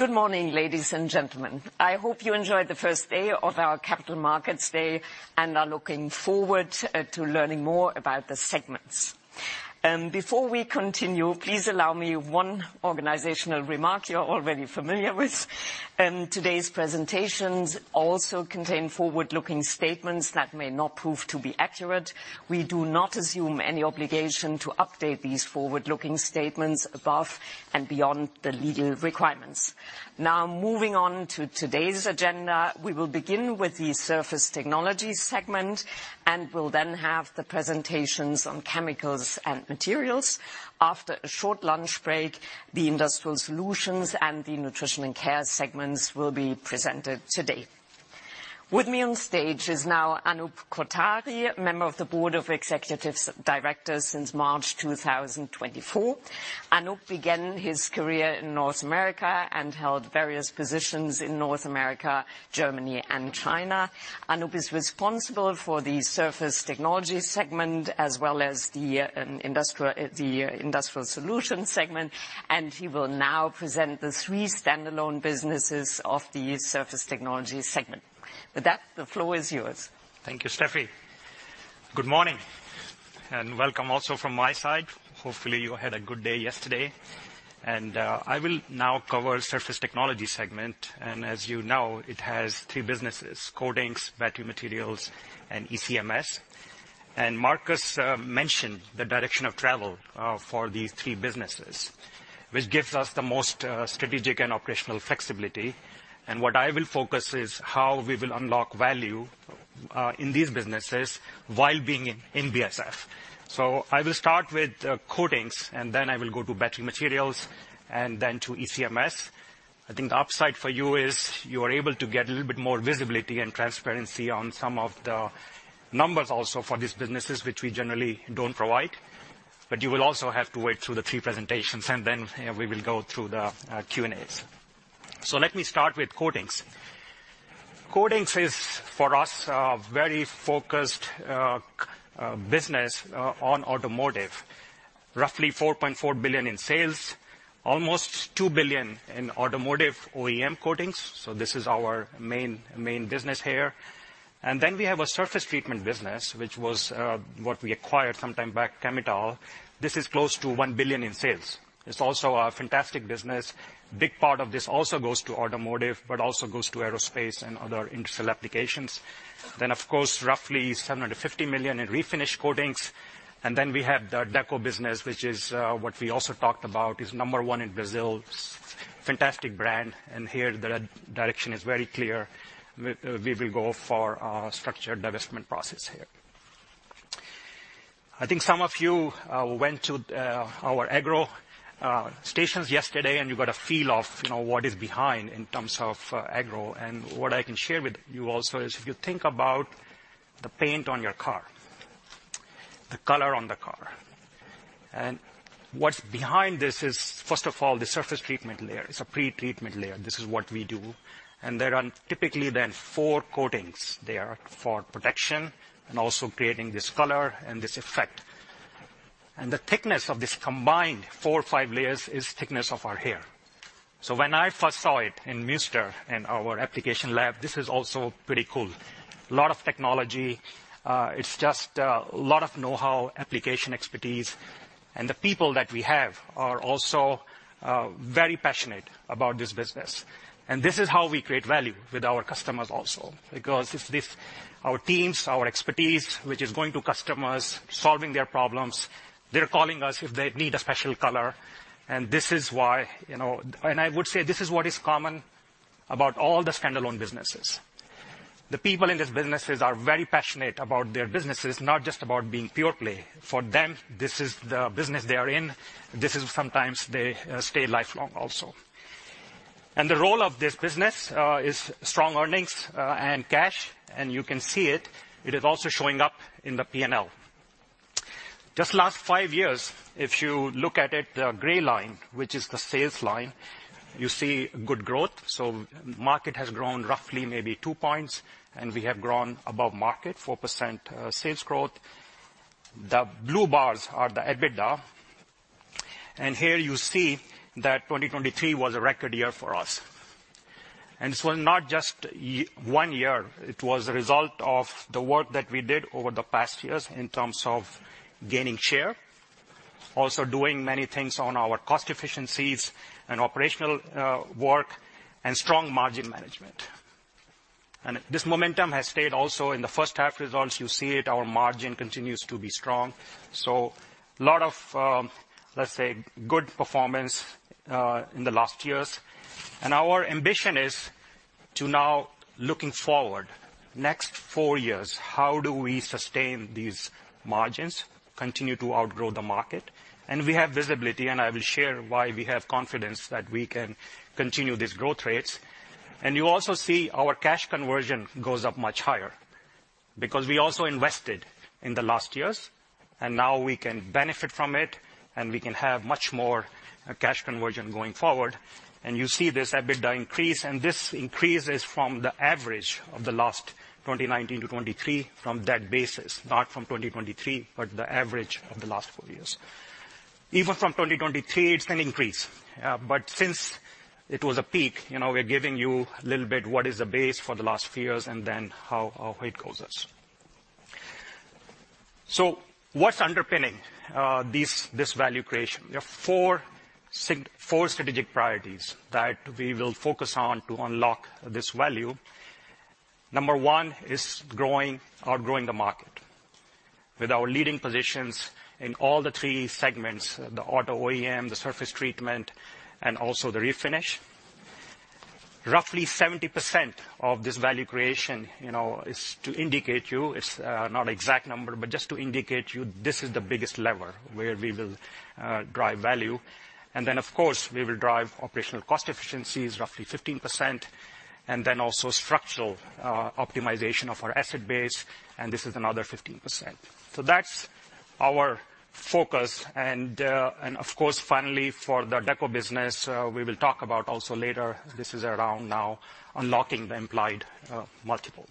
Good morning, ladies and gentlemen. I hope you enjoyed the first day of our Capital Markets Day, and are looking forward to learning more about the segments. Before we continue, please allow me one organizational remark you are already familiar with. Today's presentations also contain forward-looking statements that may not prove to be accurate. We do not assume any obligation to update these forward-looking statements above and beyond the legal requirements. Now, moving on to today's agenda, we will begin with the Surface Technologies segment, and we'll then have the presentations on Chemicals and Materials. After a short lunch break, the Industrial Solutions and the Nutrition and Care segments will be presented today. With me on stage is now Anup Kothari, Member of the Board of Executive Directors since March 2024. Anup began his career in North America and held various positions in North America, Germany, and China. Anup is responsible for the Surface Technologies segment, as well as the Industrial Solutions segment, and he will now present the three standalone businesses of the Surface Technologies segment. With that, the floor is yours. Thank you, Steffi. Good morning, and welcome also from my side. Hopefully, you had a good day yesterday. I will now cover Surface Technologies segment, and as you know, it has three businesses, Coatings, Battery Materials, and ECMS. Marcus mentioned the direction of travel for these three businesses, which gives us the most strategic and operational flexibility. What I will focus is how we will unlock value in these businesses while being in BASF. So I will start with Coatings, and then I will go to Battery Materials, and then to ECMS. I think the upside for you is you are able to get a little bit more visibility and transparency on some of the numbers also for these businesses, which we generally don't provide, but you will also have to wait through the three presentations, and then we will go through the Q&As. So let me start with Coatings. Coatings is, for us, a very focused business on automotive. Roughly 4.4 billion in sales, almost 2 billion in automotive OEM coatings, so this is our main, main business here. And then we have a surface treatment business, which was what we acquired some time back, Chemetall. This is close to 1 billion in sales. It's also a fantastic business. Big part of this also goes to automotive, but also goes to aerospace and other industrial applications. Of course, roughly 750 million in refinish coatings, and then we have the Deco business, which is what we also talked about, is number one in Brazil. Fantastic brand, and here, the direction is very clear. We will go for a structured divestment process here. I think some of you went to our agro stations yesterday, and you got a feel of, you know, what is behind in terms of agro. And what I can share with you also is, if you think about the paint on your car, the color on the car, and what's behind this is, first of all, the surface treatment layer. It is a pretreatment layer. This is what we do. And there are typically then four coatings there for protection and also creating this color and this effect. The thickness of this combined four, five layers is thickness of our hair. When I first saw it in Münster, in our application lab, this is also pretty cool. Lot of technology. It's just a lot of know-how, application expertise, and the people that we have are also very passionate about this business. This is how we create value with our customers also, because it's this, our teams, our expertise, which is going to customers, solving their problems. They're calling us if they need a special color, and this is why, you know. I would say this is what is common about all the standalone businesses. The people in these businesses are very passionate about their businesses, not just about being pure play. For them, this is the business they are in. This is sometimes they stay lifelong also. And the role of this business is strong earnings and cash, and you can see it. It is also showing up in the P&L. Just last five years, if you look at it, the gray line, which is the sales line, you see good growth. So market has grown roughly maybe two points, and we have grown above market, 4% sales growth. The blue bars are the EBITDA, and here you see that 2023 was a record year for us. And this was not just one year, it was a result of the work that we did over the past years in terms of gaining share, also doing many things on our cost efficiencies and operational work, and strong margin management. And this momentum has stayed also in the first half results. You see it, our margin continues to be strong, so a lot of, let's say, good performance, in the last years. And our ambition is to now, looking forward, next four years, how do we sustain these margins, continue to outgrow the market? And we have visibility, and I will share why we have confidence that we can continue these growth rates. And you also see our cash conversion goes up much higher, because we also invested in the last years, and now we can benefit from it, and we can have much more, cash conversion going forward. And you see this EBITDA increase, and this increase is from the average of the last 2019-2023 from that basis, not from 2023, but the average of the last four years. Even from 2023, it's going to increase. But since it was a peak, you know, we're giving you a little bit what is the base for the last few years and then how it goes us. So what's underpinning this value creation? We have four strategic priorities that we will focus on to unlock this value. Number one is outgrowing the market. With our leading positions in all the three segments, the auto OEM, the surface treatment, and also the refinish. Roughly 70% of this value creation, you know, is to indicate you, it's not an exact number, but just to indicate you, this is the biggest lever where we will drive value. And then, of course, we will drive operational cost efficiencies, roughly 15%, and then also structural optimization of our asset base, and this is another 15%. So that's our focus. Of course, finally, for the deco business, we will talk about also later, this is around now unlocking the implied multiple.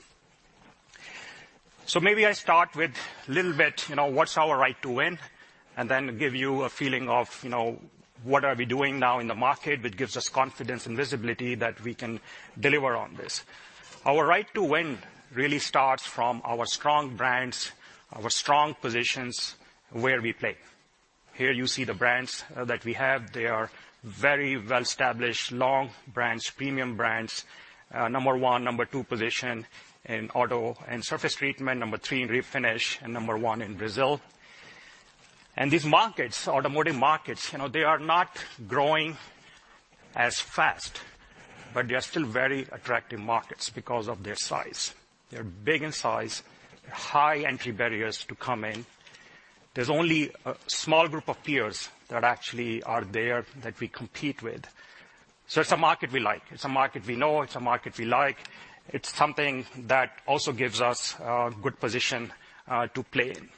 So maybe I start with a little bit, you know, what's our right to win, and then give you a feeling of, you know, what are we doing now in the market, which gives us confidence and visibility that we can deliver on this. Our right to win really starts from our strong brands, our strong positions where we play. Here you see the brands that we have. They are very well-established, long brands, premium brands. Number one, number two position in auto and surface treatment, number three in refinish, and number one in Brazil. These markets, automotive markets, you know, they are not growing as fast, but they are still very attractive markets because of their size. They're big in size, high entry barriers to come in. There's only a small group of peers that actually are there that we compete with, so it's a market we like. It's a market we know, it's a market we like. It's something that also gives us a good position to play in,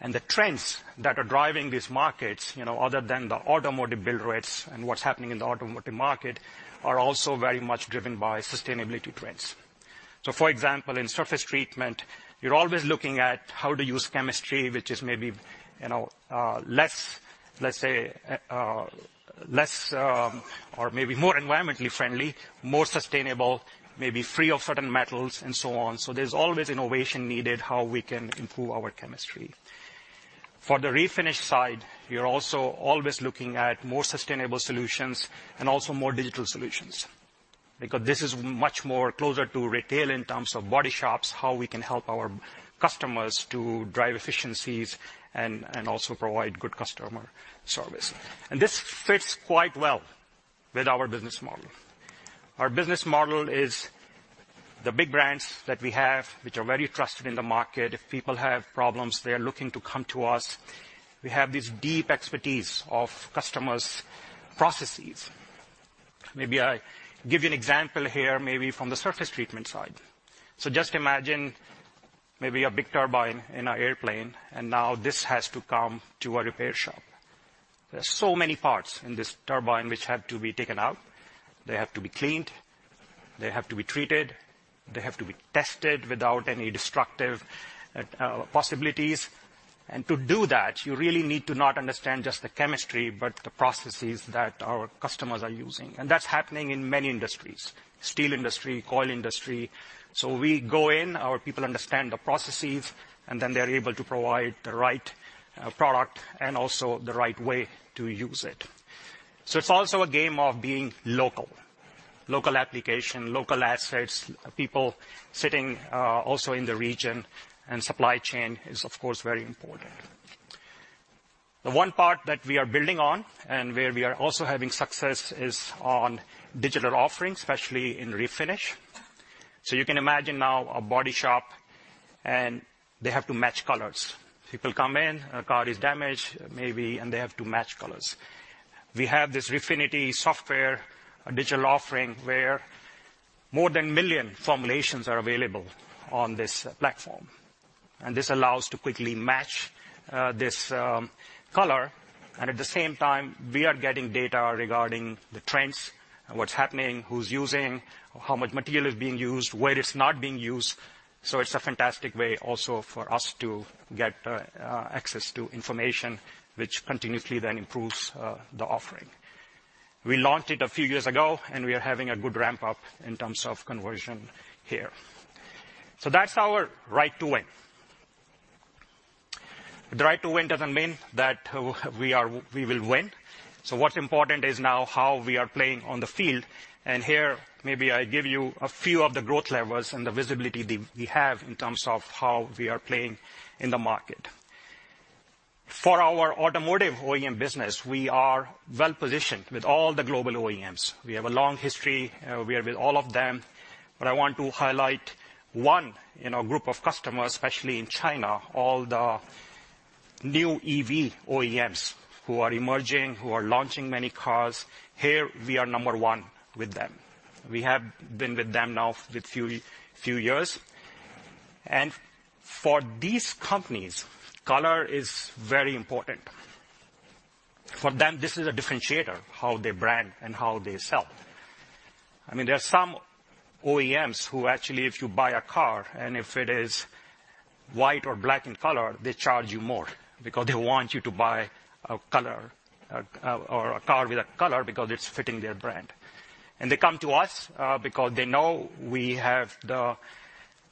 and the trends that are driving these markets, you know, other than the automotive build rates and what's happening in the automotive market, are also very much driven by sustainability trends, so for example, in surface treatment, you're always looking at how to use chemistry, which is maybe, you know, less, let's say, or maybe more environmentally friendly, more sustainable, maybe free of certain metals and so on, so there's always innovation needed, how we can improve our chemistry. For the refinish side, we are also always looking at more sustainable solutions and also more digital solutions. Because this is much more closer to retail in terms of body shops, how we can help our customers to drive efficiencies and also provide good customer service, and this fits quite well with our business model. Our business model is the big brands that we have, which are very trusted in the market. If people have problems, they are looking to come to us. We have this deep expertise of customers' processes. Maybe I give you an example here, maybe from the surface treatment side. So just imagine maybe a big turbine in an airplane, and now this has to come to a repair shop. There are so many parts in this turbine which have to be taken out. They have to be cleaned, they have to be treated, they have to be tested without any destructive possibilities. And to do that, you really need to not understand just the chemistry, but the processes that our customers are using. And that's happening in many industries, steel industry, oil industry. So we go in, our people understand the processes, and then they're able to provide the right product and also the right way to use it. So it's also a game of being local. Local application, local assets, people sitting also in the region, and supply chain is, of course, very important. The one part that we are building on and where we are also having success is on digital offerings, especially in refinish. So you can imagine now a body shop, and they have to match colors. People come in, a car is damaged, maybe, and they have to match colors. We have this Refinity software, a digital offering, where more than a million formulations are available on this platform, and this allows to quickly match this color. At the same time, we are getting data regarding the trends and what's happening, who's using, how much material is being used, where it's not being used. It's a fantastic way also for us to get access to information, which continuously then improves the offering. We launched it a few years ago, and we are having a good ramp-up in terms of conversion here. That's our right to win. The right to win doesn't mean that we are- we will win. So what's important is now how we are playing on the field, and here, maybe I give you a few of the growth levels and the visibility that we have in terms of how we are playing in the market. For our automotive OEM business, we are well positioned with all the global OEMs. We have a long history, we are with all of them. But I want to highlight one, in our group of customers, especially in China, all the new EV OEMs who are emerging, who are launching many cars. Here, we are number one with them. We have been with them now for a few years. And for these companies, color is very important. For them, this is a differentiator, how they brand and how they sell. I mean, there are some OEMs who actually, if you buy a car, and if it is white or black in color, they charge you more because they want you to buy a color, or a car with a color because it's fitting their brand. And they come to us, because they know we have the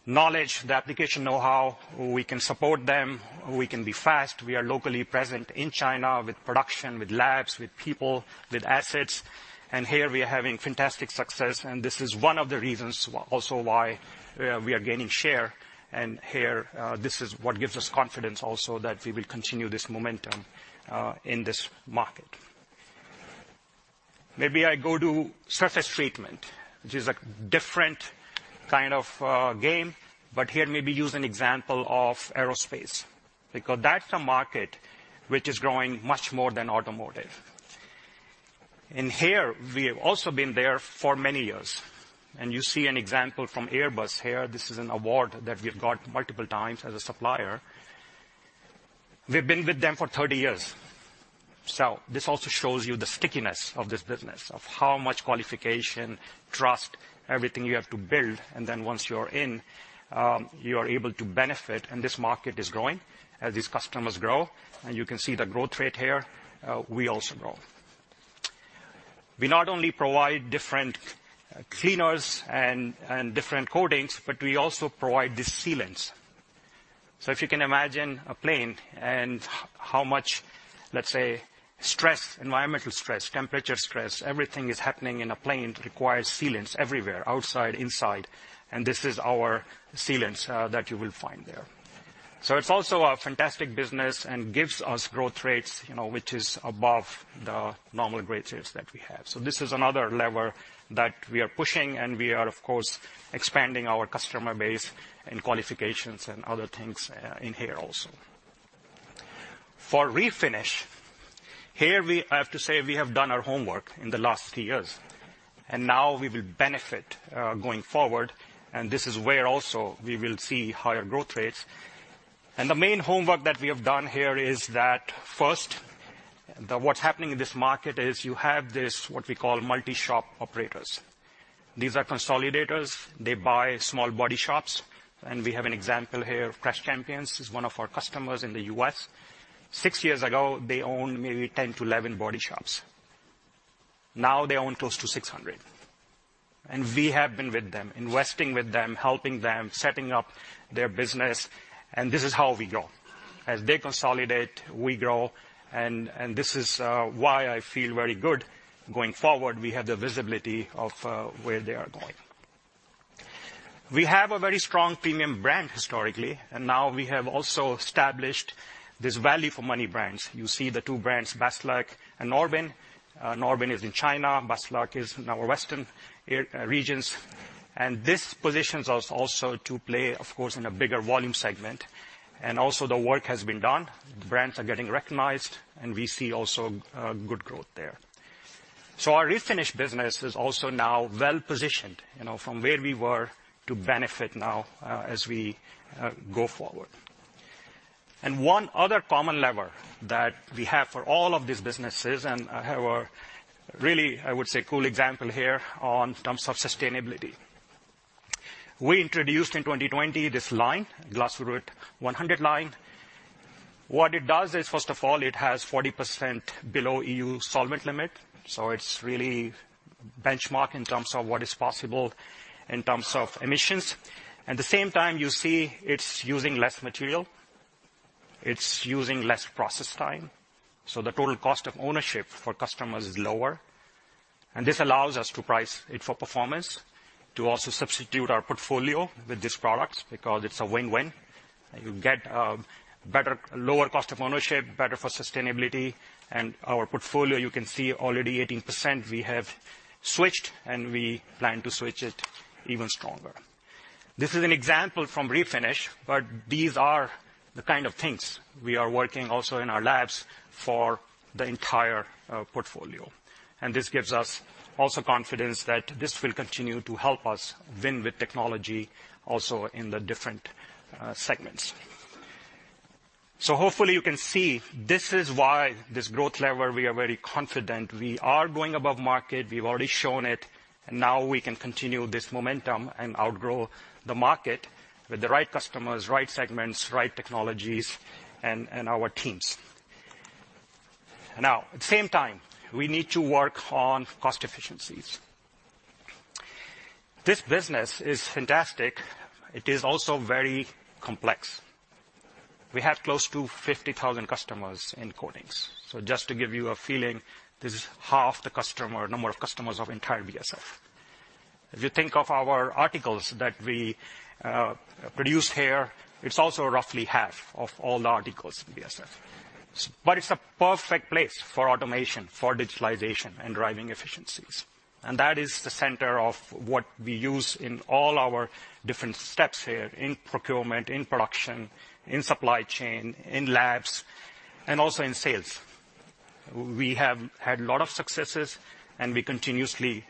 knowledge, the application know-how, we can support them, we can be fast, we are locally present in China with production, with labs, with people, with assets, and here we are having fantastic success, and this is one of the reasons also why we are gaining share. And here, this is what gives us confidence also that we will continue this momentum, in this market. Maybe I go to surface treatment, which is a different kind of game, but here, maybe use an example of aerospace, because that's a market which is growing much more than automotive, and here, we have also been there for many years. You see an example from Airbus here. This is an award that we have got multiple times as a supplier. We've been with them for thirty years, so this also shows you the stickiness of this business, of how much qualification, trust, everything you have to build, and then once you're in, you are able to benefit. This market is growing as these customers grow, and you can see the growth rate here, we also grow. We not only provide different cleaners and different coatings, but we also provide the sealants. So if you can imagine a plane and how much, let's say, stress, environmental stress, temperature stress, everything is happening in a plane requires sealants everywhere, outside, inside, and this is our sealants that you will find there. So it's also a fantastic business and gives us growth rates, you know, which is above the normal growth rates that we have. So this is another lever that we are pushing, and we are, of course, expanding our customer base and qualifications and other things in here also. For refinish, here, we, I have to say, we have done our homework in the last two years, and now we will benefit going forward, and this is where also we will see higher growth rates. The main homework that we have done here is that, first, what's happening in this market is you have this, what we call, multi-shop operators. These are consolidators. They buy small body shops, and we have an example here of Crash Champions, which is one of our customers in the U.S. Six years ago, they owned maybe 10-11 body shops. Now they own close to 600, and we have been with them, investing with them, helping them, setting up their business, and this is how we grow. As they consolidate, we grow, and, and this is why I feel very good going forward. We have the visibility of where they are going. We have a very strong premium brand historically, and now we have also established this value for many brands. You see the two brands, Baslac and Norbin. Norbin is in China, Baslac is in our Western regions. And this positions us also to play, of course, in a bigger volume segment. And also, the work has been done, the brands are getting recognized, and we see also good growth there. So our refinish business is also now well-positioned, you know, from where we were, to benefit now as we go forward. And one other common lever that we have for all of these businesses, and I have a really, I would say, cool example here in terms of sustainability. We introduced in 2020 this line, Glasurit 100 line. What it does is, first of all, it has 40% below EU solvent limit, so it's really benchmark in terms of what is possible in terms of emissions. At the same time, you see it's using less material, it's using less process time, so the total cost of ownership for customers is lower, and this allows us to price it for performance, to also substitute our portfolio with these products, because it's a win-win. You get, better, lower cost of ownership, better for sustainability, and our portfolio, you can see already 18% we have switched, and we plan to switch it even stronger. This is an example from refinish, but these are the kind of things we are working also in our labs for the entire, portfolio, and this gives us also confidence that this will continue to help us win with technology also in the different, segments, so hopefully you can see this is why this growth level, we are very confident. We are going above market. We've already shown it, and now we can continue this momentum and outgrow the market with the right customers, right segments, right technologies, and, and our teams. Now, at the same time, we need to work on cost efficiencies. This business is fantastic. It is also very complex. We have close to 50,000 customers in coatings. So just to give you a feeling, this is half the customer, number of customers of entire BASF. If you think of our articles that we produce here, it's also roughly half of all the articles in BASF. But it's a perfect place for automation, for digitalization, and driving efficiencies, and that is the center of what we use in all our different steps here, in procurement, in production, in supply chain, in labs, and also in sales. We have had a lot of successes, and we continuously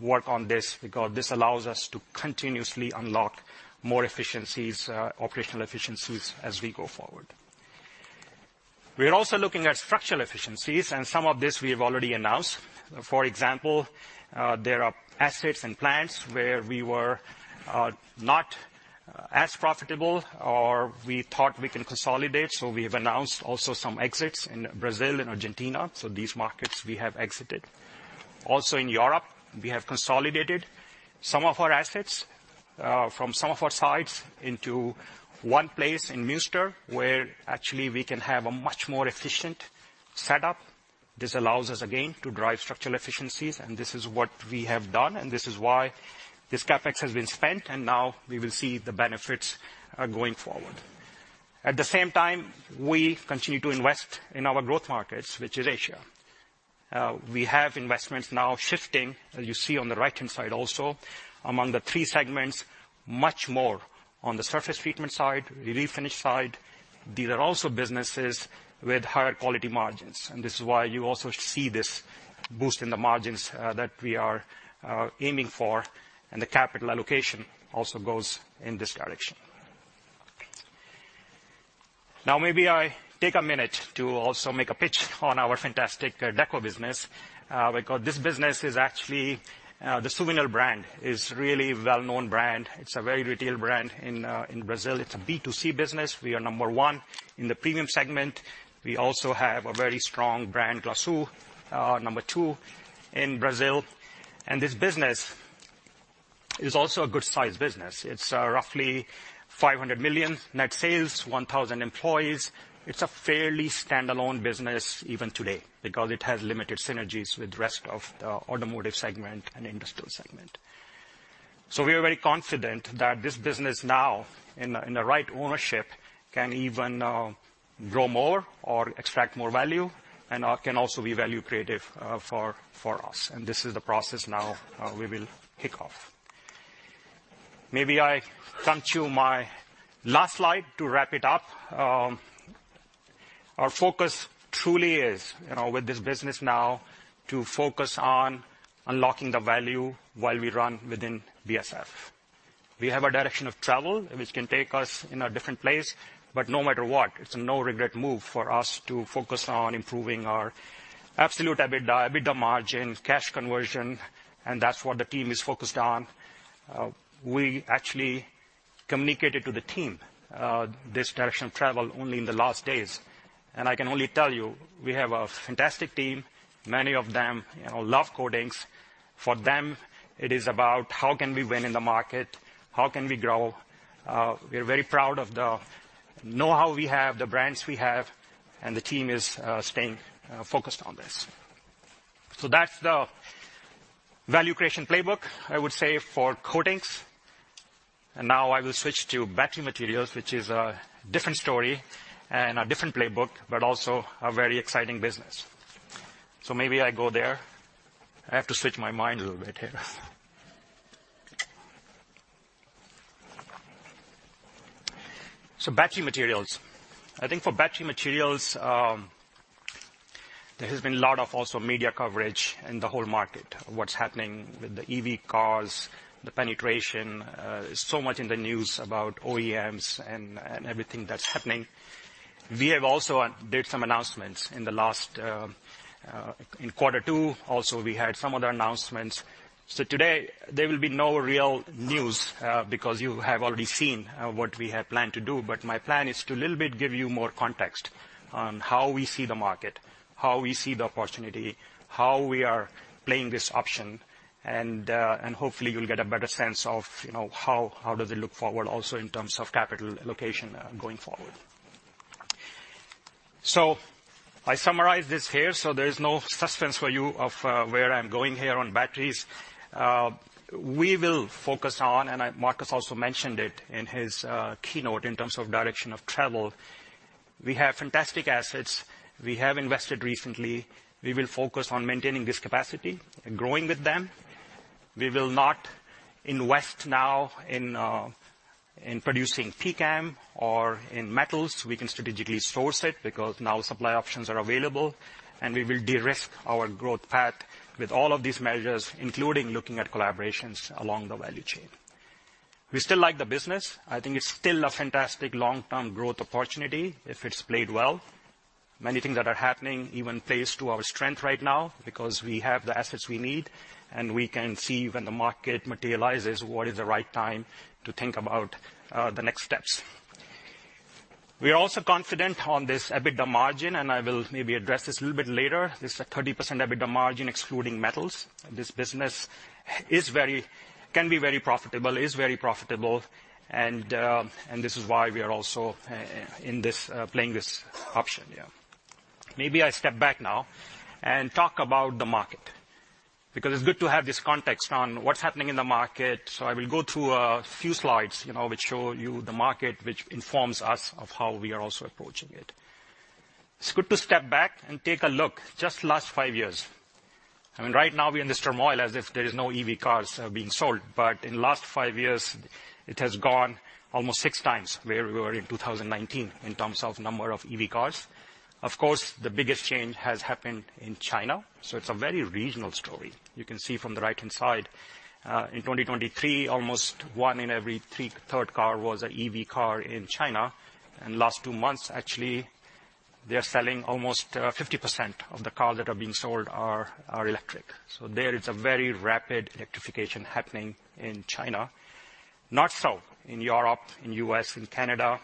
work on this, because this allows us to continuously unlock more efficiencies, operational efficiencies as we go forward. We are also looking at structural efficiencies, and some of this we have already announced. For example, there are assets and plants where we were not as profitable or we thought we can consolidate, so we have announced also some exits in Brazil and Argentina, so these markets we have exited. Also in Europe, we have consolidated some of our assets from some of our sites into one place in Münster, where actually we can have a much more efficient setup. This allows us, again, to drive structural efficiencies, and this is what we have done, and this is why this CapEx has been spent, and now we will see the benefits going forward. At the same time, we continue to invest in our growth markets, which is Asia. We have investments now shifting, as you see on the right-hand side also, among the three segments, much more on the surface treatment side, the refinish side. These are also businesses with higher quality margins, and this is why you also see this boost in the margins that we are aiming for, and the capital allocation also goes in this direction. Now, maybe I take a minute to also make a pitch on our fantastic deco business, because this business is actually the Suvinil brand is really well-known brand. It's a very retail brand in in Brazil. It's a B2C business. We are number one in the premium segment. We also have a very strong brand, Glasu!, number two in Brazil, and this business is also a good-sized business. It's roughly 500 million net sales, 1,000 employees. It's a fairly standalone business even today, because it has limited synergies with rest of the automotive segment and industrial segment. So we are very confident that this business now, in the right ownership, can even grow more or extract more value and can also be value creative for us, and this is the process now we will kick off. Maybe I come to my last slide to wrap it up. Our focus truly is, you know, with this business now to focus on unlocking the value while we run within BASF. We have a direction of travel, which can take us in a different place, but no matter what, it's a no-regret move for us to focus on improving our absolute EBITDA, EBITDA margin, cash conversion, and that's what the team is focused on. We actually communicated to the team this direction of travel only in the last days, and I can only tell you, we have a fantastic team, many of them, you know, love coatings. For them, it is about how can we win in the market? How can we grow? We are very proud of the know-how we have, the brands we have, and the team is staying focused on this. So that's the value creation playbook, I would say, for coatings. And now I will switch to battery materials, which is a different story and a different playbook, but also a very exciting business. So maybe I go there. I have to switch my mind a little bit here. So battery materials. I think for battery materials, there has been a lot of also media coverage in the whole market, what's happening with the EV cars, the penetration, so much in the news about OEMs and, and everything that's happening. We have also did some announcements in the last, in quarter two. Also, we had some other announcements. So today, there will be no real news, because you have already seen what we have planned to do, but my plan is to a little bit give you more context on how we see the market, how we see the opportunity, how we are playing this option, and hopefully you'll get a better sense of, you know, how does it look forward also in terms of capital allocation, going forward. So I summarize this here, so there is no suspense for you of where I'm going here on batteries. We will focus on, and I, Marcus also mentioned it in his keynote in terms of direction of travel. We have fantastic assets. We have invested recently. We will focus on maintaining this capacity and growing with them. We will not invest now in producing PCAM or in metals. We can strategically source it, because now supply options are available, and we will de-risk our growth path with all of these measures, including looking at collaborations along the value chain. We still like the business. I think it's still a fantastic long-term growth opportunity if it's played well. Many things that are happening even plays to our strength right now, because we have the assets we need, and we can see when the market materializes, what is the right time to think about, the next steps. We are also confident on this EBITDA margin, and I will maybe address this a little bit later. This is a 30% EBITDA margin, excluding metals. This business can be very profitable, is very profitable, and this is why we are also in this, playing this option here. Maybe I step back now and talk about the market, because it's good to have this context on what's happening in the market. So I will go through a few slides, you know, which show you the market, which informs us of how we are also approaching it. It's good to step back and take a look, just last five years. I mean, right now, we're in this turmoil as if there is no EV cars being sold, but in the last five years, it has gone almost 6x where we were in two thousand and nineteen in terms of number of EV cars. Of course, the biggest change has happened in China, so it's a very regional story. You can see from the right-hand side, in 2023, almost one in every third car was a EV car in China, and last two months, actually-... They are selling almost 50% of the cars that are being sold are electric. So there is a very rapid electrification happening in China. Not so in Europe, in U.S., in Canada.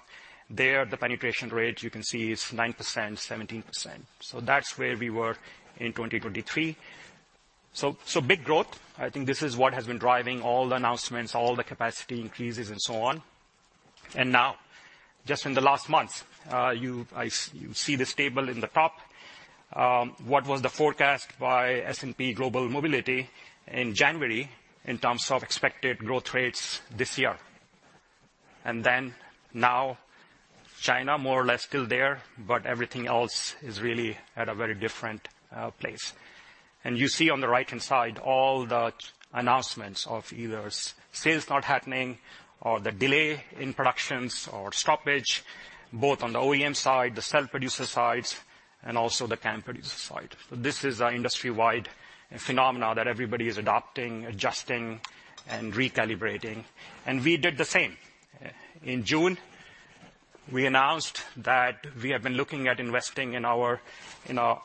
There, the penetration rate, you can see, is 9%, 17%. So that's where we were in 2023. So big growth, I think this is what has been driving all the announcements, all the capacity increases, and so on. And now, just in the last month, you see this table in the top, what was the forecast by S&P Global Mobility in January in terms of expected growth rates this year. And then now, China, more or less still there, but everything else is really at a very different place. You see on the right-hand side, all the announcements of either sales not happening or the delay in productions or stoppage, both on the OEM side, the cell producer sides, and also the CAM producer side. This is an industry-wide phenomenon that everybody is adopting, adjusting, and recalibrating, and we did the same. In June, we announced that we have been looking at investing in our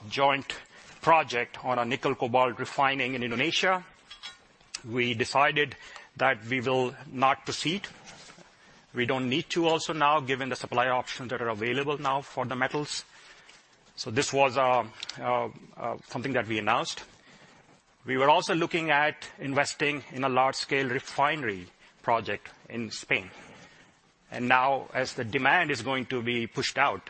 joint project on a nickel cobalt refining in Indonesia. We decided that we will not proceed. We don't need to also now, given the supply options that are available now for the metals. This was something that we announced. We were also looking at investing in a large-scale refinery project in Spain, and now as the demand is going to be pushed out,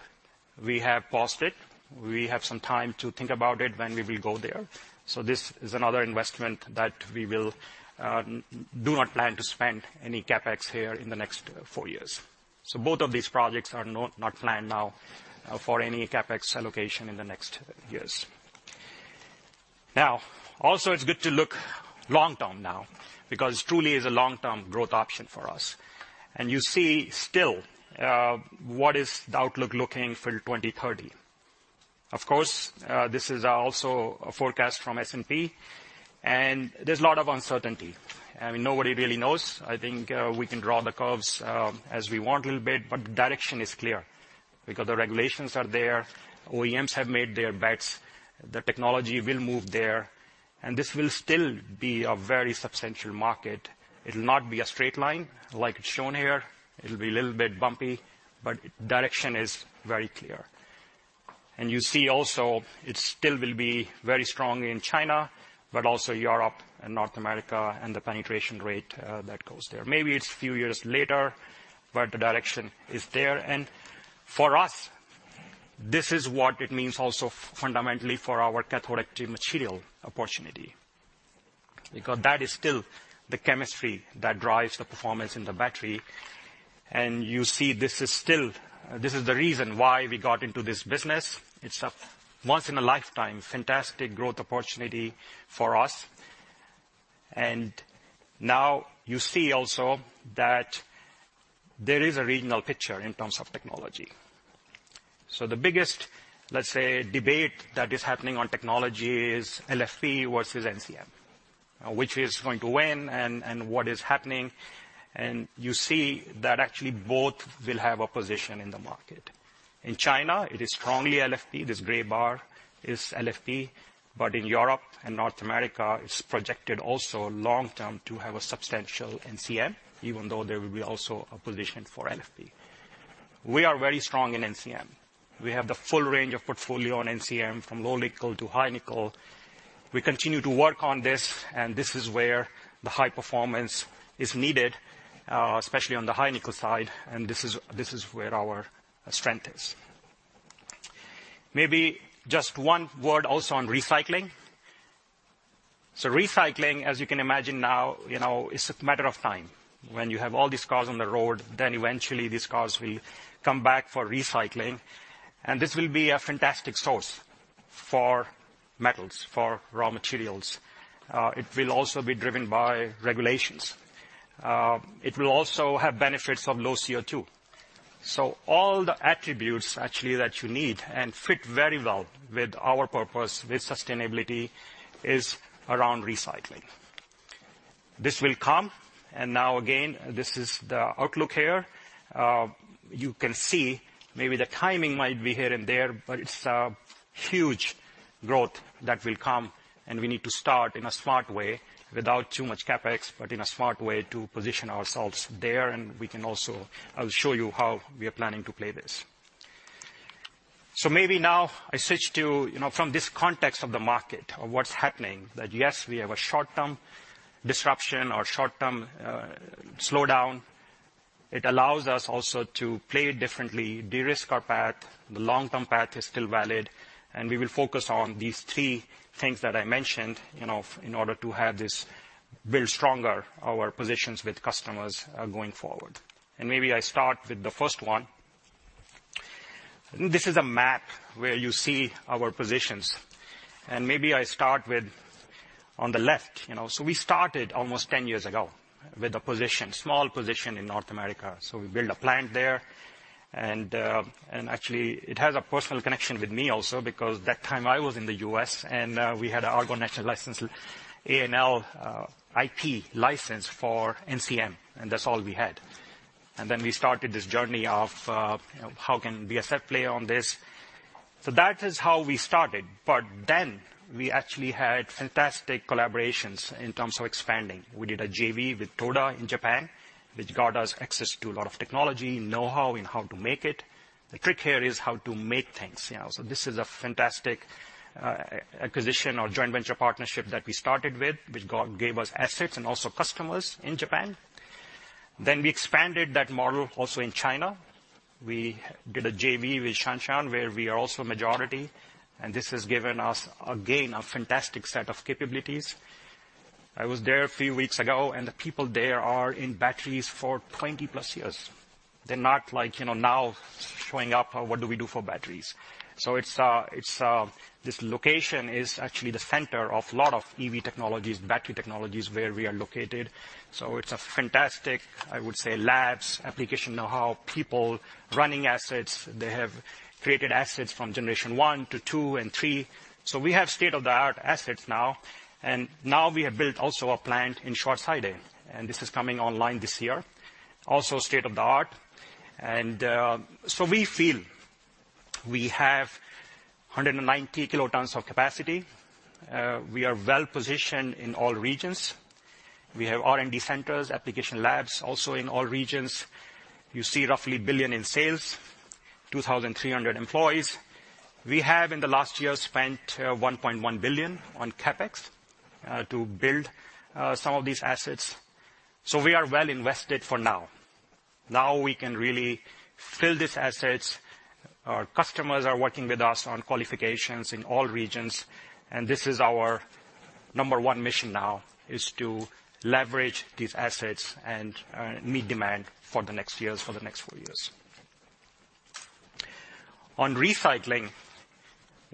we have paused it. We have some time to think about it when we will go there, so this is another investment that we will do not plan to spend any CapEx here in the next four years, so both of these projects are not planned now for any CapEx allocation in the next years. Now, also, it's good to look long term now, because truly is a long-term growth option for us, and you see still what is the outlook looking for 2030. Of course, this is also a forecast from S&P, and there's a lot of uncertainty. I mean, nobody really knows. I think we can draw the curves as we want a little bit, but the direction is clear because the regulations are there, OEMs have made their bets, the technology will move there, and this will still be a very substantial market. It'll not be a straight line like it's shown here. It'll be a little bit bumpy, but direction is very clear. You see also it still will be very strong in China, but also Europe and North America, and the penetration rate that goes there. Maybe it's a few years later, but the direction is there. For us, this is what it means also fundamentally for our cathode active material opportunity, because that is still the chemistry that drives the performance in the battery. You see, this is still. This is the reason why we got into this business. It's a once-in-a-lifetime, fantastic growth opportunity for us. Now you see also that there is a regional picture in terms of technology. So the biggest, let's say, debate that is happening on technology is LFP versus NCM, which is going to win and what is happening. And you see that actually both will have a position in the market. In China, it is strongly LFP. This gray bar is LFP, but in Europe and North America, it's projected also long term to have a substantial NCM, even though there will be also a position for LFP. We are very strong in NCM. We have the full range of portfolio on NCM, from low nickel to high nickel. We continue to work on this, and this is where the high performance is needed, especially on the high nickel side, and this is where our strength is. Maybe just one word also on recycling. So recycling, as you can imagine now, you know, it's a matter of time. When you have all these cars on the road, then eventually these cars will come back for recycling, and this will be a fantastic source for metals, for raw materials. It will also be driven by regulations. It will also have benefits of low CO2. So all the attributes actually, that you need and fit very well with our purpose, with sustainability, is around recycling. This will come, and now again, this is the outlook here. You can see maybe the timing might be here and there, but it's a huge growth that will come, and we need to start in a smart way without too much CapEx, but in a smart way to position ourselves there. And we can also. I'll show you how we are planning to play this. So maybe now I switch to, you know, from this context of the market of what's happening, that, yes, we have a short-term disruption or short-term slowdown. It allows us also to play differently, de-risk our path. The long-term path is still valid, and we will focus on these three things that I mentioned, you know, in order to have this build stronger our positions with customers, going forward, and maybe I start with the first one. This is a map where you see our positions, and maybe I start with on the left. You know, so we started almost ten years ago with a position, small position in North America, so we built a plant there. Actually, it has a personal connection with me also, because that time I was in the U.S. and we had an Argonne National Laboratory, ANL, IP license for NCM, and that's all we had. Then we started this journey of how can we asset play on this. That is how we started, but then we actually had fantastic collaborations in terms of expanding. We did a JV with Toda in Japan, which got us access to a lot of technology, know-how in how to make it. The trick here is how to make things, you know. This is a fantastic acquisition or joint venture partnership that we started with, which gave us assets and also customers in Japan. We expanded that model also in China. We did a JV with Shanshan, where we are also majority, and this has given us, again, a fantastic set of capabilities. I was there a few weeks ago, and the people there are in batteries for 20+ years. They're not like, you know, now showing up, "what do we do for batteries?" It's actually the center of a lot of EV technologies, battery technologies, where we are located. It's a fantastic, I would say, labs, application, know-how, people, running assets. They have created assets from generation one to two and three. We have state-of-the-art assets now, and now we have built also a plant in Schwarzheide, and this is coming online this year, also state-of-the-art. We feel we have 190 kilotons of capacity. We are well-positioned in all regions. We have R&D centers, application labs, also in all regions. You see roughly 1 billion in sales, 2,300 employees. We have, in the last year, spent, one point one billion on CapEx, to build, some of these assets. So we are well invested for now. Now we can really fill these assets. Our customers are working with us on qualifications in all regions, and this is our number one mission now, is to leverage these assets and, meet demand for the next years, for the next four years. On recycling,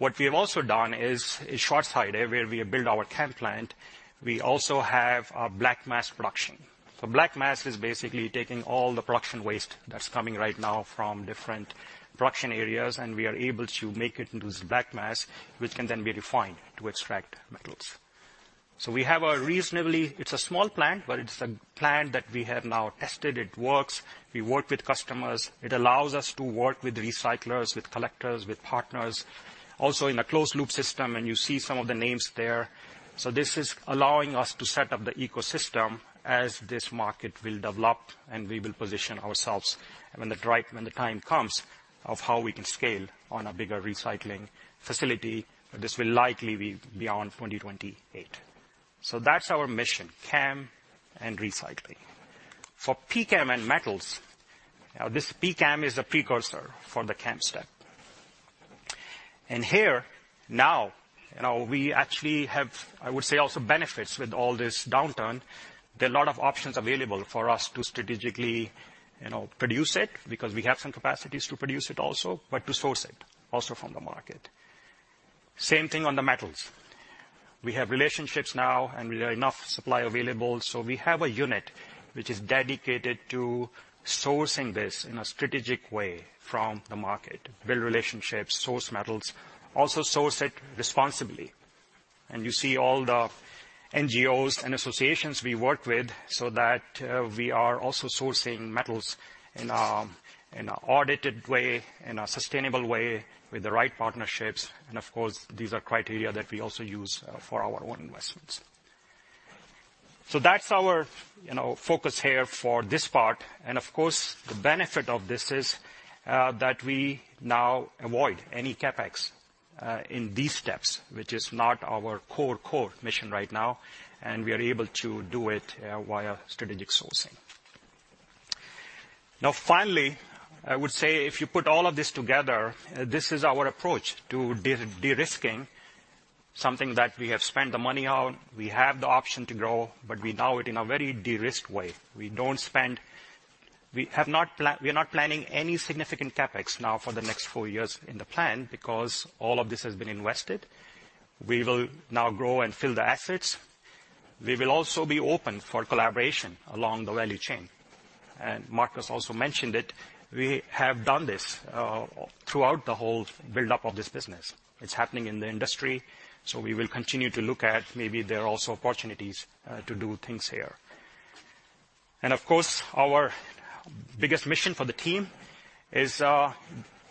what we have also done is, in Schwarzheide, where we have built our CAM plant, we also have a black mass production. So black mass is basically taking all the production waste that's coming right now from different production areas, and we are able to make it into this black mass, which can then be refined to extract metals. So we have a reasonably... It's a small plant, but it's a plant that we have now tested. It works. We work with customers. It allows us to work with recyclers, with collectors, with partners, also in a closed-loop system, and you see some of the names there. So this is allowing us to set up the ecosystem as this market will develop, and we will position ourselves when the time comes, of how we can scale on a bigger recycling facility. This will likely be beyond 2028. So that's our mission, CAM and recycling. For PCAM and metals, now, this PCAM is a precursor for the CAM step. Here, now, you know, we actually have, I would say, also benefits with all this downturn. There are a lot of options available for us to strategically, you know, produce it, because we have some capacities to produce it also, but to source it also from the market. Same thing on the metals. We have relationships now, and there are enough supply available, so we have a unit which is dedicated to sourcing this in a strategic way from the market. Build relationships, source metals, also source it responsibly. And you see all the NGOs and associations we work with so that we are also sourcing metals in an audited way, in a sustainable way, with the right partnerships, and of course, these are criteria that we also use for our own investments. So that's our, you know, focus here for this part. And of course, the benefit of this is that we now avoid any CapEx in these steps, which is not our core mission right now, and we are able to do it via strategic sourcing. Now, finally, I would say if you put all of this together, this is our approach to derisking something that we have spent the money on. We have the option to grow, but we do it in a very de-risked way. We don't spend. We are not planning any significant CapEx now for the next four years in the plan, because all of this has been invested. We will now grow and fill the assets. We will also be open for collaboration along the value chain. And Marcus also mentioned it, we have done this throughout the whole build-up of this business. It's happening in the industry, so we will continue to look at maybe there are also opportunities to do things here. And of course, our biggest mission for the team is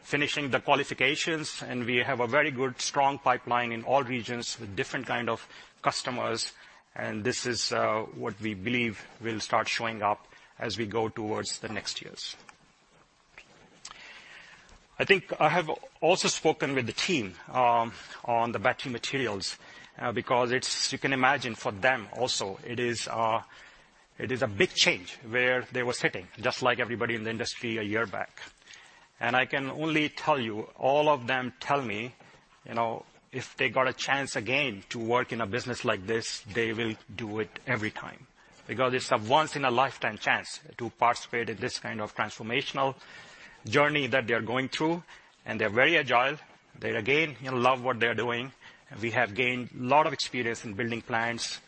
finishing the qualifications, and we have a very good, strong pipeline in all regions with different kind of customers, and this is what we believe will start showing up as we go towards the next years. I think I have also spoken with the team on the battery materials because it's. You can imagine for them also, it is it is a big change where they were sitting, just like everybody in the industry a year back. I can only tell you, all of them tell me, you know, if they got a chance again to work in a business like this, they will do it every time, because it's a once-in-a-lifetime chance to participate in this kind of transformational journey that they are going through, and they're very agile. They, again, love what they are doing, and we have gained a lot of experience in building plants.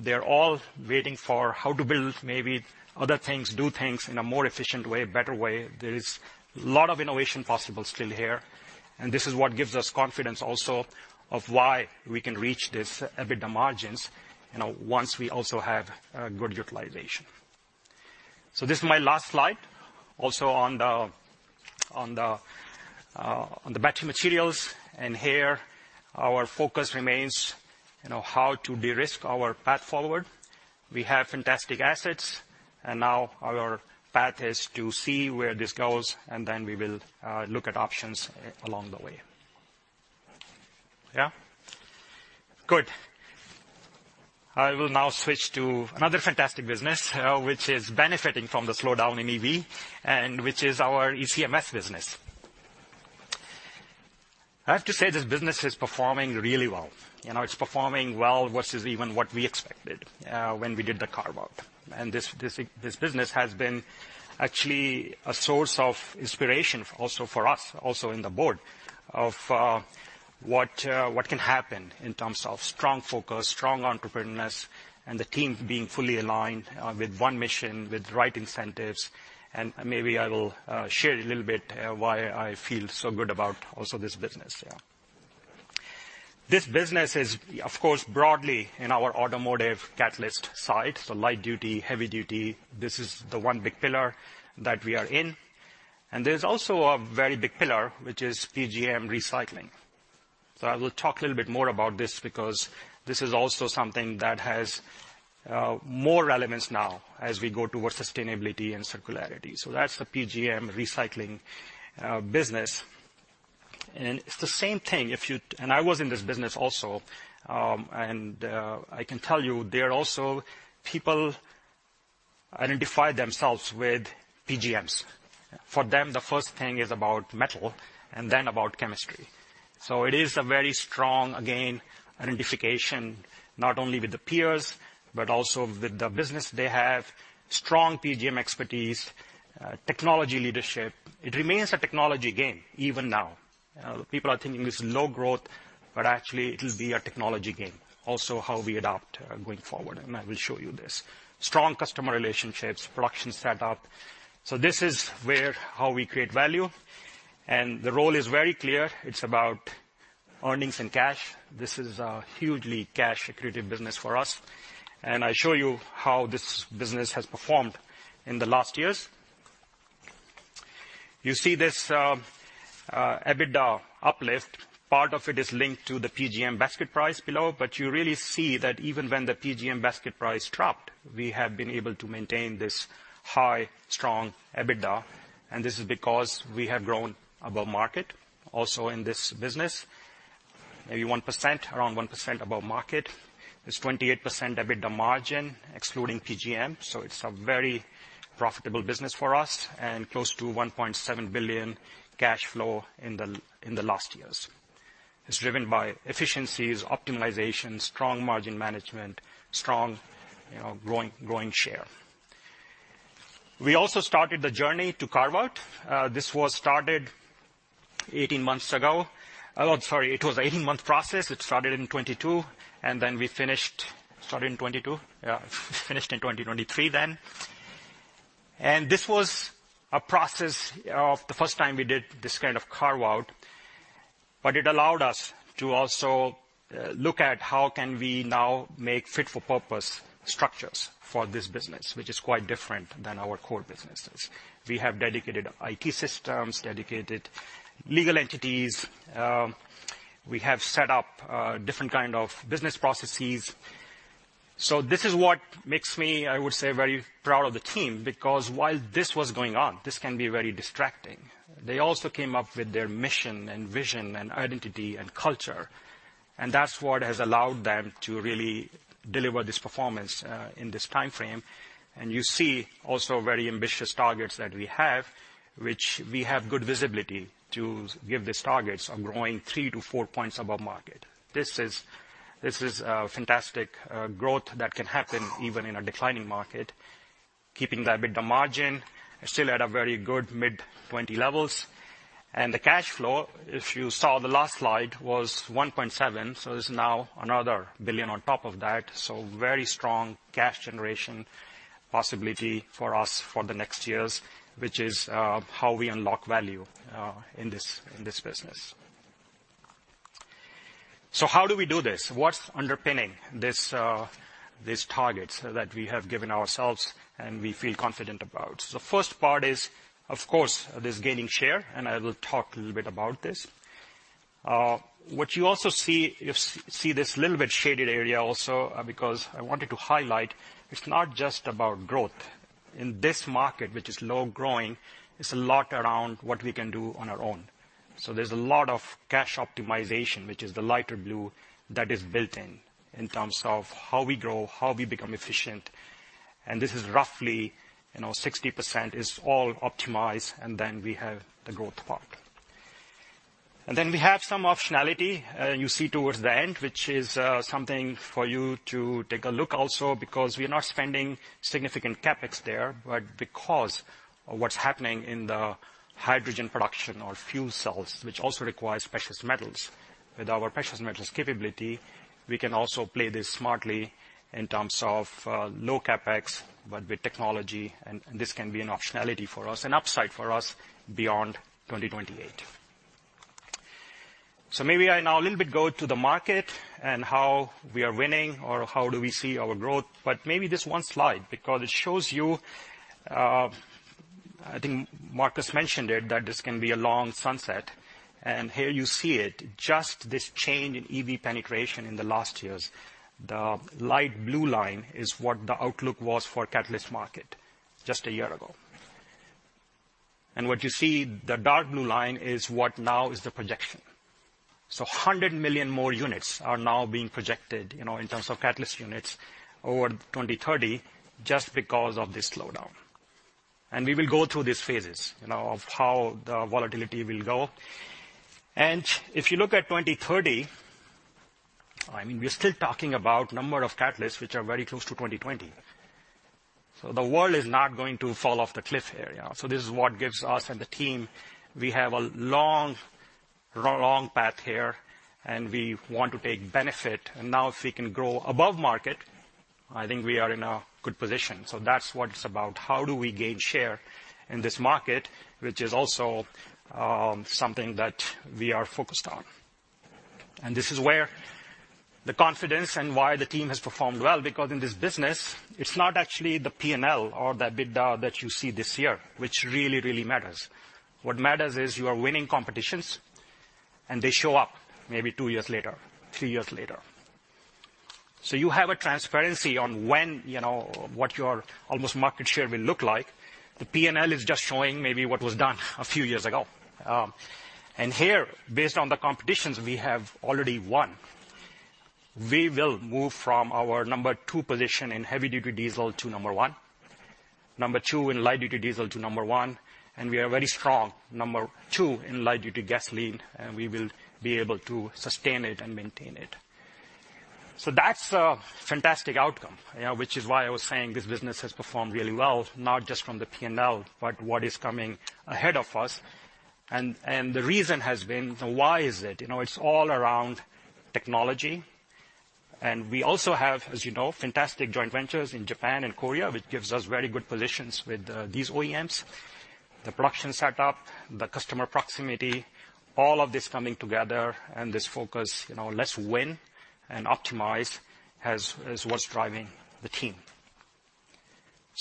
They're all waiting for how to build maybe other things, do things in a more efficient way, a better way. There is a lot of innovation possible still here, and this is what gives us confidence also of why we can reach these EBITDA margins, you know, once we also have good utilization... So this is my last slide, also on the battery materials, and here our focus remains, you know, how to de-risk our path forward. We have fantastic assets, and now our path is to see where this goes, and then we will look at options along the way. Yeah? Good. I will now switch to another fantastic business, which is benefiting from the slowdown in EV, and which is our ECMS business. I have to say, this business is performing really well. You know, it's performing well versus even what we expected, when we did the carve-out. This business has been actually a source of inspiration also for us, also in the board, of what can happen in terms of strong focus, strong entrepreneurship, and the team being fully aligned with one mission, with the right incentives, and maybe I will share a little bit why I feel so good about also this business, yeah. This business is, of course, broadly in our automotive catalyst side, so light duty, heavy duty. This is the one big pillar that we are in, and there's also a very big pillar, which is PGM recycling. So I will talk a little bit more about this, because this is also something that has more relevance now as we go towards sustainability and circularity. So that's the PGM recycling business. And it's the same thing if you... I was in this business also, and I can tell you there are also people identify themselves with PGMs. For them, the first thing is about metal and then about chemistry. So it is a very strong, again, identification, not only with the peers, but also with the business. They have strong PGM expertise, technology leadership. It remains a technology game even now. People are thinking this is low growth, but actually it will be a technology game, also how we adapt, going forward, and I will show you this. Strong customer relationships, production setup. So this is where, how we create value, and the role is very clear. It's about earnings and cash. This is a hugely cash-accretive business for us, and I show you how this business has performed in the last years. You see this, EBITDA uplift. Part of it is linked to the PGM basket price below, but you really see that even when the PGM basket price dropped, we have been able to maintain this high, strong EBITDA, and this is because we have grown above market also in this business, maybe 1%, around 1% above market. It's 28% EBITDA margin, excluding PGM, so it's a very profitable business for us, and close to 1.7 billion cash flow in the last years. It's driven by efficiencies, optimization, strong margin management, strong, you know, growing share. We also started the journey to carve-out. This was started eighteen months ago. Sorry, it was an 18-month process. It started in 2022, and then we finished. Started in 2022, yeah, finished in 2023 then. And this was a process of the first time we did this kind of carve-out, but it allowed us to also look at how can we now make fit-for-purpose structures for this business, which is quite different than our core businesses. We have dedicated IT systems, dedicated legal entities. We have set up different kind of business processes. So this is what makes me, I would say, very proud of the team, because while this was going on, this can be very distracting. They also came up with their mission and vision and identity and culture, and that's what has allowed them to really deliver this performance in this time frame. And you see also very ambitious targets that we have, which we have good visibility to give these targets on growing three-to-four points above market. This is fantastic growth that can happen even in a declining market. Keeping the EBITDA margin still at a very good mid-twenty levels, and the cash flow, if you saw the last slide, was 1.7 billion, so there's now another billion on top of that, so very strong cash generation possibility for us for the next years, which is how we unlock value in this business. How do we do this? What's underpinning these targets that we have given ourselves, and we feel confident about? First part is, of course, this gaining share, and I will talk a little bit about this. What you also see is this little bit shaded area also, because I wanted to highlight it's not just about growth. In this market, which is low growing, it's a lot around what we can do on our own. So there's a lot of cash optimization, which is the lighter blue, that is built in, in terms of how we grow, how we become efficient, and this is roughly, you know, 60% is all optimized, and then we have the growth part. And then we have some optionality, you see towards the end, which is something for you to take a look also, because we are not spending significant CapEx there, but because of what's happening in the hydrogen production or fuel cells, which also requires precious metals. With our precious metals capability, we can also play this smartly in terms of low CapEx, but with technology, and this can be an optionality for us, an upside for us, beyond 2028. So maybe I'll now a little bit go to the market and how we are winning or how do we see our growth, but maybe just one slide, because it shows you, I think Marcus mentioned it, that this can be a long sunset. Here you see it, just this change in EV penetration in the last years. The light blue line is what the outlook was for catalyst market just a year ago. What you see, the dark blue line, is what now is the projection. Hundred million more units are now being projected, you know, in terms of catalyst units over 2030, just because of this slowdown. We will go through these phases, you know, of how the volatility will go. If you look at 2030, I mean, we're still talking about number of catalysts, which are very close to 2020. The world is not going to fall off the cliff here, yeah. This is what gives us and the team. We have a long, long path here, and we want to take benefit. Now if we can grow above market, I think we are in a good position. That's what it's about. How do we gain share in this market, which is also something that we are focused on? This is where the confidence and why the team has performed well, because in this business, it's not actually the P&L or the EBITDA that you see this year, which really, really matters. What matters is you are winning competitions, and they show up maybe two years later, three years later. So you have a transparency on when, you know, what your overall market share will look like. The P&L is just showing maybe what was done a few years ago. And here, based on the competitions we have already won, we will move from our number two position in heavy-duty diesel to number one, number two in light-duty diesel to number one, and we are very strong number two in light-duty gasoline, and we will be able to sustain it and maintain it. So that's a fantastic outcome, yeah, which is why I was saying this business has performed really well, not just from the P&L, but what is coming ahead of us. And the reason has been, why is it? You know, it's all around technology. We also have, as you know, fantastic joint ventures in Japan and Korea, which gives us very good positions with these OEMs. The production set up, the customer proximity, all of this coming together and this focus, you know, let's win and optimize, is what's driving the team.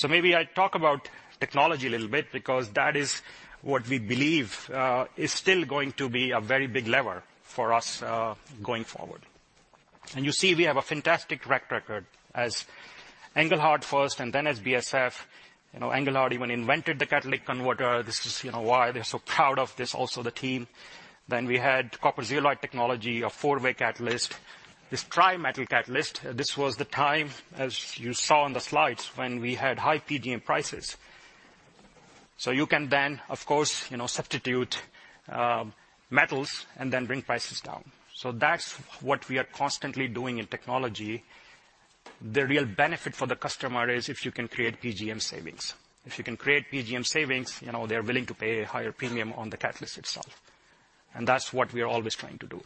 Maybe I talk about technology a little bit because that is what we believe is still going to be a very big lever for us going forward. You see, we have a fantastic track record as Engelhard first, and then as BASF. You know, Engelhard even invented the catalytic converter. This is, you know, why they're so proud of this, also the team. Then we had copper zeolite technology, a four-way catalyst, this Tri-Metal catalyst. This was the time, as you saw on the slides, when we had high PGM prices. So you can then, of course, you know, substitute metals and then bring prices down. So that's what we are constantly doing in technology. The real benefit for the customer is if you can create PGM savings. If you can create PGM savings, you know, they're willing to pay a higher premium on the catalyst itself, and that's what we are always trying to do.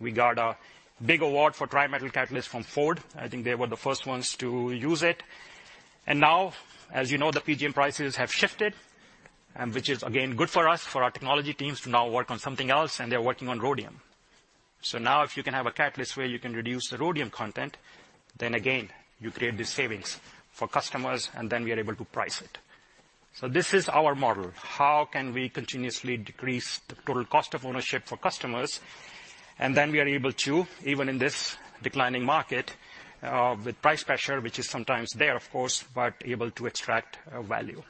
We got a big award for Tri-metal catalyst from Ford. I think they were the first ones to use it. And now, as you know, the PGM prices have shifted, and which is, again, good for us, for our technology teams to now work on something else, and they're working on rhodium. So now if you can have a catalyst where you can reduce the rhodium content, then again, you create these savings for customers, and then we are able to price it. This is our model: How can we continuously decrease the total cost of ownership for customers? And then we are able to, even in this declining market, with price pressure, which is sometimes there, of course, but able to extract value.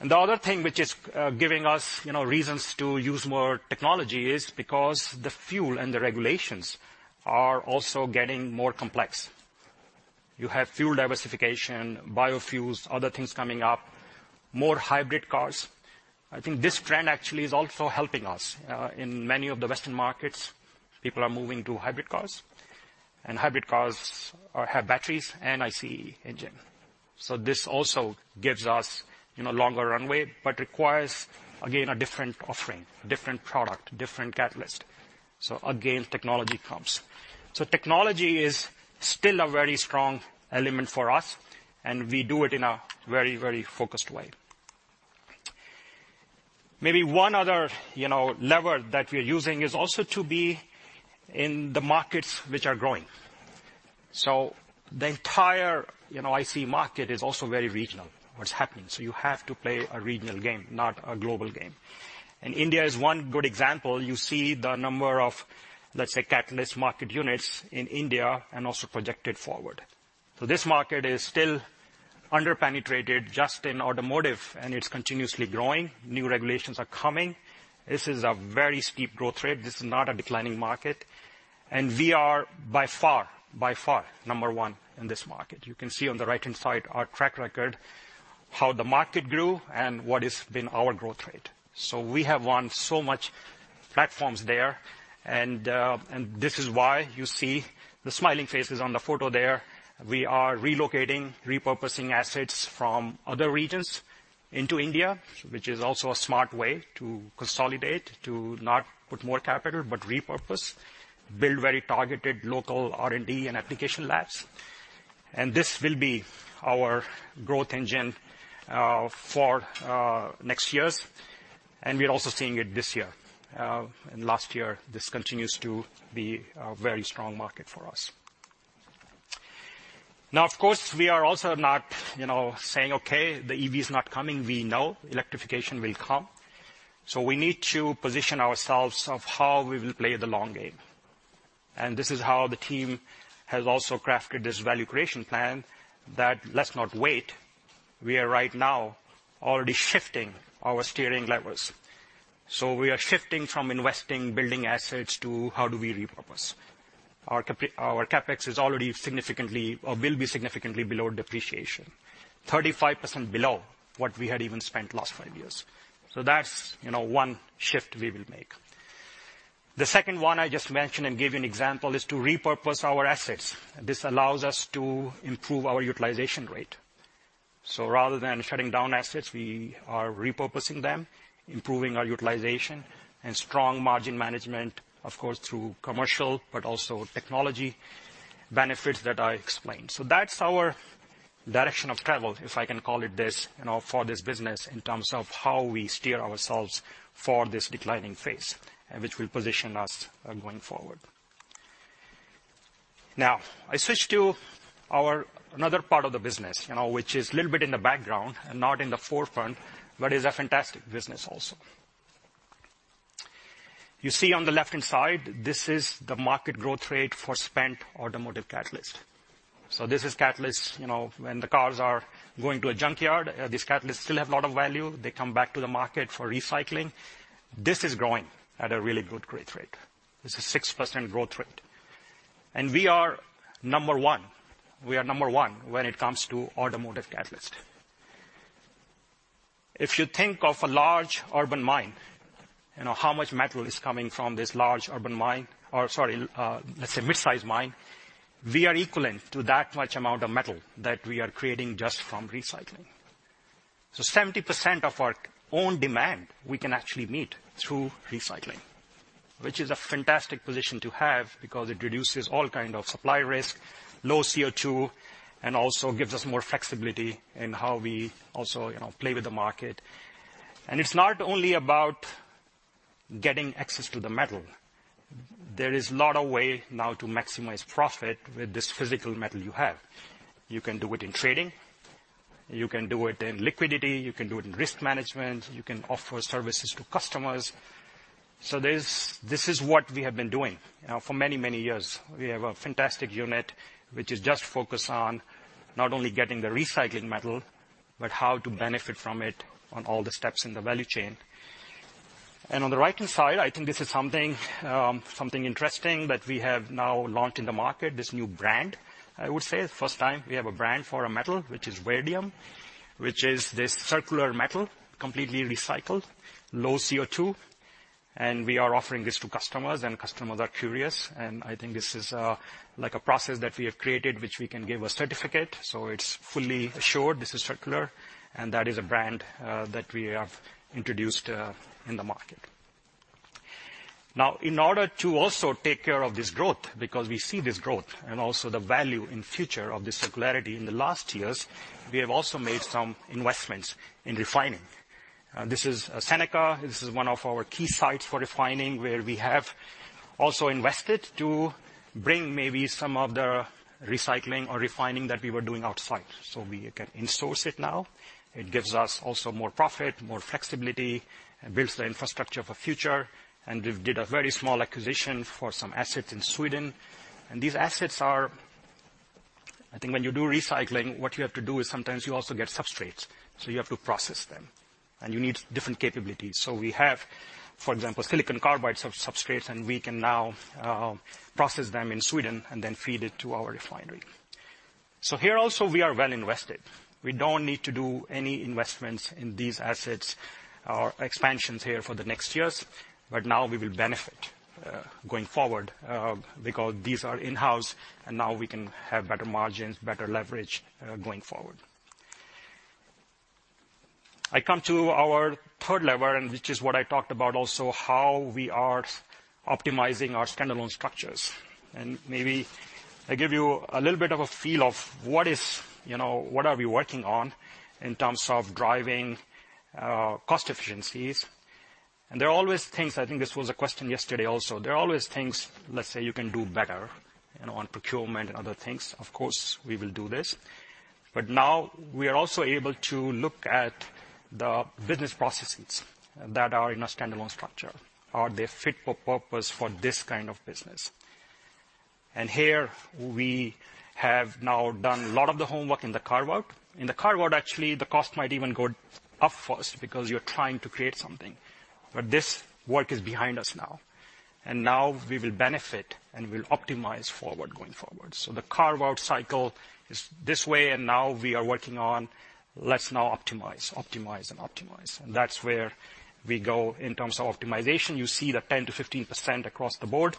And the other thing which is giving us, you know, reasons to use more technology is because the fuel and the regulations are also getting more complex. You have fuel diversification, biofuels, other things coming up, more hybrid cars. I think this trend actually is also helping us. In many of the Western markets, people are moving to hybrid cars, and hybrid cars are, have batteries and ICE engine. So this also gives us, you know, longer runway, but requires, again, a different offering, a different product, a different catalyst. So again, technology comes. So technology is still a very strong element for us, and we do it in a very, very focused way. Maybe one other, you know, lever that we're using is also to be in the markets which are growing. So the entire, you know, ICE market is also very regional, what's happening, so you have to play a regional game, not a global game. And India is one good example. You see the number of, let's say, catalyst market units in India and also projected forward. So this market is still under-penetrated just in automotive, and it's continuously growing. New regulations are coming. This is a very steep growth rate. This is not a declining market. And we are by far, by far, number one in this market. You can see on the right-hand side our track record, how the market grew and what has been our growth rate. So we have won so many platforms there, and this is why you see the smiling faces on the photo there. We are relocating, repurposing assets from other regions into India, which is also a smart way to consolidate, to not put more capital, but repurpose, build very targeted local R&D and application labs. This will be our growth engine for next years, and we're also seeing it this year and last year. This continues to be a very strong market for us. Now, of course, we are also not, you know, saying, "Okay, the EV is not coming." We know electrification will come, so we need to position ourselves on how we will play the long game. This is how the team has also crafted this value creation plan, that let's not wait. We are right now already shifting our steering levers. So we are shifting from investing, building assets, to how do we repurpose? Our CapEx is already significantly, or will be significantly below depreciation, 35% below what we had even spent last five years. So that's, you know, one shift we will make. The second one I just mentioned and gave you an example, is to repurpose our assets. This allows us to improve our utilization rate. So rather than shutting down assets, we are repurposing them, improving our utilization, and strong margin management, of course, through commercial, but also technology benefits that I explained. So that's our direction of travel, if I can call it this, you know, for this business, in terms of how we steer ourselves for this declining phase, and which will position us going forward. Now, I switch to our another part of the business, you know, which is a little bit in the background and not in the forefront, but is a fantastic business also. You see on the left-hand side, this is the market growth rate for spent automotive catalyst. So this is catalyst, you know, when the cars are going to a junkyard, these catalysts still have a lot of value. They come back to the market for recycling. This is growing at a really good growth rate. This is 6% growth rate. And we are number one. We are number one when it comes to automotive catalyst. If you think of a large urban mine, you know, how much metal is coming from this large urban mine? Or sorry, let's say mid-size mine. We are equivalent to that much amount of metal that we are creating just from recycling. So 70% of our own demand, we can actually meet through recycling, which is a fantastic position to have because it reduces all kind of supply risk, low CO2, and also gives us more flexibility in how we also, you know, play with the market. And it's not only about getting access to the metal. There is a lot of way now to maximize profit with this physical metal you have. You can do it in trading, you can do it in liquidity, you can do it in risk management, you can offer services to customers. So this is what we have been doing for many, many years. We have a fantastic unit, which is just focused on not only getting the recycling metal, but how to benefit from it on all the steps in the value chain, and on the right-hand side, I think this is something, something interesting that we have now launched in the market, this new brand. I would say the first time we have a brand for a metal, which is Verdium, which is this circular metal, completely recycled, low CO2, and we are offering this to customers, and customers are curious, and I think this is like a process that we have created, which we can give a certificate, so it's fully assured this is circular, and that is a brand that we have introduced in the market. Now, in order to also take care of this growth, because we see this growth and also the value in future of this circularity, in the last years, we have also made some investments in refining. This is Seneca. This is one of our key sites for refining, where we have also invested to bring maybe some of the recycling or refining that we were doing outside. So we can in-source it now. It gives us also more profit, more flexibility, and builds the infrastructure for future. And we've did a very small acquisition for some assets in Sweden. And these assets are... I think when you do recycling, what you have to do is sometimes you also get substrates, so you have to process them, and you need different capabilities. So we have, for example, silicon carbide substrates, and we can now process them in Sweden and then feed it to our refinery. So here also, we are well invested. We don't need to do any investments in these assets or expansions here for the next years, but now we will benefit, going forward, because these are in-house, and now we can have better margins, better leverage, going forward. I come to our third lever, and which is what I talked about, also, how we are optimizing our standalone structures. And maybe I give you a little bit of a feel of what is, you know, what are we working on in terms of driving cost efficiencies. There are always things, I think this was a question yesterday also, there are always things, let's say, you can do better, you know, on procurement and other things. Of course, we will do this. Now we are also able to look at the business processes that are in a standalone structure. Are they fit for purpose for this kind of business? Here, we have now done a lot of the homework in the carve-out. In the carve-out, actually, the cost might even go up for us because you're trying to create something. This work is behind us now, and now we will benefit, and we'll optimize forward going forward. The carve-out cycle is this way, and now we are working on, let's now optimize, optimize, and optimize. That's where we go in terms of optimization. You see the 10-15% across the board.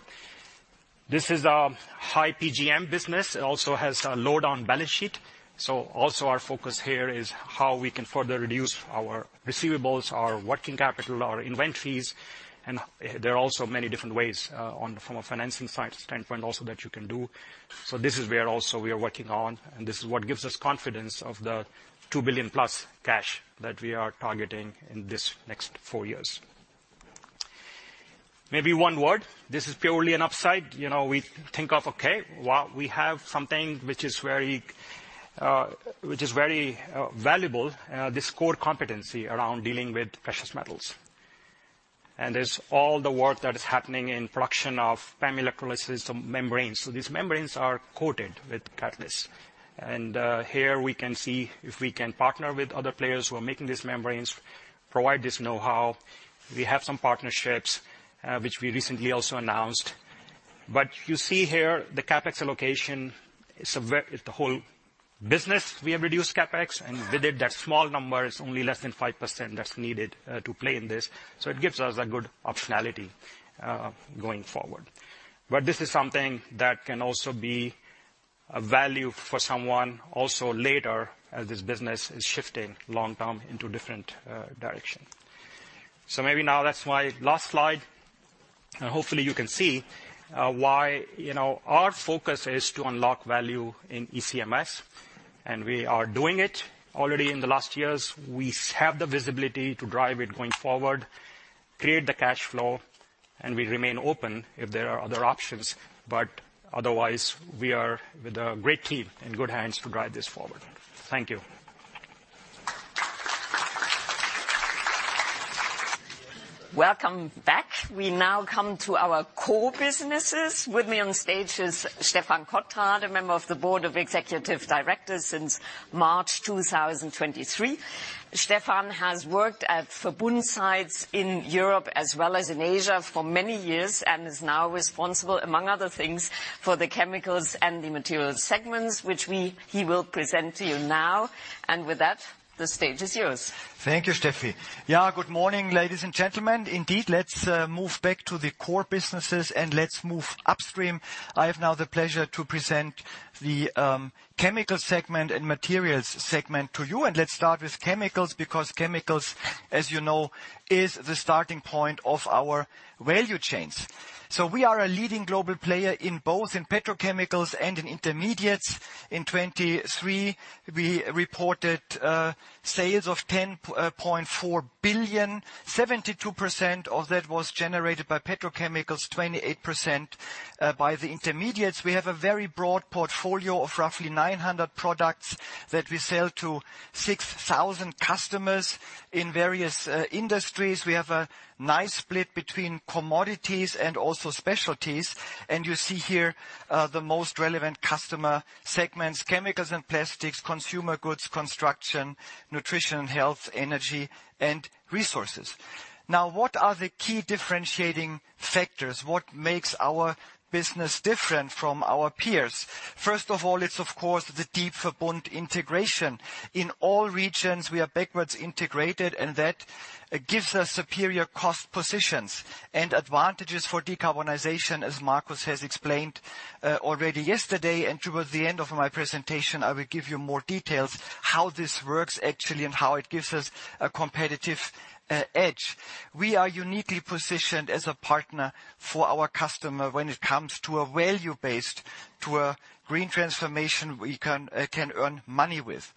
This is our high PGM business. It also has a low down balance sheet. So also our focus here is how we can further reduce our receivables, our working capital, our inventories, and there are also many different ways, on the form of financing side standpoint also that you can do. So this is where also we are working on, and this is what gives us confidence of the 2 billion plus cash that we are targeting in this next four years. Maybe one word, this is purely an upside. You know, we think of, okay, well, we have something which is very, which is very, valuable, this core competency around dealing with precious metals. And there's all the work that is happening in production of PEM electrolysis membranes. So these membranes are coated with catalyst. Here we can see if we can partner with other players who are making these membranes, provide this know-how. We have some partnerships, which we recently also announced. You see here, the CapEx allocation is the whole business, we have reduced CapEx, and with it, that small number is only less than 5% that's needed to play in this. It gives us a good optionality going forward. This is something that can also be of value for someone also later, as this business is shifting long-term into different direction. Maybe now that's my last slide. Hopefully, you can see why, you know, our focus is to unlock value in ECMS, and we are doing it. Already in the last years, we have the visibility to drive it going forward, create the cash flow, and we remain open if there are other options. But otherwise, we are with a great team in good hands to drive this forward. Thank you. Welcome back. We now come to our core businesses. With me on stage is Stephan Kothrade, a member of the Board of Executive Directors since March 2023. Stephan has worked at Verbund sites in Europe as well as in Asia for many years and is now responsible, among other things, for the chemicals and the materials segments, which he will present to you now. With that, the stage is yours. Thank you, Steffi. Yeah, good morning, ladies and gentlemen. Indeed, let's move back to the core businesses and let's move upstream. I have now the pleasure to present the chemical segment and materials segment to you. And let's start with chemicals, because chemicals, as you know, is the starting point of our value chains. So we are a leading global player in both in petrochemicals and in intermediates. In 2023, we reported sales of 10.4 billion. 72% of that was generated by petrochemicals, 28% by the intermediates. We have a very broad portfolio of roughly 900 products that we sell to 6,000 customers in various industries. We have a nice split between commodities and also specialties. And you see here the most relevant customer segments, chemicals and plastics, consumer goods, construction, nutrition, health, energy, and resources. Now, what are the key differentiating factors? What makes our business different from our peers? First of all, it's of course the deep Verbund integration. In all regions, we are backwards integrated, and that gives us superior cost positions and advantages for decarbonization, as Marcus has explained already yesterday. And towards the end of my presentation, I will give you more details how this works actually, and how it gives us a competitive edge. We are uniquely positioned as a partner for our customer when it comes to a value-based, to a green transformation we can earn money with.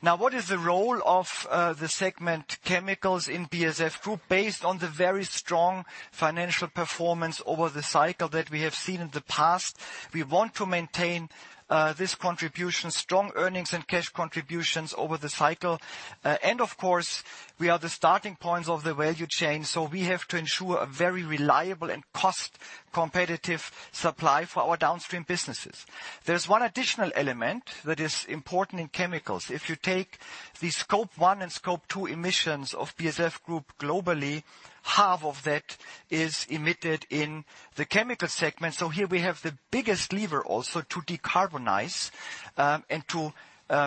Now, what is the role of the segment chemicals in BASF Group? Based on the very strong financial performance over the cycle that we have seen in the past, we want to maintain this contribution, strong earnings and cash contributions over the cycle. And of course, we are the starting points of the value chain, so we have to ensure a very reliable and cost-competitive supply for our downstream businesses. There's one additional element that is important in chemicals. If you take the Scope 1 and Scope 2 emissions of BASF Group globally, half of that is emitted in the chemical segment. So here we have the biggest lever also to decarbonize, and to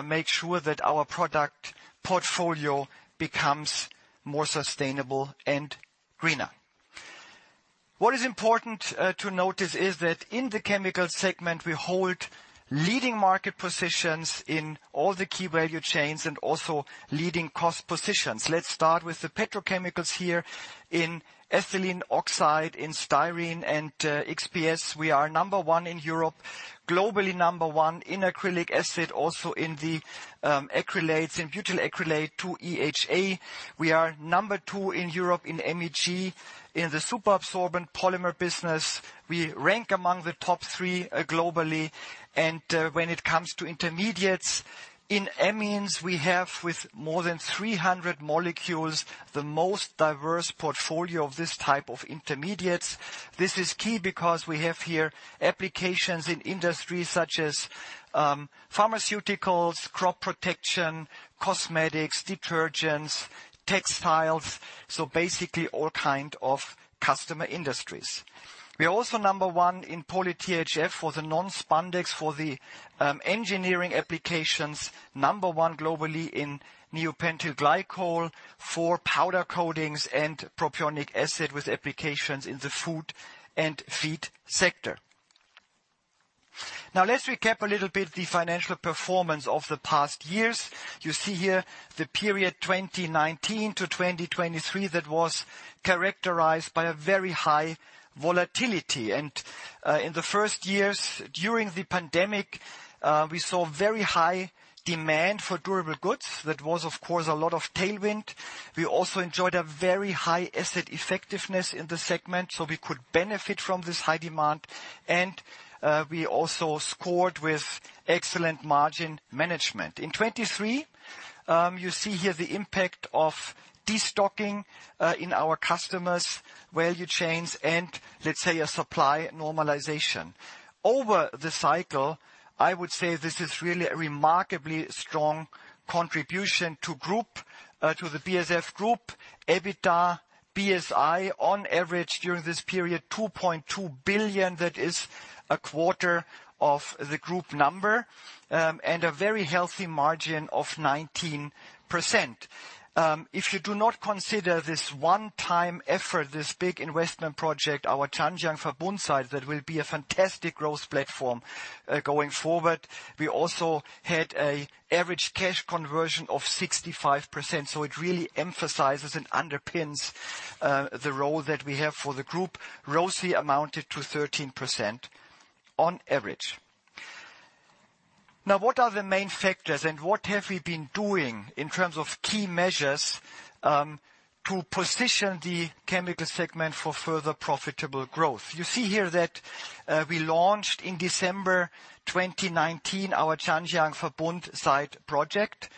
make sure that our product portfolio becomes more sustainable and greener. What is important to notice is that in the chemical segment, we hold leading market positions in all the key value chains and also leading cost positions. Let's start with the petrochemicals here in ethylene oxide, in styrene, and XPS. We are number one in Europe, globally number one in acrylic acid, also in the acrylates, in butyl acrylate to EHA. We are number two in Europe in MEG. In the super absorbent polymer business, we rank among the top three, globally. And when it comes to intermediates, in amines, we have with more than three hundred molecules, the most diverse portfolio of this type of intermediates. This is key because we have here applications in industries such as, pharmaceuticals, crop protection, cosmetics, detergents, textiles, so basically all kind of customer industries. We are also number one in polyTHF for the non-spandex, for the, engineering applications, number one globally in neopentyl glycol for powder coatings and propionic acid with applications in the food and feed sector. Now let's recap a little bit the financial performance of the past years. You see here the period 2019-2023, that was characterized by a very high volatility. In the first years during the pandemic, we saw very high demand for durable goods. That was, of course, a lot of tailwind. We also enjoyed a very high asset effectiveness in the segment, so we could benefit from this high demand, and we also scored with excellent margin management. In 2023, you see here the impact of destocking in our customers' value chains, and let's say, a supply normalization. Over the cycle, I would say this is really a remarkably strong contribution to group, to the BASF Group. EBITDA, BSI, on average, during this period, 2.2 billion, that is a quarter of the group number, and a very healthy margin of 19%. If you do not consider this one-time effort, this big investment project, our Zhanjiang Verbund site, that will be a fantastic growth platform, going forward. We also had a average cash conversion of 65%, so it really emphasizes and underpins the role that we have for the group. ROACE amounted to 13% on average. Now, what are the main factors and what have we been doing in terms of key measures to position the chemical segment for further profitable growth? You see here that we launched in December 2019 our Zhanjiang Verbund site project.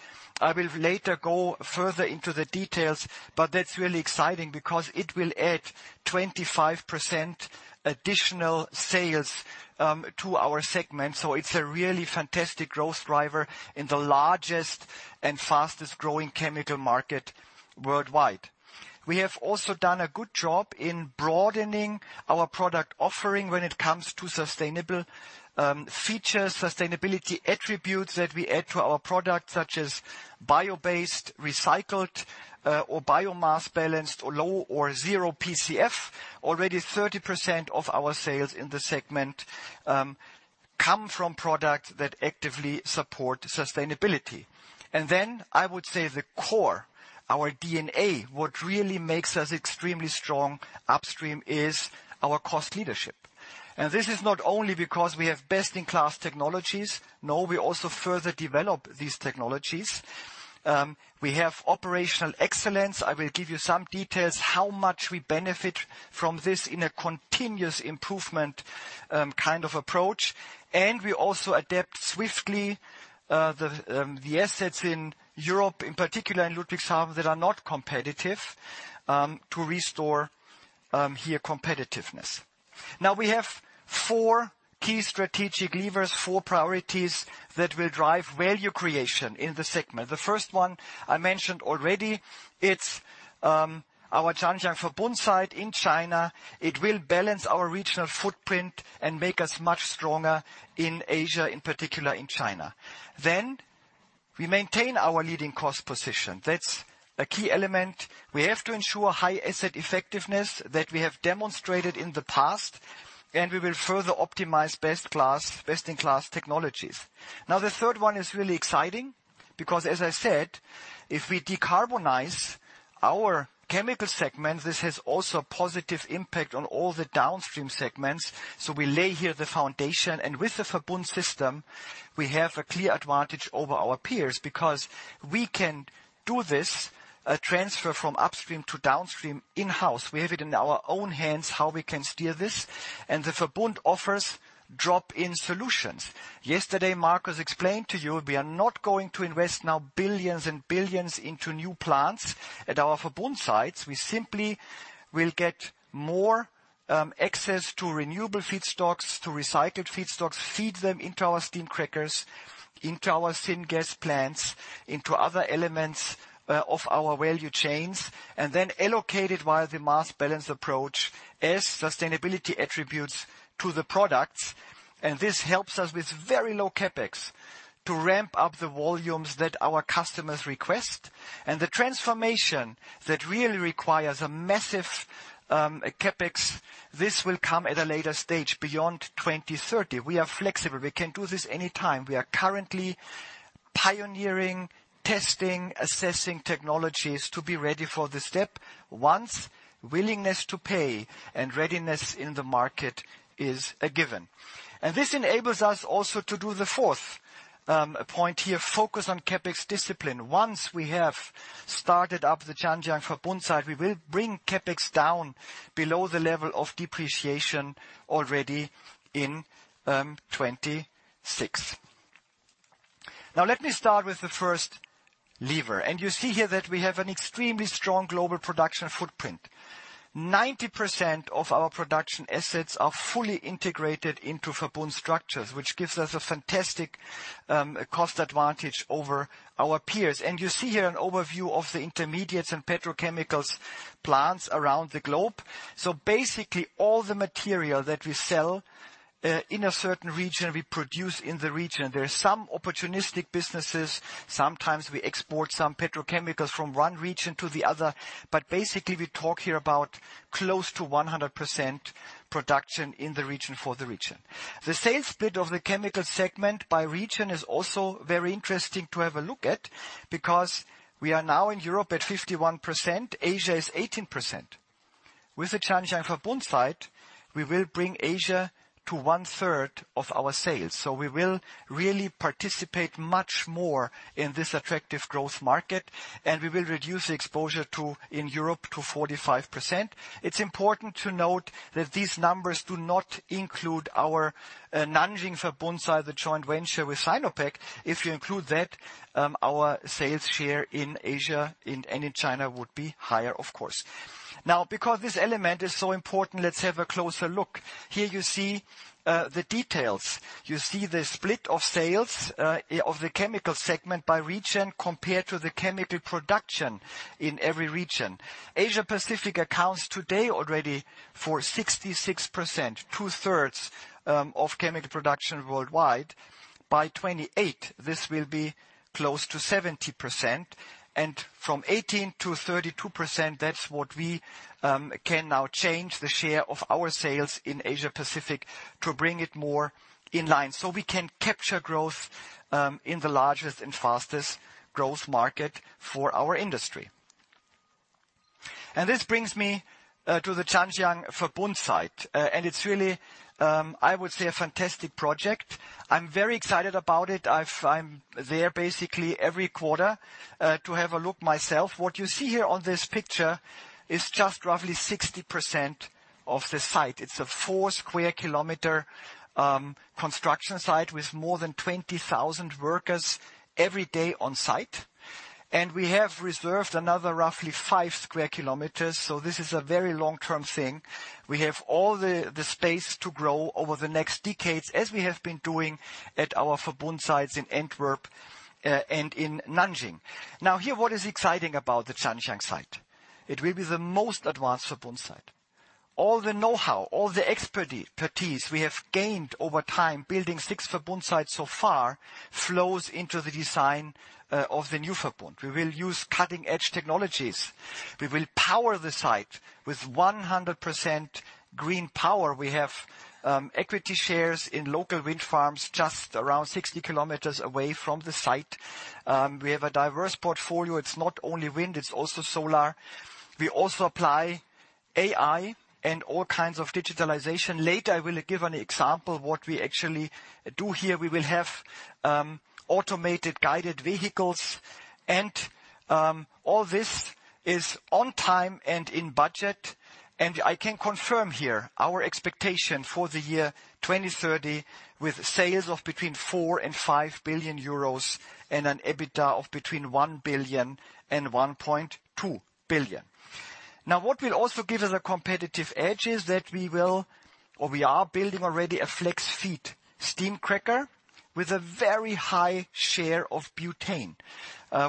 I will later go further into the details, but that's really exciting because it will add 25% additional sales to our segment. So it's a really fantastic growth driver in the largest and fastest growing chemical market worldwide. We have also done a good job in broadening our product offering when it comes to sustainable features, sustainability attributes that we add to our products, such as bio-based, recycled, or biomass balanced, or low or zero PCF. Already 30% of our sales in the segment come from products that actively support sustainability. And then I would say the core, our DNA, what really makes us extremely strong upstream is our cost leadership. And this is not only because we have best-in-class technologies, no, we also further develop these technologies. We have operational excellence. I will give you some details, how much we benefit from this in a continuous improvement kind of approach. And we also adapt swiftly the assets in Europe, in particular in Ludwigshafen, that are not competitive to restore here competitiveness. Now, we have four key strategic levers, four priorities that will drive value creation in the segment. The first one I mentioned already, it's our Zhanjiang Verbund site in China. It will balance our regional footprint and make us much stronger in Asia, in particular in China. Then we maintain our leading cost position. That's a key element. We have to ensure high asset effectiveness that we have demonstrated in the past, and we will further optimize best class, best-in-class technologies. Now, the third one is really exciting because as I said, if we decarbonize our chemical segment, this has also a positive impact on all the downstream segments. So we lay here the foundation and with the Verbund system, we have a clear advantage over our peers because we can do this, a transfer from upstream to downstream in-house. We have it in our own hands, how we can steer this, and the Verbund offers drop-in solutions. Yesterday, Marcus explained to you, we are not going to invest now billions and billions into new plants at our Verbund sites. We simply will get more access to renewable feedstocks, to recycled feedstocks, feed them into our steam crackers, into our syngas plants, into other elements of our value chains, and then allocate it via the mass balance approach as sustainability attributes to the products, and this helps us with very low CapEx to ramp up the volumes that our customers request, and the transformation that really requires a massive CapEx, this will come at a later stage beyond 2030. We are flexible. We can do this anytime. We are currently pioneering, testing, assessing technologies to be ready for the step, once willingness to pay and readiness in the market is a given. And this enables us also to do the fourth point here, focus on CapEx discipline. Once we have started up the Zhanjiang Verbund site, we will bring CapEx down below the level of depreciation already in 2026. Now, let me start with the first lever. And you see here that we have an extremely strong global production footprint. 90% of our production assets are fully integrated into Verbund structures, which gives us a fantastic cost advantage over our peers. And you see here an overview of the intermediates and petrochemicals plants around the globe. So basically, all the material that we sell in a certain region, we produce in the region. There are some opportunistic businesses. Sometimes we export some petrochemicals from one region to the other, but basically, we talk here about close to 100% production in the region for the region. The sales bit of the chemical segment by region is also very interesting to have a look at, because we are now in Europe at 51%, Asia is 18%. With the Zhanjiang Verbund site, we will bring Asia to one-third of our sales. So we will really participate much more in this attractive growth market, and we will reduce the exposure to in Europe to 45%. It's important to note that these numbers do not include our Nanjing Verbund site, the joint venture with Sinopec. If you include that, our sales share in Asia and in China would be higher, of course. Now, because this element is so important, let's have a closer look. Here you see the details. You see the split of sales of the chemical segment by region, compared to the chemical production in every region. Asia Pacific accounts today already for 66%, two-thirds, of chemical production worldwide. By 2028, this will be close to 70%, and from 18-32%, that's what we can now change the share of our sales in Asia Pacific to bring it more in line, so we can capture growth in the largest and fastest growth market for our industry. And this brings me to the Zhanjiang Verbund site. And it's really, I would say, a fantastic project. I'm very excited about it. I'm there basically every quarter to have a look myself. What you see here on this picture is just roughly 60% of the site. It's a 4 sq km construction site with more than 20,000 workers every day on site. We have reserved another roughly 5 sq km, so this is a very long-term thing. We have all the space to grow over the next decades, as we have been doing at our Verbund sites in Antwerp and in Nanjing. Now, here, what is exciting about the Zhanjiang site? It will be the most advanced Verbund site. All the know-how, all the expertise we have gained over time, building 6 Verbund sites so far, flows into the design of the new Verbund. We will use cutting-edge technologies. We will power the site with 100% green power. We have equity shares in local wind farms just around 60 km away from the site. We have a diverse portfolio. It's not only wind, it's also solar. We also apply AI and all kinds of digitalization. Later, I will give an example of what we actually do here. We will have automated guided vehicles, and all this is on time and in budget. And I can confirm here our expectation for the year 2030, with sales of between 4 billion and 5 billion euros and an EBITDA of between 1 billion and 1.2 billion. Now, what will also give us a competitive edge is that we will, or we are building already, a flex feed steam cracker with a very high share of butane,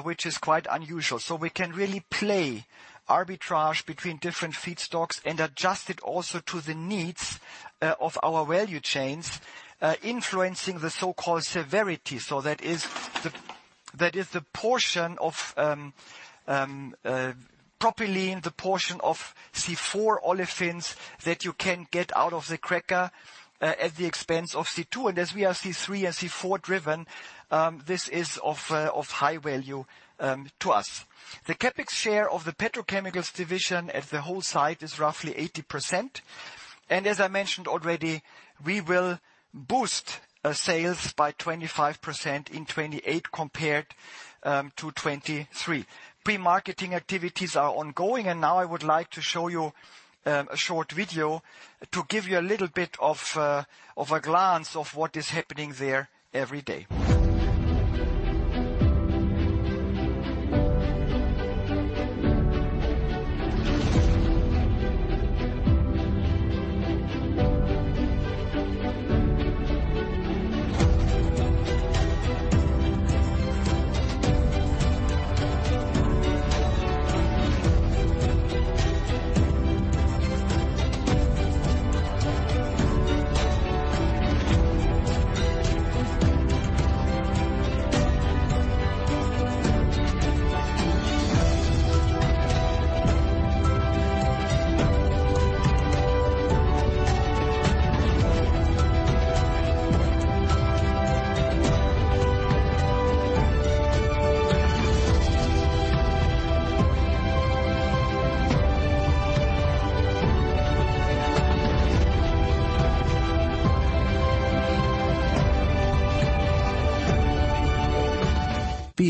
which is quite unusual. So we can really play arbitrage between different feedstocks and adjust it also to the needs of our value chains, influencing the so-called severity. So that is the portion of propylene, the portion of C4 olefins that you can get out of the cracker at the expense of C2. And as we are C3 and C4-driven, this is of high value to us. The CapEx share of the petrochemicals division at the whole site is roughly 80%, and as I mentioned already, we will boost sales by 25% in 2028 compared to 2023. Pre-marketing activities are ongoing, and now I would like to show you a short video to give you a little bit of a glance of what is happening there every day.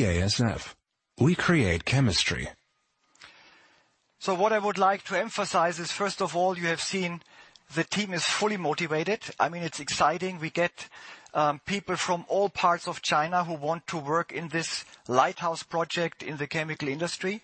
BASF, we create chemistry. So what I would like to emphasize is, first of all, you have seen the team is fully motivated. I mean, it's exciting. We get people from all parts of China who want to work in this lighthouse project in the chemical industry.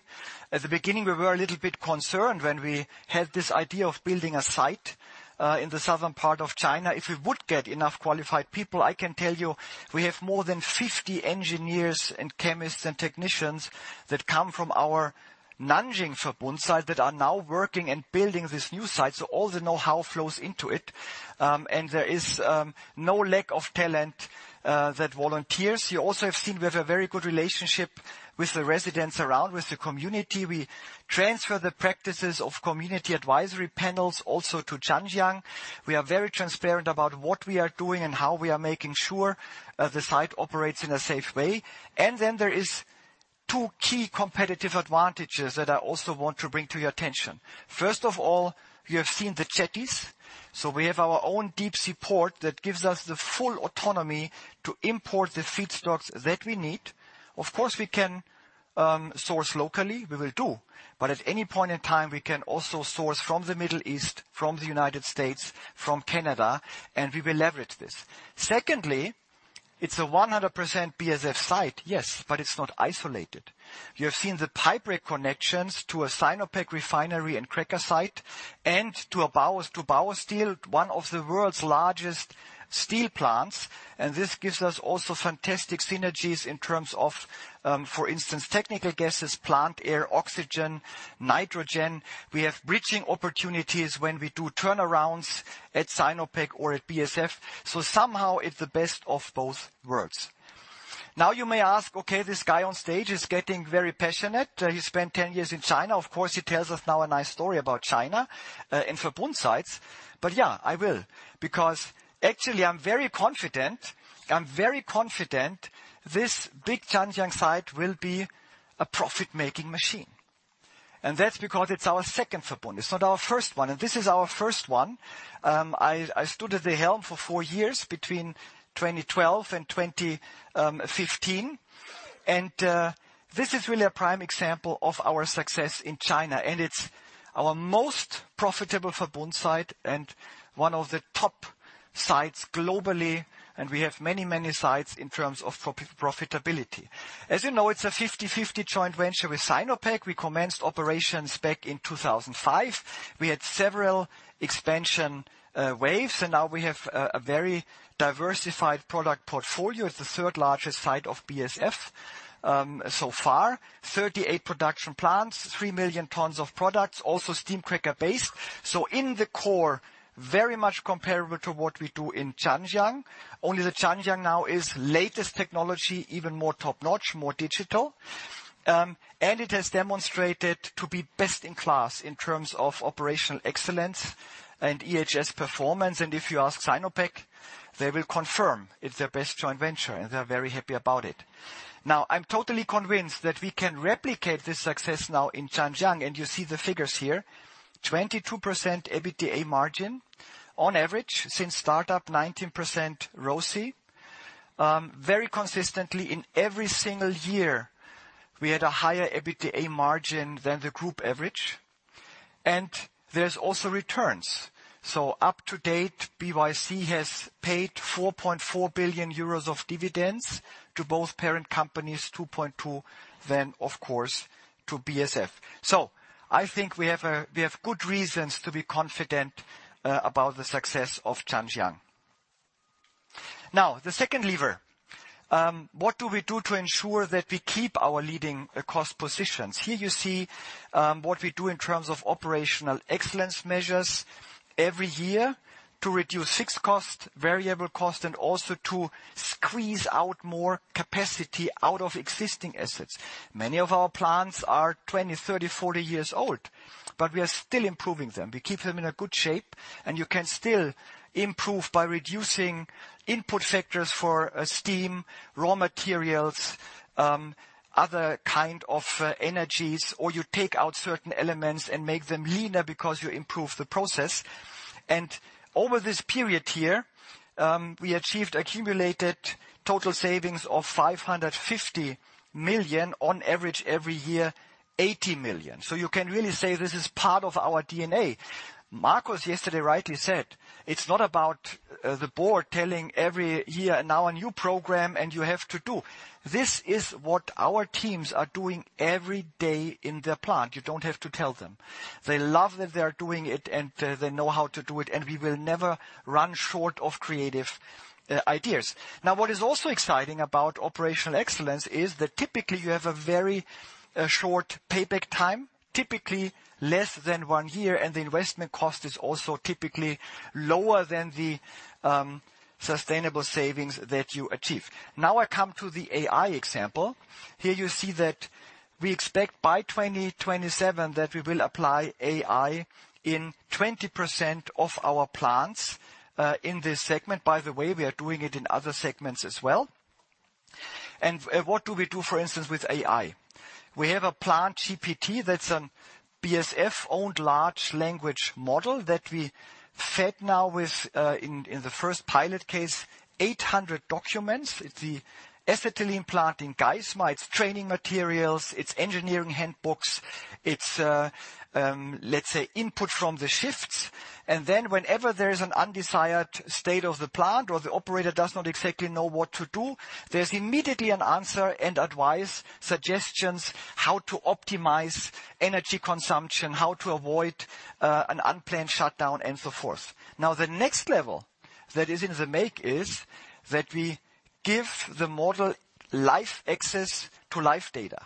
At the beginning, we were a little bit concerned when we had this idea of building a site in the southern part of China, if we would get enough qualified people. I can tell you, we have more than 50 engineers and chemists and technicians that come from our Nanjing Verbund site, that are now working and building this new site, so all the know-how flows into it. And there is no lack of talent that volunteers. You also have seen we have a very good relationship with the residents around, with the community. We transfer the practices of community advisory panels also to Zhanjiang. We are very transparent about what we are doing and how we are making sure the site operates in a safe way. Two key competitive advantages that I also want to bring to your attention. First of all, you have seen the jetties, so we have our own deep sea port that gives us the full autonomy to import the feedstocks that we need. Of course, we can source locally. We will do, but at any point in time, we can also source from the Middle East, from the United States, from Canada, and we will leverage this. Secondly, it's a 100% BASF site, yes, but it's not isolated. You have seen the pipe connections to a Sinopec refinery and cracker site and to a Baosteel, one of the world's largest steel plants, and this gives us also fantastic synergies in terms of, for instance, technical gases, plant air, oxygen, nitrogen. We have bridging opportunities when we do turnarounds at Sinopec or at BASF. So somehow it's the best of both worlds. Now, you may ask, okay, this guy on stage is getting very passionate. He spent ten years in China. Of course, he tells us now a nice story about China, and Verbund sites. But, yeah, I will, because actually I'm very confident. I'm very confident this big Zhanjiang site will be a profit-making machine. And that's because it's our second Verbund. It's not our first one, and this is our first one. I stood at the helm for four years between 2012 and 2015. This is really a prime example of our success in China, and it's our most profitable Verbund site and one of the top sites globally, and we have many, many sites in terms of profitability. As you know, it's a fifty-fifty joint venture with Sinopec. We commenced operations back in 2005. We had several expansion waves, and now we have a very diversified product portfolio. It's the third-largest site of BASF, so far. 38 production plants, 3 million tons of products, also steam cracker-based. In the core, very much comparable to what we do in Zhanjiang. Only the Zhanjiang now is latest technology, even more top-notch, more digital. It has demonstrated to be best in class in terms of operational excellence and EHS performance. And if you ask Sinopec, they will confirm it's their best joint venture, and they're very happy about it. Now, I'm totally convinced that we can replicate this success now in Zhanjiang, and you see the figures here. 22% EBITDA margin on average since startup, 19% ROCE. Very consistently, in every single year, we had a higher EBITDA margin than the group average, and there's also returns. So up to date, BYC has paid 4.4 billion euros of dividends to both parent companies, EUR 2.2 billion, then, of course, to BASF. So I think we have good reasons to be confident about the success of Zhanjiang. Now, the second lever. What do we do to ensure that we keep our leading cost positions? Here you see what we do in terms of operational excellence measures every year to reduce fixed cost, variable cost, and also to squeeze out more capacity out of existing assets. Many of our plants are 20, 30, 40 years old, but we are still improving them. We keep them in a good shape, and you can still improve by reducing input factors for steam, raw materials, other kind of energies, or you take out certain elements and make them leaner because you improve the process. Over this period here, we achieved accumulated total savings of 550 million on average every year, 80 million. So you can really say this is part of our DNA. Marcus yesterday rightly said, it's not about, the board telling every year, "Now a new program, and you have to do." This is what our teams are doing every day in the plant. You don't have to tell them. They love that they are doing it, and, they know how to do it, and we will never run short of creative, ideas. Now, what is also exciting about operational excellence is that typically you have a very, short payback time, typically less than one year, and the investment cost is also typically lower than the, sustainable savings that you achieve. Now, I come to the AI example. Here you see that we expect by 2027 that we will apply AI in 20% of our plants, in this segment. By the way, we are doing it in other segments as well. And, what do we do, for instance, with AI? We have a Plant GPT, that's a BASF-owned large language model that we fed now with, in the first pilot case, eight hundred documents. It's the ethylene plant in Geismar. It's training materials, it's engineering handbooks, it's, let's say, input from the shifts. And then whenever there is an undesired state of the plant or the operator does not exactly know what to do, there's immediately an answer and advice, suggestions how to optimize energy consumption, how to avoid, an unplanned shutdown, and so forth. Now, the next level that is in the making is that we give the model live access to live data,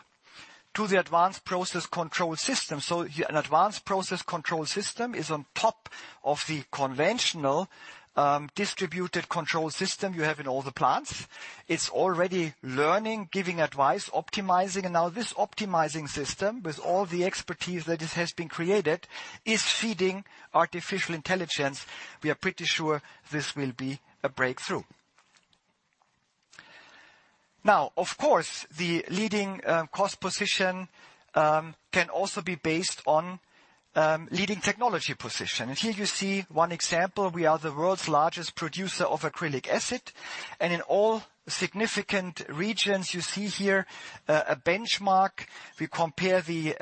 to the advanced process control system. So here, an advanced process control system is on top of the conventional, distributed control system you have in all the plants. It's already learning, giving advice, optimizing. And now this optimizing system, with all the expertise that it has been created, is feeding artificial intelligence. We are pretty sure this will be a breakthrough... Now, of course, the leading cost position can also be based on leading technology position. And here you see one example. We are the world's largest producer of acrylic acid, and in all significant regions, you see here a benchmark. We compare the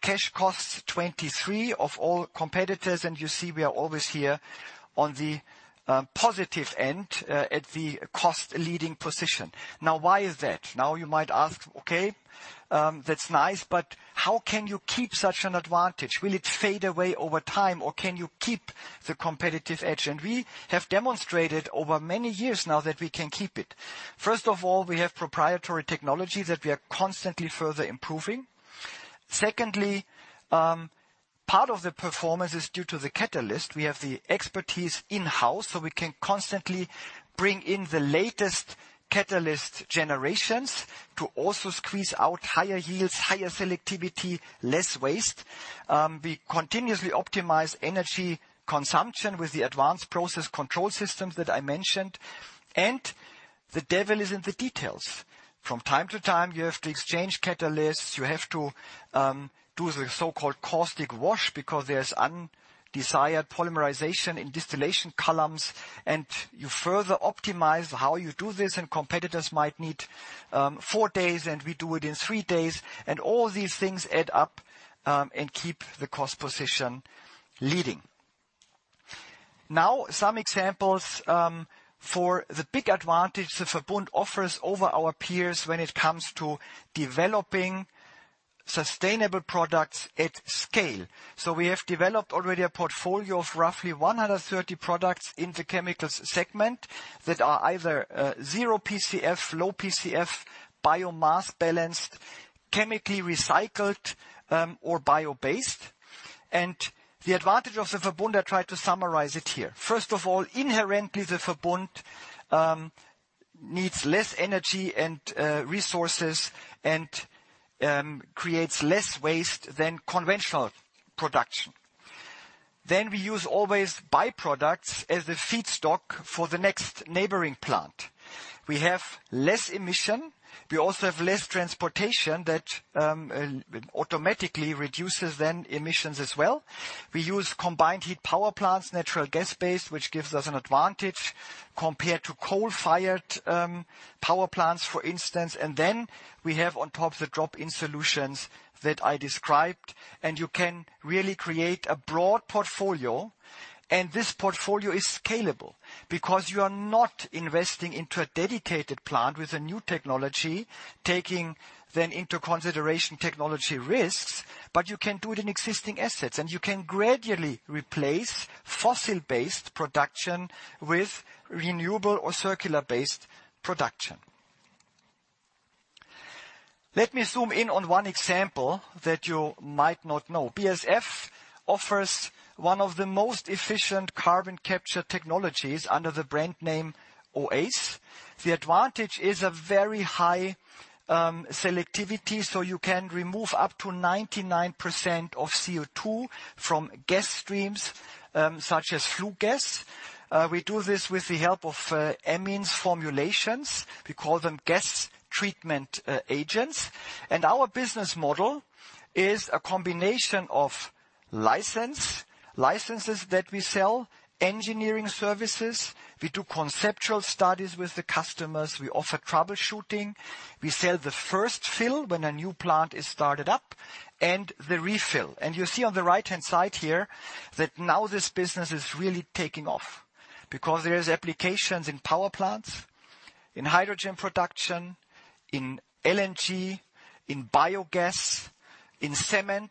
cash costs 2023 of all competitors, and you see we are always here on the positive end at the cost leading position. Now, why is that? Now you might ask, okay, that's nice, but how can you keep such an advantage? Will it fade away over time, or can you keep the competitive edge? And we have demonstrated over many years now that we can keep it. First of all, we have proprietary technology that we are constantly further improving. Secondly, part of the performance is due to the catalyst. We have the expertise in-house, so we can constantly bring in the latest catalyst generations to also squeeze out higher yields, higher selectivity, less waste. We continuously optimize energy consumption with the advanced process control systems that I mentioned, and the devil is in the details. From time to time, you have to exchange catalysts, you have to do the so-called caustic wash because there's undesired polymerization in distillation columns, and you further optimize how you do this, and competitors might need four days, and we do it in three days, and all these things add up and keep the cost position leading. Now, some examples, for the big advantage the Verbund offers over our peers when it comes to developing sustainable products at scale. So we have developed already a portfolio of roughly 130 products in the chemicals segment that are either, zero PCF, low PCF, biomass balanced, chemically recycled, or bio-based. And the advantage of the Verbund, I tried to summarize it here. First of all, inherently, the Verbund, needs less energy and, resources and, creates less waste than conventional production. Then we use always byproducts as a feedstock for the next neighboring plant. We have less emission. We also have less transportation that, automatically reduces then emissions as well. We use combined heat power plants, natural gas-based, which gives us an advantage compared to coal-fired, power plants, for instance. And then we have on top the drop-in solutions that I described, and you can really create a broad portfolio, and this portfolio is scalable because you are not investing into a dedicated plant with a new technology, taking then into consideration technology risks, but you can do it in existing assets, and you can gradually replace fossil-based production with renewable or circular-based production. Let me zoom in on one example that you might not know. BASF offers one of the most efficient carbon capture technologies under the brand name OASE. The advantage is a very high selectivity, so you can remove up to 99% of CO2 from gas streams, such as flue gas. We do this with the help of amines formulations. We call them gas treatment agents. And our business model is a combination of licenses that we sell, engineering services. We do conceptual studies with the customers, we offer troubleshooting. We sell the first fill when a new plant is started up and the refill, and you see on the right-hand side here that now this business is really taking off because there is applications in power plants, in hydrogen production, in LNG, in biogas, in cement,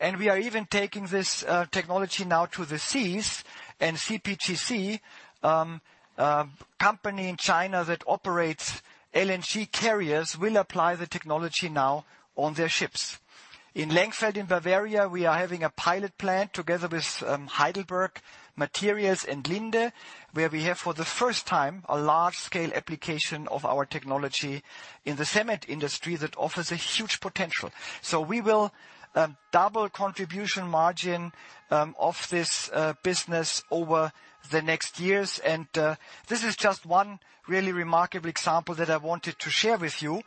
and we are even taking this technology now to the seas and CPTC, a company in China that operates LNG carriers, will apply the technology now on their ships. In Lengfurt, in Bavaria, we are having a pilot plant together with Heidelberg Materials and Linde, where we have, for the first time, a large-scale application of our technology in the cement industry that offers a huge potential, so we will double contribution margin of this business over the next years. This is just one really remarkable example that I wanted to share with you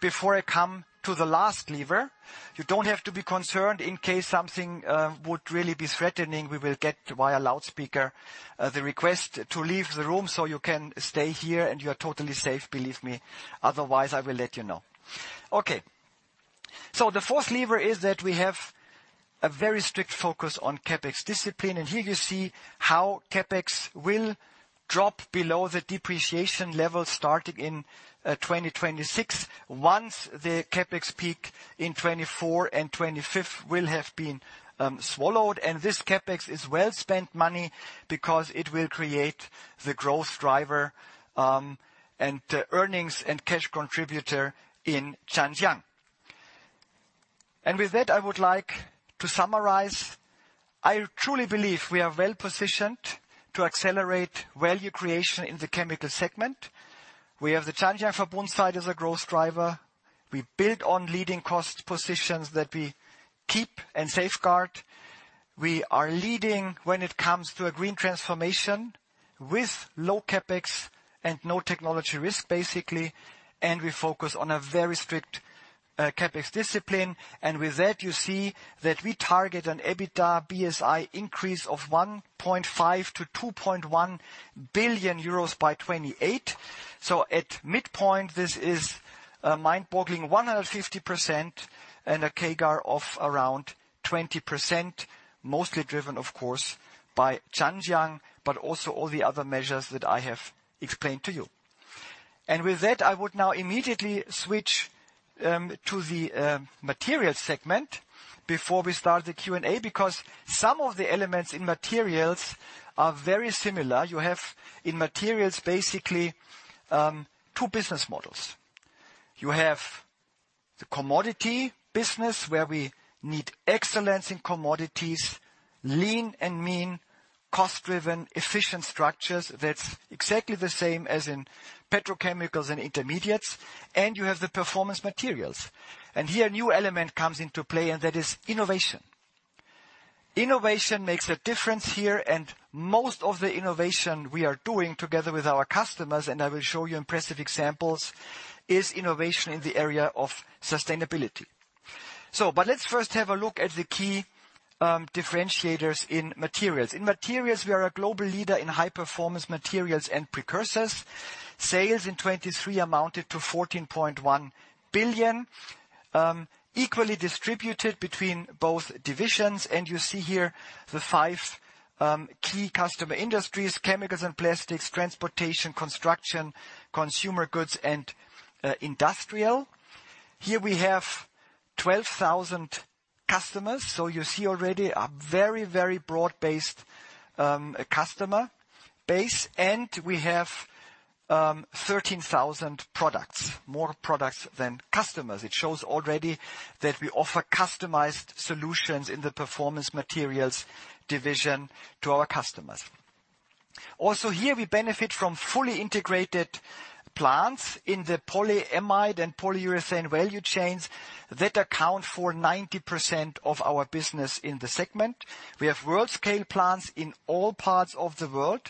before I come to the last lever. You don't have to be concerned in case something would really be threatening. We will get via loudspeaker the request to leave the room so you can stay here and you are totally safe, believe me. Otherwise, I will let you know. Okay, so the fourth lever is that we have a very strict focus on CapEx discipline, and here you see how CapEx will drop below the depreciation level, starting in 2026, once the CapEx peak in 2024 and 2025 will have been swallowed. This CapEx is well-spent money because it will create the growth driver and earnings and cash contributor in Zhanjiang. With that, I would like to summarize. I truly believe we are well positioned to accelerate value creation in the chemical segment. We have the Zhanjiang Verbund site as a growth driver. We build on leading cost positions that we keep and safeguard. We are leading when it comes to a green transformation with low CapEx and no technology risk, basically, and we focus on a very strict CapEx discipline. And with that, you see that we target an EBITDA BSI increase of 1.5-2.1 billion euros by 2028. So at midpoint, this is a mind-boggling 150% and a CAGR of around 20%, mostly driven, of course, by Zhanjiang, but also all the other measures that I have explained to you. And with that, I would now immediately switch to the materials segment before we start the Q&A, because some of the elements in materials are very similar. You have in materials, basically two business models. You have the commodity business, where we need excellence in commodities, lean and mean, cost-driven, efficient structures. That's exactly the same as in petrochemicals and intermediates, and you have the Performance Materials. And here, a new element comes into play, and that is innovation. Innovation makes a difference here, and most of the innovation we are doing together with our customers, and I will show you impressive examples, is innovation in the area of sustainability. So, but let's first have a look at the key differentiators in materials. In materials, we are a global leader in high-performance materials and precursors. Sales in 2023 amounted to 14.1 billion, equally distributed between both divisions. You see here the five key customer industries: chemicals and plastics, transportation, construction, consumer goods, and industrial. Here we have 12,000 customers, so you see already a very, very broad-based customer base, and we have 13,000 products, more products than customers. It shows already that we offer customized solutions in the performance materials division to our customers. Also, here we benefit from fully integrated plants in the polyamide and polyurethane value chains that account for 90% of our business in the segment. We have world-scale plants in all parts of the world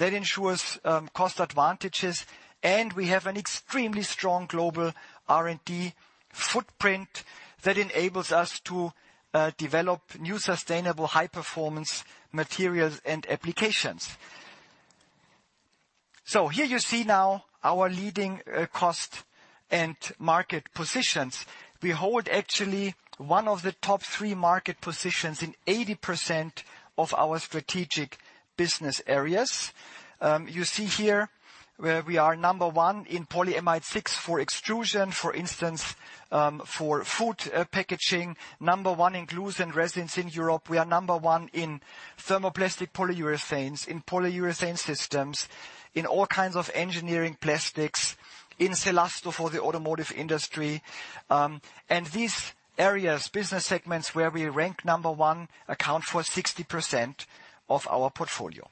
that ensures cost advantages, and we have an extremely strong global R&D footprint that enables us to develop new, sustainable, high-performance materials and applications. So here you see now our leading, cost and market positions. We hold actually one of the top three market positions in 80% of our strategic business areas. You see here where we are number one in polyamide six for extrusion, for instance, for food, packaging. Number one in glues and resins in Europe. We are number one in thermoplastic polyurethanes, in polyurethane systems, in all kinds of engineering plastics, in Cellasto for the automotive industry. And these areas, business segments, where we rank number one, account for 60% of our portfolio.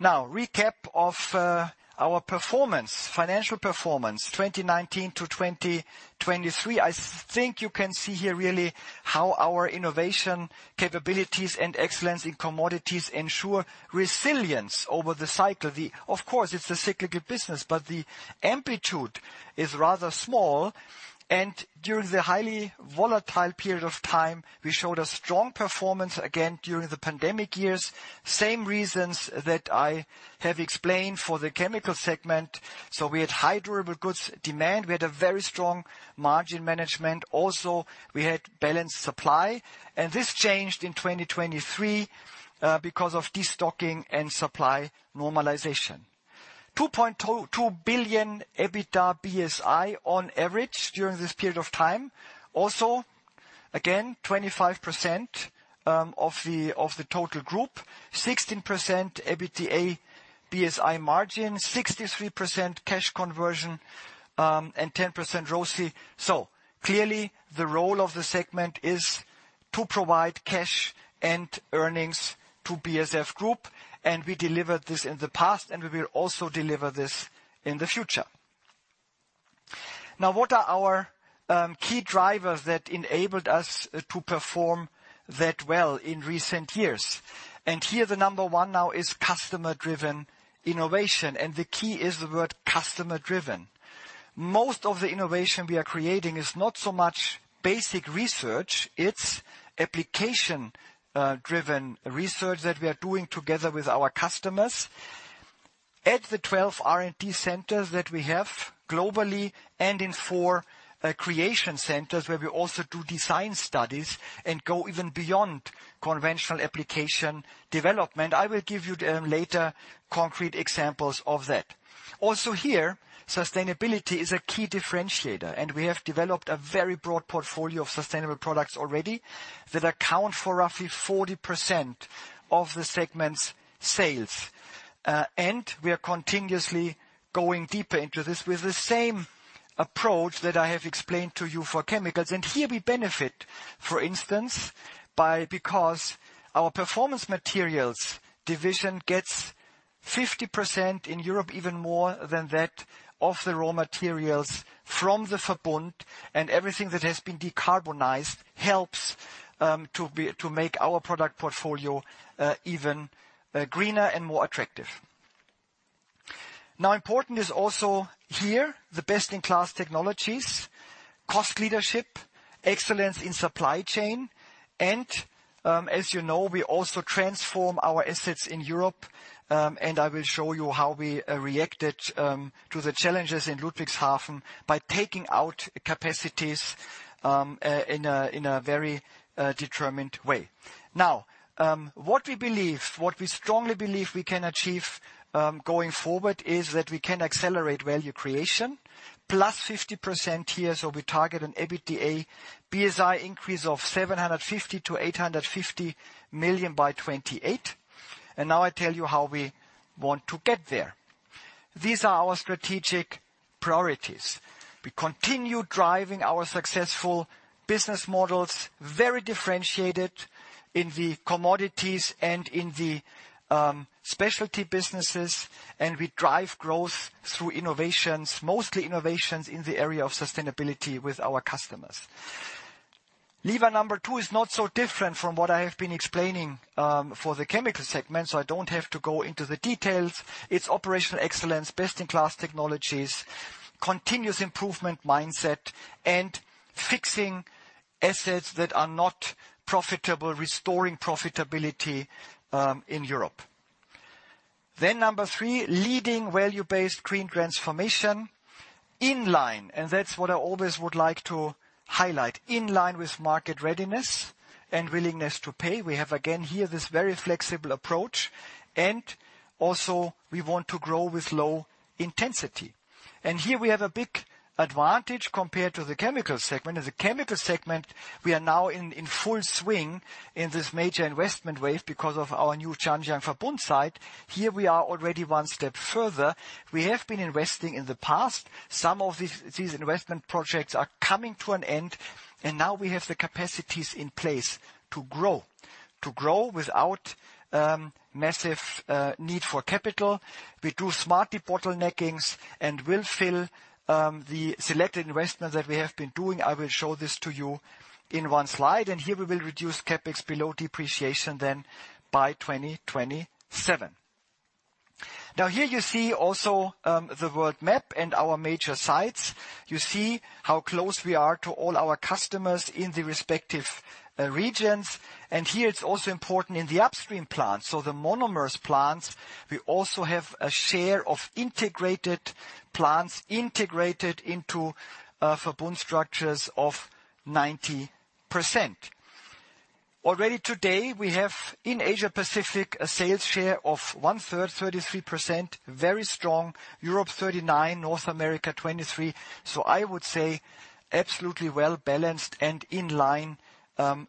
Now, recap of, our performance, financial performance,2019-2023. I think you can see here really how our innovation, capabilities, and excellence in commodities ensure resilience over the cycle. Of course, it's a cyclical business, but the amplitude is rather small, and during the highly volatile period of time, we showed a strong performance again during the pandemic years. Same reasons that I have explained for the chemical segment, so we had high durable goods demand, we had a very strong margin management. Also, we had balanced supply, and this changed in 2023 because of destocking and supply normalization. 2.2 billion EBITDA BSI on average during this period of time. Also, again, 25% of the total group, 16% EBITDA BSI margin, 63% cash conversion, and 10% ROCE, so clearly, the role of the segment is to provide cash and earnings to BASF Group, and we delivered this in the past, and we will also deliver this in the future. Now, what are our key drivers that enabled us to perform that well in recent years? And here, the number one now is customer-driven innovation, and the key is the word customer-driven. Most of the innovation we are creating is not so much basic research, it's application driven research that we are doing together with our customers. At the 12 R&D centers that we have globally, and in four Creation Centers, where we also do design studies and go even beyond conventional application development. I will give you later concrete examples of that. Also here, sustainability is a key differentiator, and we have developed a very broad portfolio of sustainable products already that account for roughly 40% of the segment's sales. And we are continuously going deeper into this with the approach that I have explained to you for chemicals. Here we benefit, for instance, by, because our performance materials division gets 50% in Europe, even more than that, of the raw materials from the Verbund, and everything that has been decarbonized helps to make our product portfolio even greener and more attractive. Now, important is also here, the best-in-class technologies, cost leadership, excellence in supply chain, and, as you know, we also transform our assets in Europe, and I will show you how we reacted to the challenges in Ludwigshafen by taking out capacities in a very determined way. Now, what we believe, what we strongly believe we can achieve, going forward, is that we can accelerate value creation, plus 50% here, so we target an EBITDA BSI increase of 750-850 million by 2028. And now I tell you how we want to get there. These are our strategic priorities. We continue driving our successful business models, very differentiated in the commodities and in the specialty businesses, and we drive growth through innovations, mostly innovations in the area of sustainability with our customers. Lever number two is not so different from what I have been explaining, for the chemical segment, so I don't have to go into the details. It's operational excellence, best-in-class technologies, continuous improvement mindset, and fixing assets that are not profitable, restoring profitability, in Europe. Then number three, leading value-based green transformation in line, and that's what I always would like to highlight. In line with market readiness and willingness to pay. We have, again, here, this very flexible approach, and also we want to grow with low intensity. And here we have a big advantage compared to the chemical segment. As a chemical segment, we are now in full swing in this major investment wave because of our new Zhanjiang Verbund site. Here we are already one step further. We have been investing in the past. Some of these investment projects are coming to an end, and now we have the capacities in place to grow without massive need for capital. We do smartly bottleneckings and will fill the selected investments that we have been doing. I will show this to you in one slide, and here we will reduce CapEx below depreciation then by 2027. Now, here you see also, the world map and our major sites. You see how close we are to all our customers in the respective, regions. And here it's also important in the upstream plant. So the monomers plants, we also have a share of integrated plants, integrated into, Verbund structures of 90%. Already today, we have in Asia Pacific, a sales share of one-third, 33%, very strong. Europe, 39%, North America, 23%. So I would say absolutely well-balanced and in line,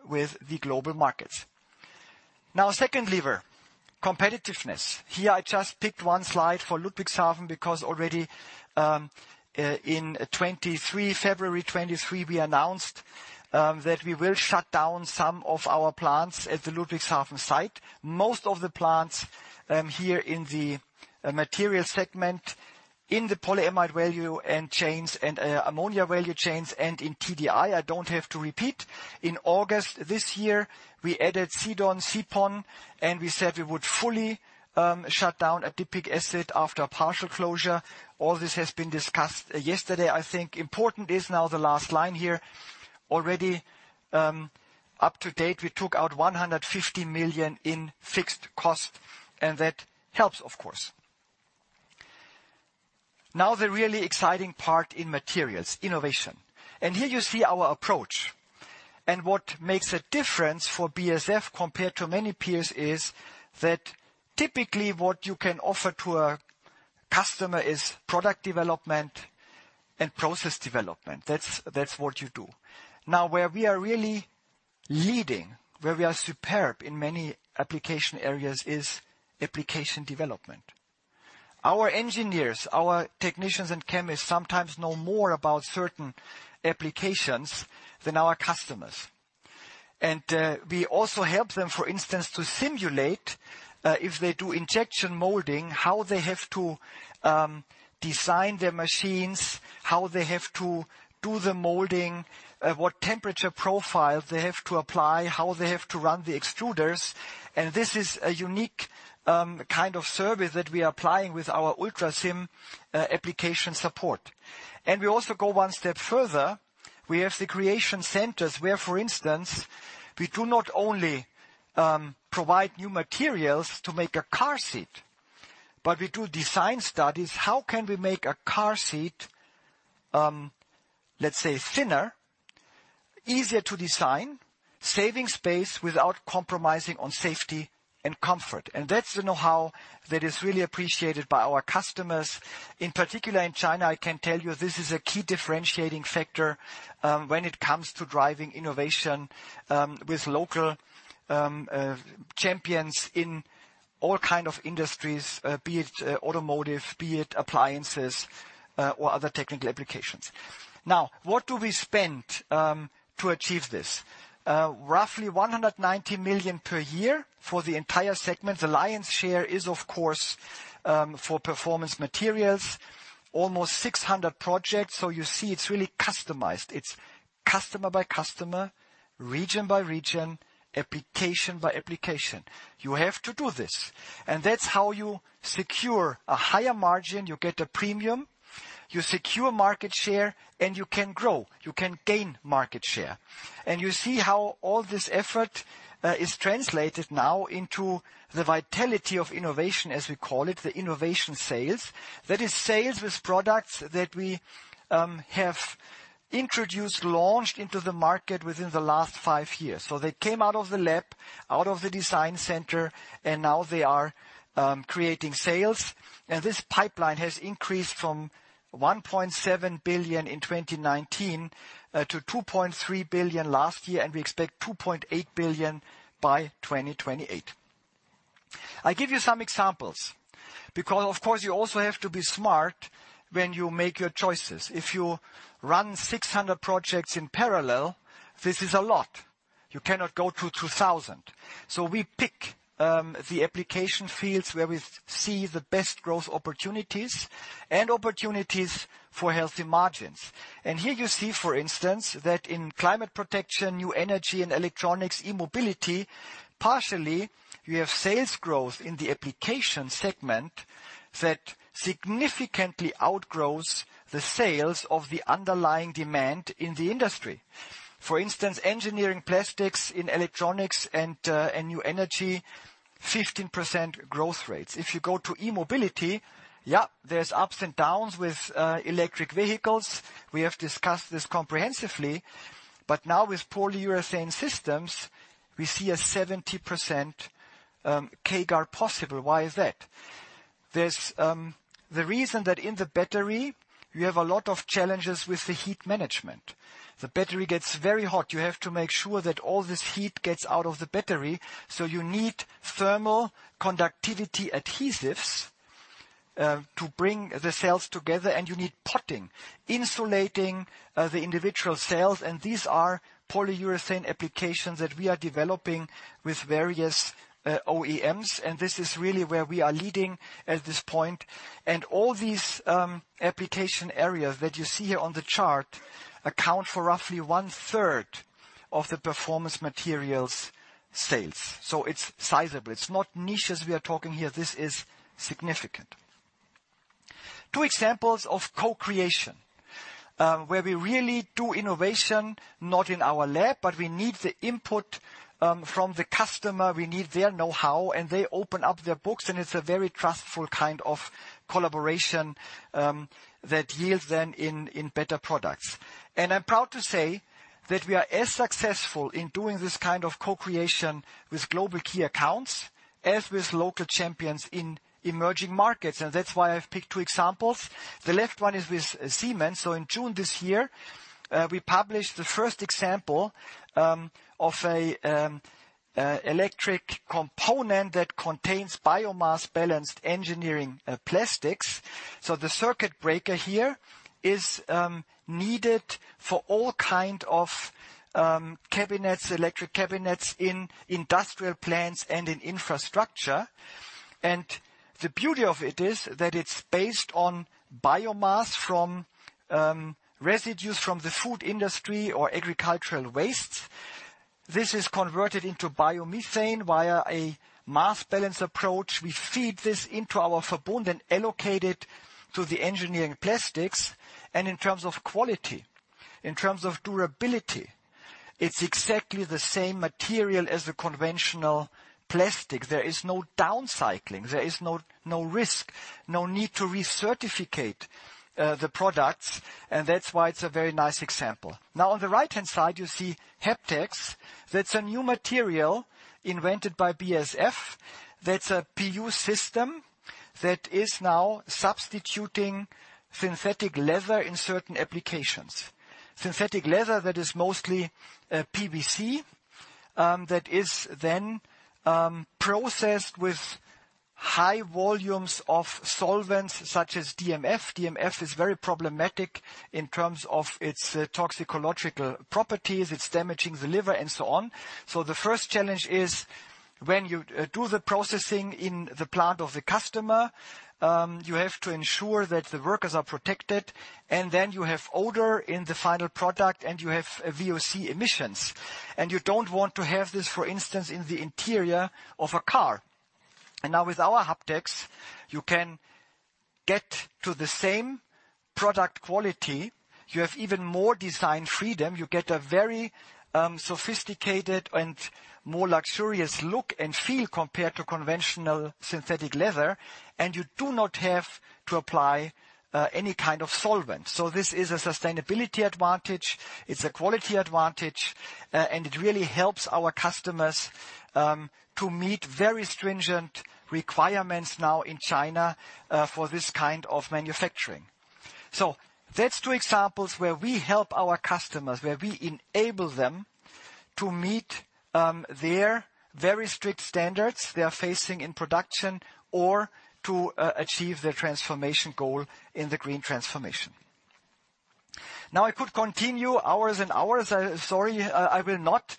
with the global markets. Now, second lever, competitiveness. Here, I just picked one slide for Ludwigshafen because already, in 2023, February 2023, we announced, that we will shut down some of our plants at the Ludwigshafen site. Most of the plants here in the Materials segment, in the polyamide value chains and ammonia value chains and in TDI, I don't have to repeat. In August this year, we added CDon, CPon, and we said we would fully shut down an adipic asset after a partial closure. All this has been discussed yesterday, I think. Important is now the last line here. Already up to date, we took out 150 million in fixed cost, and that helps, of course. Now, the really exciting part in Materials innovation. And here you see our approach. And what makes a difference for BASF compared to many peers is that typically what you can offer to a customer is product development and process development. That's what you do. Now, where we are really leading, where we are superb in many application areas is application development. Our engineers, our technicians and chemists, sometimes know more about certain applications than our customers. And we also help them, for instance, to simulate, if they do injection molding, how they have to design their machines, how they have to do the molding, what temperature profile they have to apply, how they have to run the extruders. And this is a unique kind of service that we are applying with our Ultrasim application support. And we also go one step further. We have the creation centers, where, for instance, we do not only provide new materials to make a car seat, but we do design studies. How can we make a car seat, let's say, thinner?... Easier to design, saving space without compromising on safety and comfort. And that's the know-how that is really appreciated by our customers. In particular, in China, I can tell you this is a key differentiating factor, when it comes to driving innovation, with local champions in all kind of industries, be it automotive, be it appliances, or other technical applications. Now, what do we spend to achieve this? Roughly 190 million per year for the entire segment. The lion's share is, of course, for performance materials, almost 600 projects. So you see, it's really customized. It's customer by customer, region by region, application by application. You have to do this, and that's how you secure a higher margin. You get a premium, you secure market share, and you can grow, you can gain market share. You see how all this effort is translated now into the vitality of innovation, as we call it, the innovation sales. That is, sales with products that we have introduced, launched into the market within the last five years. They came out of the lab, out of the design center, and now they are creating sales. This pipeline has increased from 1.7 billion in 2019 to 2.3 billion last year, and we expect 2.8 billion by 2028. I give you some examples, because of course, you also have to be smart when you make your choices. If you run 600 projects in parallel, this is a lot. You cannot go to 2,000. We pick the application fields where we see the best growth opportunities and opportunities for healthy margins. Here you see, for instance, that in climate protection, new energy and electronics, e-mobility, partially, we have sales growth in the application segment that significantly outgrows the sales of the underlying demand in the industry. For instance, engineering plastics in electronics and new energy, 15% growth rates. If you go to e-mobility, there's ups and downs with electric vehicles. We have discussed this comprehensively, but now with polyurethane systems, we see a 70% CAGR possible. Why is that? There's the reason that in the battery, you have a lot of challenges with the heat management. The battery gets very hot. You have to make sure that all this heat gets out of the battery, so you need thermal conductivity adhesives to bring the cells together, and you need potting, insulating the individual cells. These are polyurethane applications that we are developing with various OEMs, and this is really where we are leading at this point. All these application areas that you see here on the chart account for roughly one-third of the performance materials sales. It's sizable. It's not niches we are talking here. This is significant. Two examples of co-creation where we really do innovation, not in our lab, but we need the input from the customer. We need their know-how, and they open up their books, and it's a very trustful kind of collaboration that yields then in better products. I'm proud to say that we are as successful in doing this kind of co-creation with global key accounts as with local champions in emerging markets, and that's why I've picked two examples. The left one is with Siemens. So in June this year, we published the first example of an electric component that contains biomass-balanced engineering plastics. The circuit breaker here is needed for all kind of cabinets, electric cabinets in industrial plants and in infrastructure. And the beauty of it is that it's based on biomass from residues from the food industry or agricultural wastes. This is converted into biomethane via a mass balance approach. We feed this into our Verbund and allocate it to the engineering plastics. And in terms of quality, in terms of durability, it's exactly the same material as the conventional plastic. There is no downcycling, there is no, no risk, no need to recertify the products, and that's why it's a very nice example. Now, on the right-hand side, you see Haptex. That's a new material invented by BASF. That's a PU system that is now substituting synthetic leather in certain applications. Synthetic leather, that is mostly PVC, that is then processed with high volumes of solvents such as DMF. DMF is very problematic in terms of its toxicological properties. It's damaging the liver and so on. So the first challenge is when you do the processing in the plant of the customer, you have to ensure that the workers are protected, and then you have odor in the final product, and you have VOC emissions, and you don't want to have this, for instance, in the interior of a car. And now with our Heptex, you can-... Get to the same product quality, you have even more design freedom, you get a very sophisticated and more luxurious look and feel compared to conventional synthetic leather, and you do not have to apply any kind of solvent. So this is a sustainability advantage, it's a quality advantage, and it really helps our customers to meet very stringent requirements now in China for this kind of manufacturing. So that's two examples where we help our customers, where we enable them to meet their very strict standards they are facing in production or to achieve their transformation goal in the green transformation. Now, I could continue hours and hours. Sorry, I will not,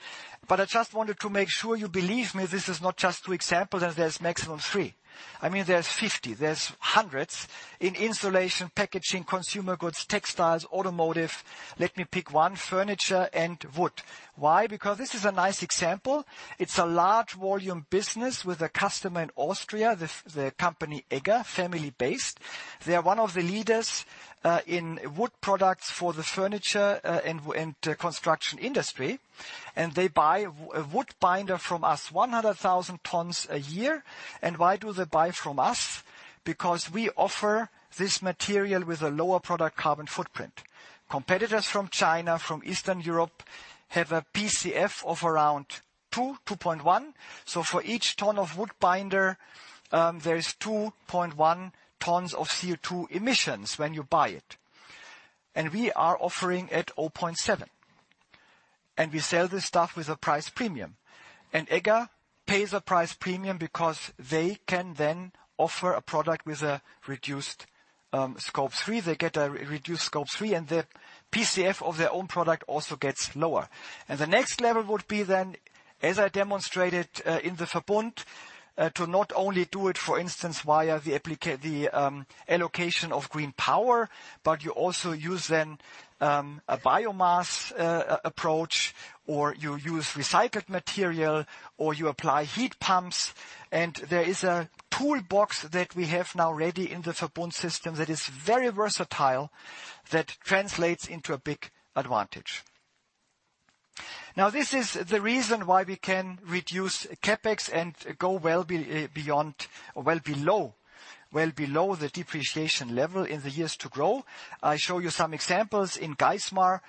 but I just wanted to make sure you believe me, this is not just two examples, and there's maximum three. I mean, there's 50, there's hundreds in installation, packaging, consumer goods, textiles, automotive. Let me pick one, furniture and wood. Why? Because this is a nice example. It's a large volume business with a customer in Austria, the, the company EGGER, family-based. They are one of the leaders in wood products for the furniture and construction industry, and they buy a wood binder from us, one hundred thousand tons a year. And why do they buy from us? Because we offer this material with a lower product carbon footprint. Competitors from China, from Eastern Europe, have a PCF of around two, two point one. So for each ton of wood binder, there is two point one tons of CO2 emissions when you buy it. And we are offering at 0.7, and we sell this stuff with a price premium. EGGER pays a price premium because they can then offer a product with a reduced Scope 3. They get a reduced Scope 3, and the PCF of their own product also gets lower. The next level would be then, as I demonstrated, in the Verbund, to not only do it, for instance, via the allocation of green power, but you also use then a biomass approach, or you use recycled material, or you apply heat pumps, and there is a toolbox that we have now ready in the Verbund system that is very versatile, that translates into a big advantage. Now, this is the reason why we can reduce CapEx and go well below the depreciation level in the years to grow. I show you some examples. In Geismar,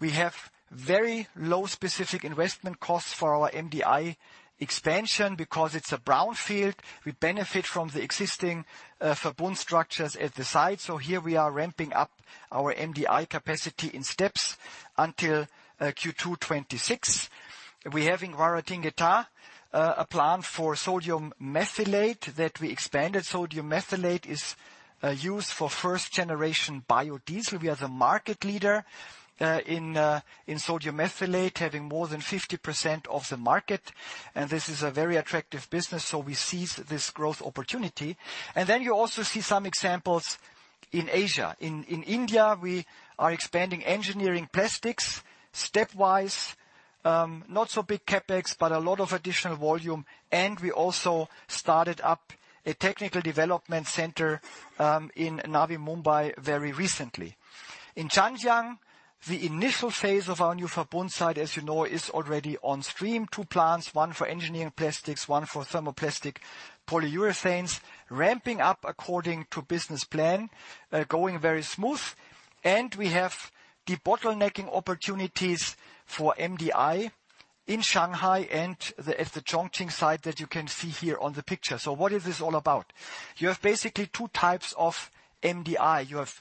we have very low specific investment costs for our MDI expansion. Because it's a brownfield, we benefit from the existing Verbund structures at the site. So here we are ramping up our MDI capacity in steps until Q2 2026. We have in Guaratinguetá a plant for sodium methylate that we expanded. Sodium methylate is used for first-generation biodiesel. We are the market leader in sodium methylate, having more than 50% of the market, and this is a very attractive business, so we seize this growth opportunity. And then you also see some examples in Asia. In India, we are expanding engineering plastics stepwise, not so big CapEx, but a lot of additional volume, and we also started up a technical development center in Navi Mumbai very recently. In Zhanjiang, the initial phase of our new Verbund site, as you know, is already on stream. Two plants, one for engineering plastics, one for thermoplastic polyurethanes, ramping up according to business plan, going very smooth, and we have debottlenecking opportunities for MDI in Shanghai and at the Chongqing site that you can see here on the picture, so what is this all about? You have basically two types of MDI. You have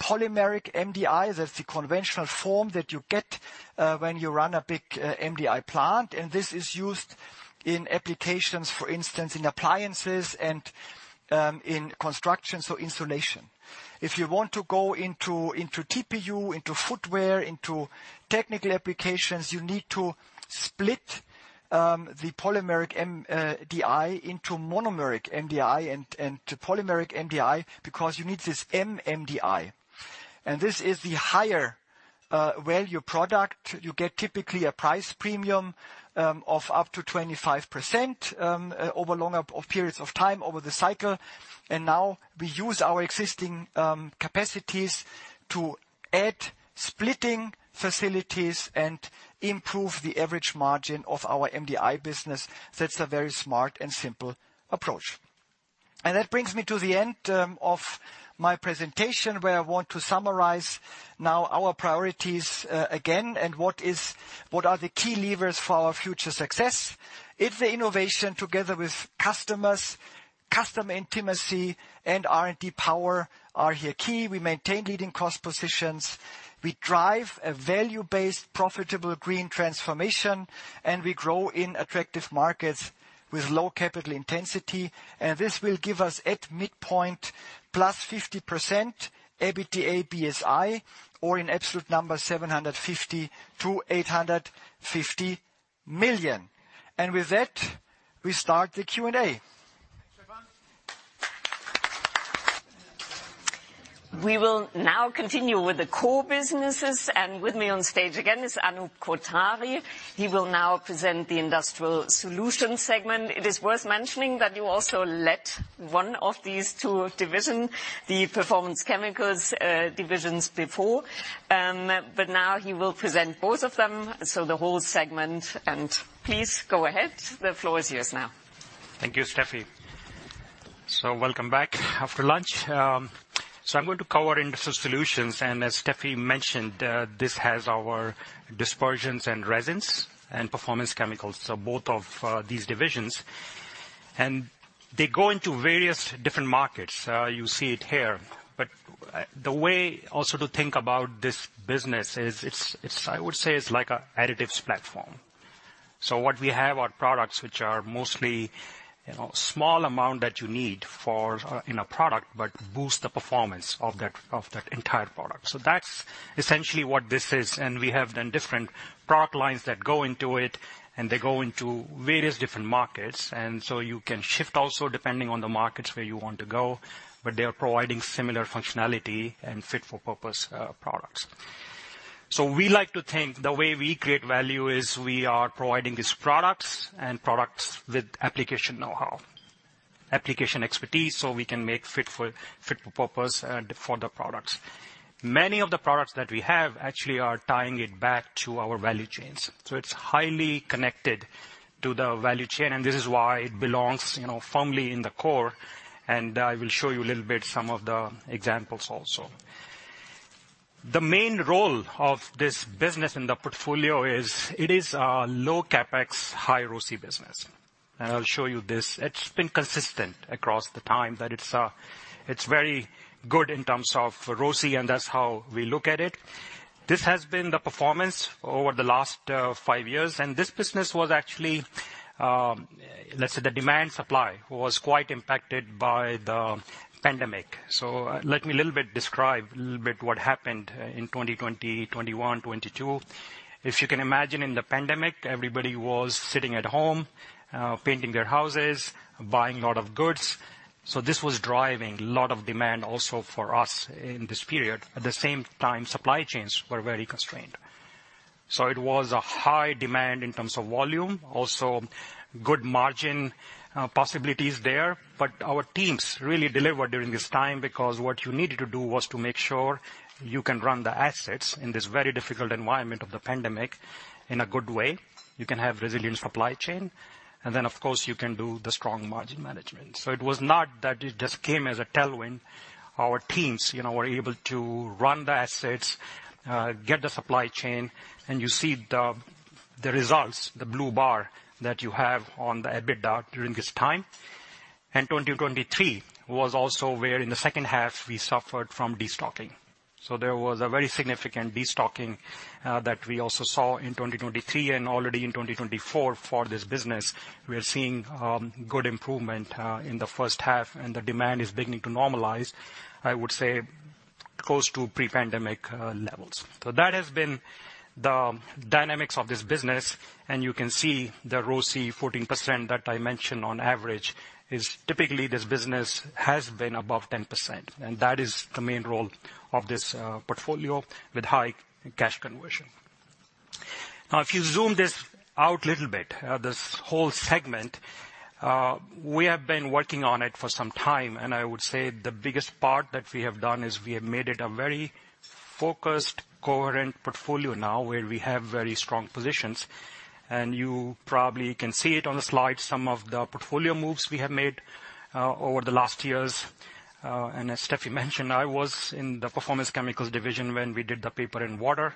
Polymeric MDI. That's the conventional form that you get when you run a big MDI plant, and this is used in applications, for instance, in appliances and in construction, so insulation. If you want to go into TPU, into footwear, into technical applications, you need to split the polymeric MDI into monomeric MDI and to polymeric MDI, because you need this MMDI, and this is the higher value product. You get typically a price premium of up to 25% over longer periods of time over the cycle. And now we use our existing capacities to add splitting facilities and improve the average margin of our MDI business. That's a very smart and simple approach. And that brings me to the end of my presentation, where I want to summarize now our priorities again, and what are the key levers for our future success? It's the innovation together with customers, customer intimacy and R&D power are here key. We maintain leading cost positions. We drive a value-based, profitable green transformation, and we grow in attractive markets with low capital intensity, and this will give us at midpoint plus 50% EBITDA BSI, or in absolute number 750-850 million. With that, we start the Q&A. We will now continue with the core businesses, and with me on stage again is Anup Kothari. He will now present the Industrial Solutions segment. It is worth mentioning that you also led one of these two division, the Performance Chemicals, divisions before, but now he will present both of them, so the whole segment, and please go ahead. The floor is yours now. Thank you, Steffi. So welcome back after lunch. I'm going to cover Industrial Solutions, and as Steffi mentioned, this has our Dispersions and Resins and performance chemicals, so both of these divisions. And they go into various different markets. You see it here. But the way also to think about this business is, I would say, it's like a additives platform. So what we have are products which are mostly, you know, small amount that you need in a product, but boost the performance of that entire product. So that's essentially what this is, and we have then different product lines that go into it, and they go into various different markets. And so you can shift also depending on the markets where you want to go, but they are providing similar functionality and fit-for-purpose products. So we like to think the way we create value is we are providing these products and products with application know-how, application expertise, so we can make fit for, fit for purpose, for the products. Many of the products that we have actually are tying it back to our value chains, so it's highly connected to the value chain, and this is why it belongs, you know, firmly in the core, and I will show you a little bit some of the examples also. The main role of this business in the portfolio is it is a low CapEx, high ROC business, and I'll show you this. It's been consistent across the time, that it's, it's very good in terms of ROC, and that's how we look at it. This has been the performance over the last five years, and this business was actually... Let's say, the demand supply was quite impacted by the pandemic. So let me a little bit describe what happened in 2020, 2021, 2022. If you can imagine, in the pandemic, everybody was sitting at home, painting their houses, buying a lot of goods, so this was driving a lot of demand also for us in this period. At the same time, supply chains were very constrained. So it was a high demand in terms of volume, also good margin possibilities there. But our teams really delivered during this time, because what you needed to do was to make sure you can run the assets in this very difficult environment of the pandemic in a good way. You can have resilient supply chain, and then, of course, you can do the strong margin management. So it was not that it just came as a tailwind. Our teams, you know, were able to run the assets, get the supply chain, and you see the, the results, the blue bar, that you have on the EBITDA during this time. And 2023 was also where in the second half, we suffered from destocking. So there was a very significant destocking, that we also saw in 2023, and already in 2024 for this business. We are seeing good improvement in the first half, and the demand is beginning to normalize, I would say, close to pre-pandemic levels. So that has been the dynamics of this business, and you can see the ROC 14% that I mentioned on average is typically. This business has been above 10%, and that is the main role of this portfolio with high cash conversion. Now, if you zoom this out a little bit, this whole segment, we have been working on it for some time, and I would say the biggest part that we have done is we have made it a very focused, coherent portfolio now, where we have very strong positions. And you probably can see it on the slide, some of the portfolio moves we have made over the last years. And as Steffi mentioned, I was in the Performance Chemicals division when we did the paper and water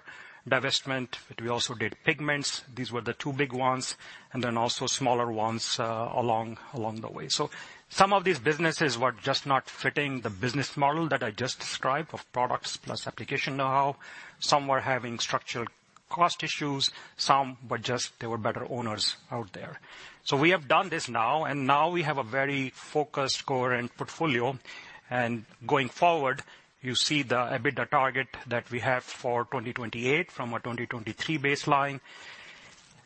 divestment, but we also did pigments. These were the two big ones, and then also smaller ones along the way. So some of these businesses were just not fitting the business model that I just described of products plus application know-how. Some were having structural cost issues. Some were just, there were better owners out there. So we have done this now, and now we have a very focused, coherent portfolio. And going forward, you see the EBITDA target that we have for 2028 from our 2023 baseline.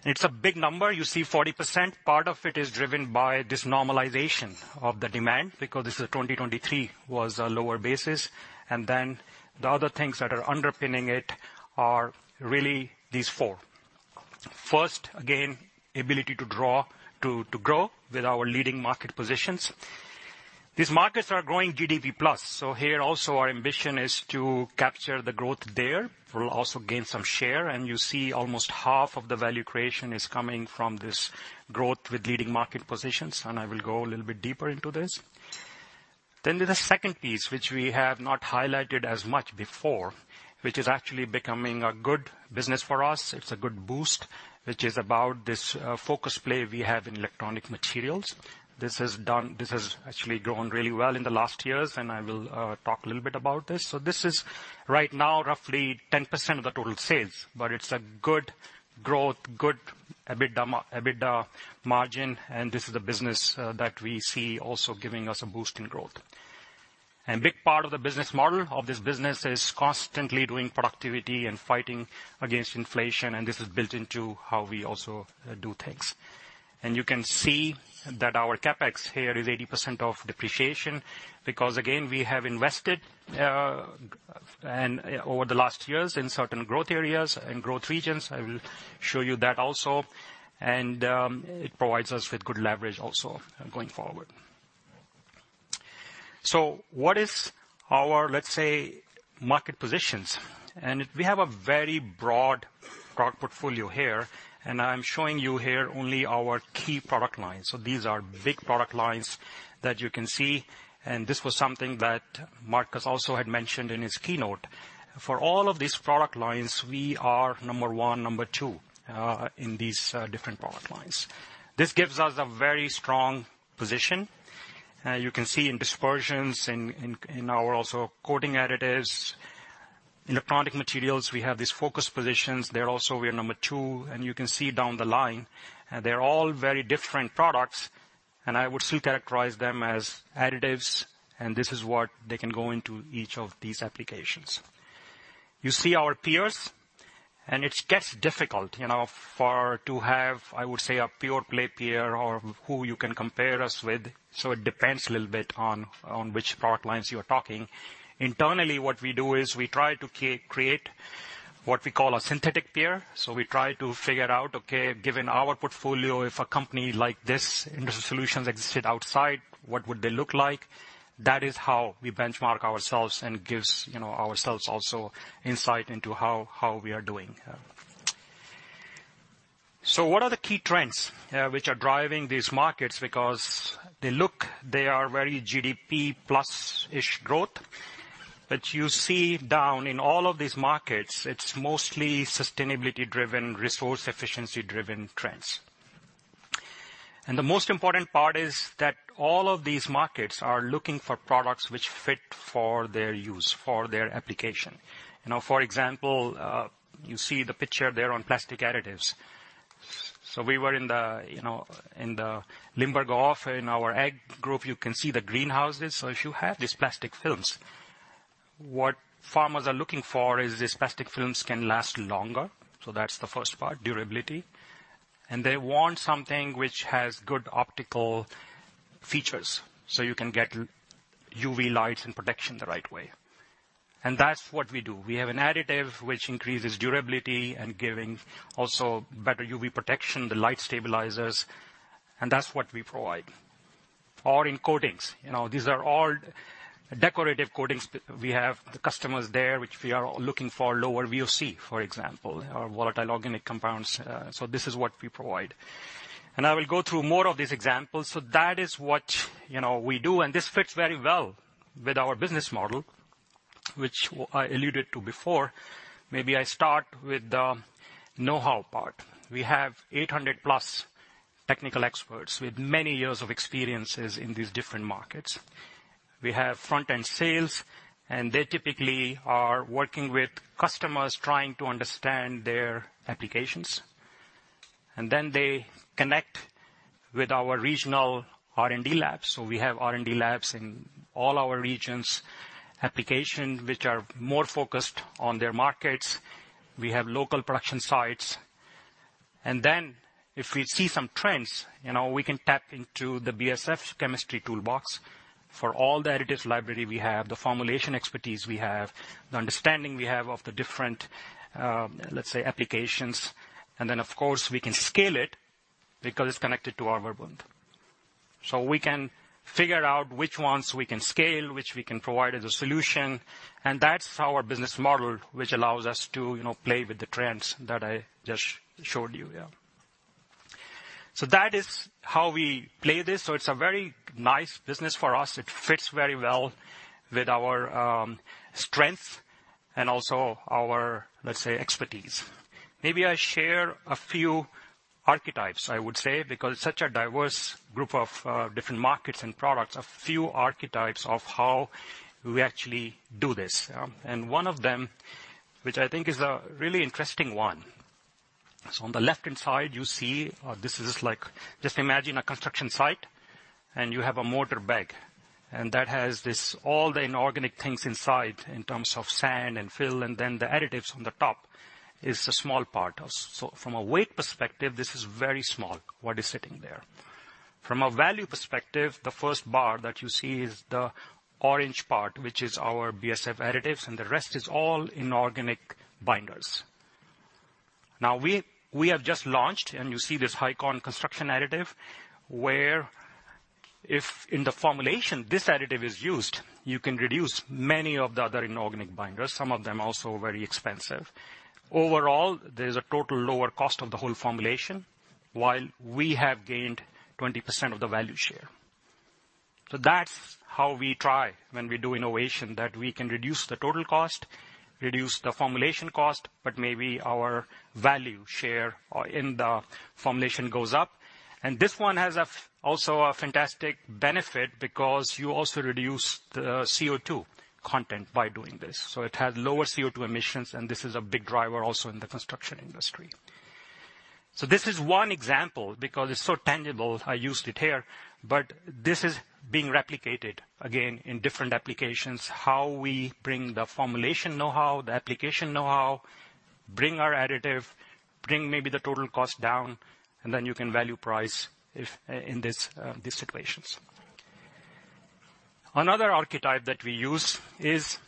It's a big number. You see 40%. Part of it is driven by this normalization of the demand, because this is a 2023 was a lower basis. And then the other things that are underpinning it are really these four: First, again, ability to grow with our leading market positions. These markets are growing GDP plus, so here also our ambition is to capture the growth there. We'll also gain some share, and you see almost half of the value creation is coming from this growth with leading market positions, and I will go a little bit deeper into this. Then the second piece, which we have not highlighted as much before, which is actually becoming a good business for us, it's a good boost, which is about this, focus play we have in Electronic Materials. This has actually grown really well in the last years, and I will talk a little bit about this. So this is, right now, roughly 10% of the total sales, but it's a good growth, good EBITDA margin, and this is a business that we see also giving us a boost in growth. A big part of the business model of this business is constantly doing productivity and fighting against inflation, and this is built into how we also do things. You can see that our CapEx here is 80% of depreciation, because, again, we have invested and over the last years in certain growth areas and growth regions. I will show you that also, and it provides us with good leverage also going forward. What is our, let's say, market positions? We have a very broad product portfolio here, and I'm showing you here only our key product lines. These are big product lines that you can see, and this was something that Marcus also had mentioned in his keynote. For all of these product lines, we are number one, number two in these different product lines. This gives us a very strong position. You can see in dispersions, in our also coating additives. In electronic materials, we have these focus positions. There also we are number two, and you can see down the line, they're all very different products, and I would still characterize them as additives, and this is what they can go into each of these applications. You see our peers, and it gets difficult, you know, for to have, I would say, a pure play peer or who you can compare us with. So it depends a little bit on which product lines you are talking. Internally, what we do is we try to create what we call a synthetic peer. So we try to figure out, okay, given our portfolio, if a company like this, Industry Solutions, existed outside, what would they look like? That is how we benchmark ourselves and gives, you know, ourselves also insight into how we are doing. So what are the key trends, which are driving these markets? Because they look, they are very GDP plus-ish growth. But you see down in all of these markets, it's mostly sustainability-driven, resource efficiency-driven trends. And the most important part is that all of these markets are looking for products which fit for their use, for their application. You know, for example, you see the picture there on plastic additives. So we were in the, you know, in the Limburgerhof in our age group, you can see the greenhouses. So if you have these plastic films, what farmers are looking for is these plastic films can last longer. So that's the first part, durability. They want something which has good optical features, so you can get UV light and protection the right way. That's what we do. We have an additive which increases durability and giving also better UV protection, the light stabilizers, and that's what we provide. In coatings, you know, these are all decorative coatings. We have the customers there, which we are looking for lower VOC, for example, or volatile organic compounds. This is what we provide. I will go through more of these examples. That is what, you know, we do, and this fits very well with our business model, which I alluded to before. Maybe I start with the know-how part. We have 800-plus technical experts with many years of experiences in these different markets. We have front-end sales, and they typically are working with customers, trying to understand their applications, and then they connect with our regional R&D labs. So we have R&D labs in all our regions, applications which are more focused on their markets. We have local production sites. And then if we see some trends, you know, we can tap into the BASF chemistry toolbox. For all the additives library we have, the formulation expertise we have, the understanding we have of the different, let's say, applications, and then, of course, we can scale it because it's connected to our Verbund. So we can figure out which ones we can scale, which we can provide as a solution, and that's our business model, which allows us to, you know, play with the trends that I just showed you here. So that is how we play this. It's a very nice business for us. It fits very well with our strength and also our, let's say, expertise. Maybe I share a few archetypes, I would say, because such a diverse group of different markets and products, a few archetypes of how we actually do this. And one of them, which I think is a really interesting one. So on the left-hand side, you see this is like... Just imagine a construction site, and you have a mortar bag, and that has this, all the inorganic things inside in terms of sand and fill, and then the additives on the top is a small part. So from a weight perspective, this is very small, what is sitting there. From a value perspective, the first bar that you see is the orange part, which is our BASF additives, and the rest is all inorganic binders. Now, we have just launched, and you see this HyCon construction additive, where if in the formulation this additive is used, you can reduce many of the other inorganic binders, some of them also very expensive. Overall, there's a total lower cost of the whole formulation, while we have gained 20% of the value share. So that's how we try when we do innovation, that we can reduce the total cost, reduce the formulation cost, but maybe our value share or in the formulation goes up. And this one has also a fantastic benefit because you also reduce the CO2 content by doing this. So it has lower CO2 emissions, and this is a big driver also in the construction industry. This is one example, because it's so tangible, I used it here, but this is being replicated again in different applications. How we bring the formulation know-how, the application know-how, bring our additive, bring maybe the total cost down, and then you can value price if, in this, these situations. Another archetype that we use is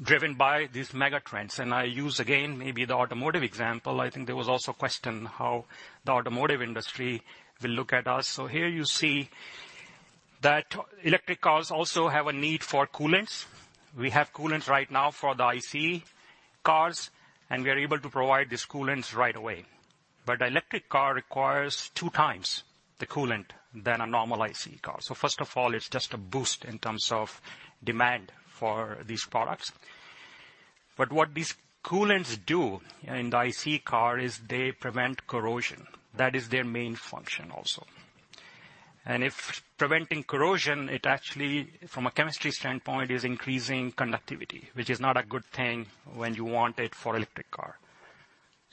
driven by these megatrends, and I use, again, maybe the automotive example. I think there was also a question how the automotive industry will look at us. Here you see that electric cars also have a need for coolants. We have coolants right now for the ICE cars, and we are able to provide these coolants right away. But the electric car requires two times the coolant than a normal ICE car. First of all, it's just a boost in terms of demand for these products. What these coolants do in the ICE car is they prevent corrosion. That is their main function also. If preventing corrosion, it actually, from a chemistry standpoint, is increasing conductivity, which is not a good thing when you want it for electric car.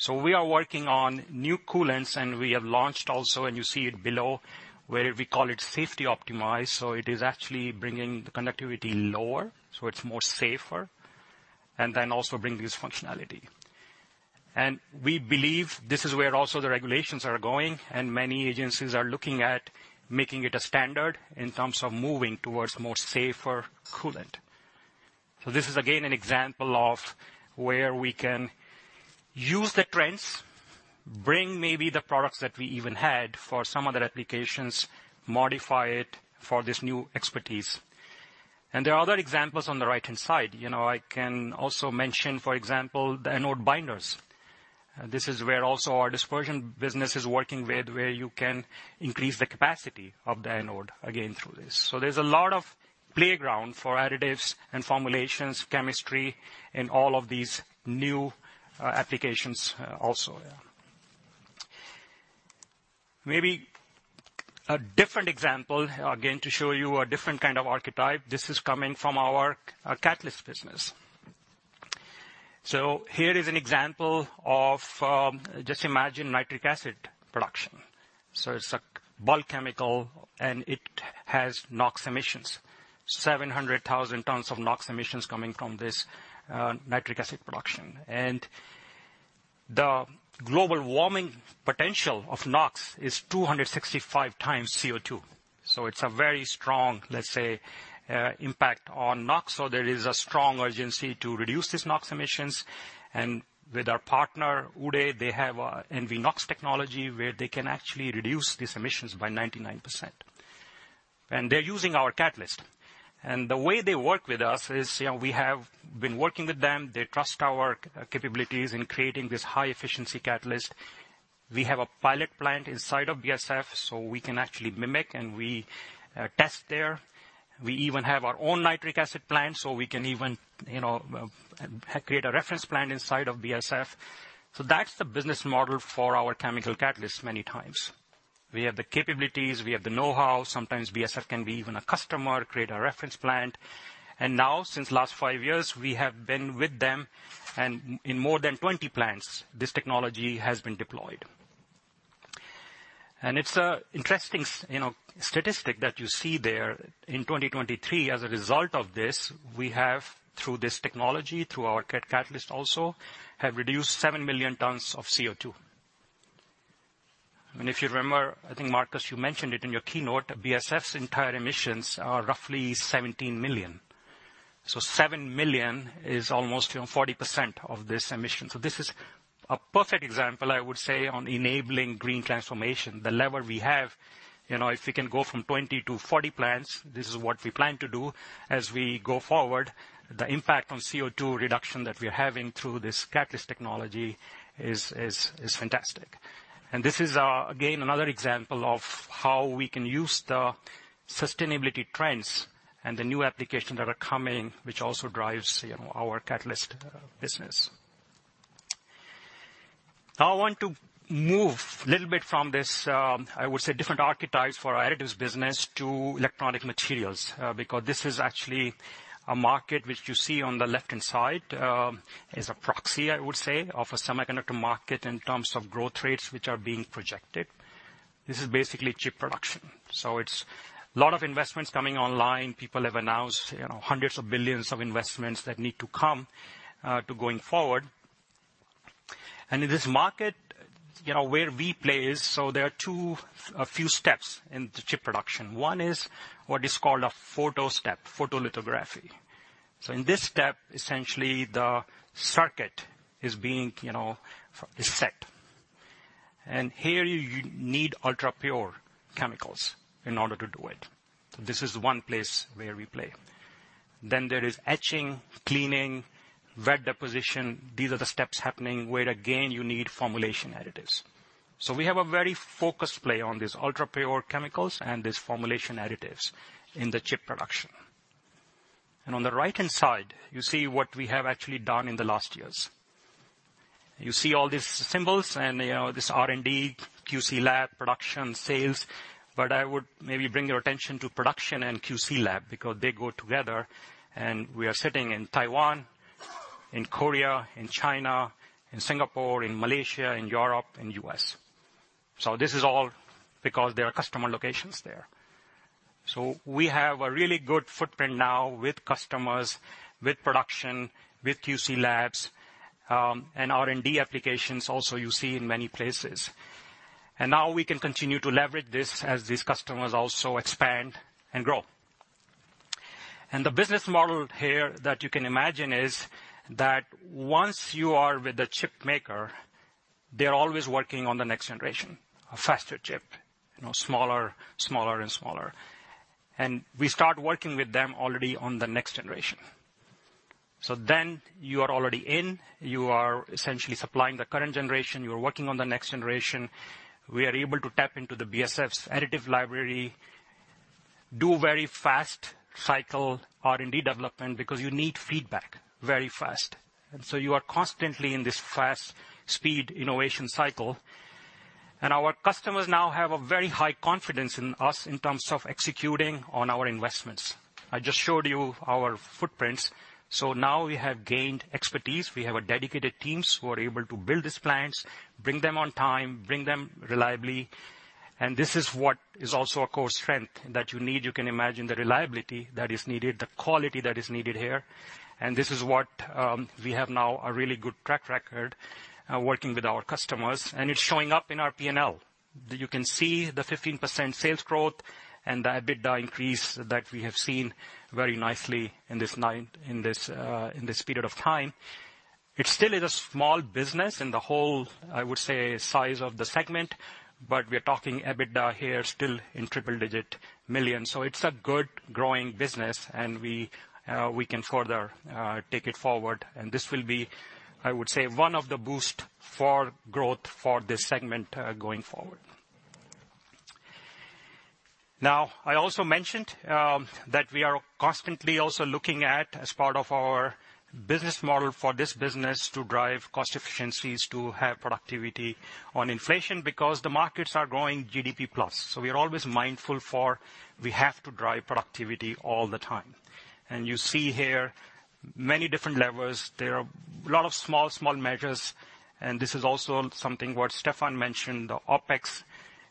We are working on new coolants, and we have launched also, and you see it below, where we call it safety optimized. It is actually bringing the conductivity lower, so it's more safer, and then also bringing this functionality. We believe this is where also the regulations are going, and many agencies are looking at making it a standard in terms of moving towards a more safer coolant. This is, again, an example of where we can use the trends, bring maybe the products that we even had for some other applications, modify it for this new expertise. And there are other examples on the right-hand side. You know, I can also mention, for example, the anode binders. This is where also our dispersion business is working with, where you can increase the capacity of the anode, again, through this. So there's a lot of playground for additives and formulations, chemistry, and all of these new applications also, yeah. Maybe a different example, again, to show you a different kind of archetype. This is coming from our catalyst business. So here is an example of... Just imagine nitric acid production. So it's a bulk chemical, and it has NOx emissions, seven hundred thousand tons of NOx emissions coming from this nitric acid production. And the global warming potential of NOx is two hundred and sixty-five times CO2. So it's a very strong, let's say, impact on NOx. There is a strong urgency to reduce these NOx emissions. With our partner, Uhde, they have a EnviNOx technology, where they can actually reduce these emissions by 99%. They're using our catalyst. The way they work with us is, you know, we have been working with them. They trust our capabilities in creating this high-efficiency catalyst. We have a pilot plant inside of BASF, so we can actually mimic, and we test there. We even have our own nitric acid plant, so we can even, you know, create a reference plant inside of BASF. That's the business model for our chemical catalyst many times. We have the capabilities, we have the know-how. Sometimes BASF can be even a customer, create a reference plant. Now, since last five years, we have been with them, and in more than 20 plants, this technology has been deployed. It's an interesting, you know, statistic that you see there. In 2023, as a result of this, we have, through this technology, through our catalyst also, have reduced 7 million tons of CO2. If you remember, I think, Marcus, you mentioned it in your keynote, BASF's entire emissions are roughly 17 million. Seven million is almost, you know, 40% of this emission. This is a perfect example, I would say, on enabling green transformation. The level we have, you know, if we can go from 20-40 plants, this is what we plan to do as we go forward, the impact on CO2 reduction that we are having through this catalyst technology is fantastic. And this is, again, another example of how we can use the sustainability trends and the new applications that are coming, which also drives, you know, our catalyst business. Now, I want to move a little bit from this, I would say, different archetypes for our additives business to electronic materials, because this is actually a market which you see on the left-hand side, is a proxy, I would say, of a semiconductor market in terms of growth rates, which are being projected. This is basically chip production, so it's a lot of investments coming online. People have announced, you know, hundreds of billions of investments that need to come, to going forward. And in this market, you know, where we play is... So there are two, a few steps in the chip production. One is what is called a photo step, photolithography. So in this step, essentially the circuit is being, you know, is set. And here, you need ultra-pure chemicals in order to do it. This is one place where we play. Then there is etching, cleaning, wet deposition. These are the steps happening, where, again, you need formulation additives. So we have a very focused play on these ultra-pure chemicals and these formulation additives in the chip production. And on the right-hand side, you see what we have actually done in the last years. You see all these symbols and, you know, this R&D, QC lab, production, sales, but I would maybe bring your attention to production and QC lab, because they go together, and we are sitting in Taiwan, in Korea, in China, in Singapore, in Malaysia, in Europe, and U.S. So this is all because there are customer locations there. We have a really good footprint now with customers, with production, with QC labs, and R&D applications also you see in many places. Now we can continue to leverage this as these customers also expand and grow. The business model here that you can imagine is that once you are with the chip maker, they're always working on the next generation, a faster chip, you know, smaller, smaller, and smaller. We start working with them already on the next generation. Then you are already in, you are essentially supplying the current generation, you are working on the next generation. We are able to tap into the BASF's additive library, do very fast cycle R&D development, because you need feedback very fast. You are constantly in this fast speed innovation cycle. And our customers now have a very high confidence in us in terms of executing on our investments. I just showed you our footprints. So now we have gained expertise. We have dedicated teams who are able to build these plants, bring them on time, bring them reliably, and this is what is also a core strength that you need. You can imagine the reliability that is needed, the quality that is needed here, and this is what we have now, a really good track record working with our customers, and it's showing up in our P&L. You can see the 15% sales growth and the EBITDA increase that we have seen very nicely in this period of time. It still is a small business in the whole, I would say, size of the segment, but we are talking EBITDA here still in triple digit millions, so it's a good, growing business, and we, we can further, take it forward, and this will be, I would say, one of the boost for growth for this segment, going forward. Now, I also mentioned, that we are constantly also looking at, as part of our business model for this business, to drive cost efficiencies, to have productivity on inflation, because the markets are growing GDP plus. So we are always mindful for we have to drive productivity all the time, and you see here many different levers. There are a lot of small, small measures, and this is also something what Stefan mentioned, the OpEx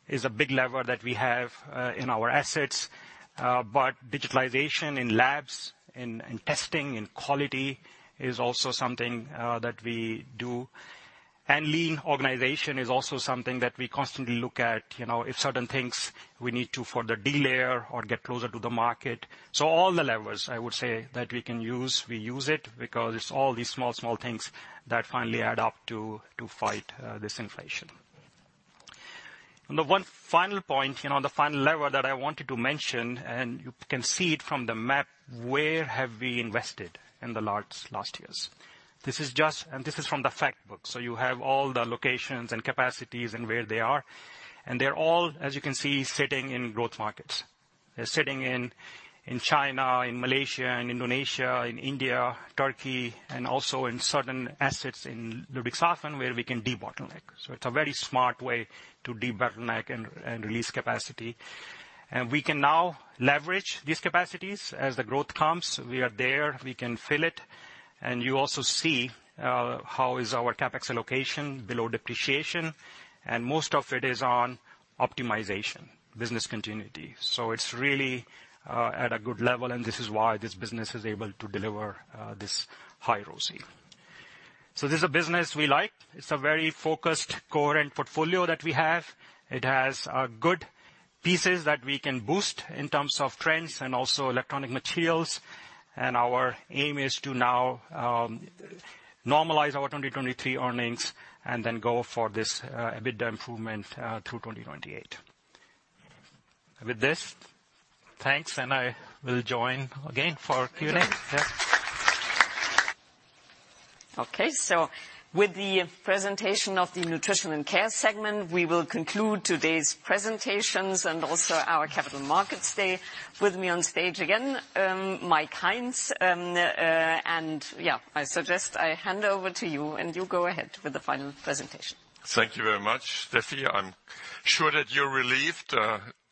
is a big lever that we have, in our assets, but digitalization in labs, in testing, in quality is also something, that we do. And lean organization is also something that we constantly look at. You know, if certain things we need to further delayer or get closer to the market. So all the levers, I would say, that we can use, we use it, because it's all these small, small things that finally add up to fight this inflation. And the one final point, you know, the final lever that I wanted to mention, and you can see it from the map, where have we invested in the last years? This is just and this is from the fact book, so you have all the locations and capacities and where they are, and they're all, as you can see, sitting in growth markets. They're sitting in China, in Malaysia, in Indonesia, in India, Turkey, and also in certain assets in Ludwigshafen, where we can debottleneck. So it's a very smart way to debottleneck and release capacity. And we can now leverage these capacities. As the growth comes, we are there, we can fill it. And you also see how is our CapEx allocation below depreciation, and most of it is on optimization, business continuity. So it's really at a good level, and this is why this business is able to deliver this high ROCE. So this is a business we like. It's a very focused, coherent portfolio that we have. It has good pieces that we can boost in terms of trends and also electronic materials. Our aim is to now normalize our 2023 earnings and then go for this EBITDA improvement through 2028. With this, thanks, and I will join again for Q&A. Yes. Okay, so with the presentation of the Nutrition and Care segment, we will conclude today's presentations and also our Capital Markets Day. With me on stage again, Mike Heinz. Yeah, I suggest I hand over to you, and you go ahead with the final presentation. Thank you very much, Steffi. I'm sure that you're relieved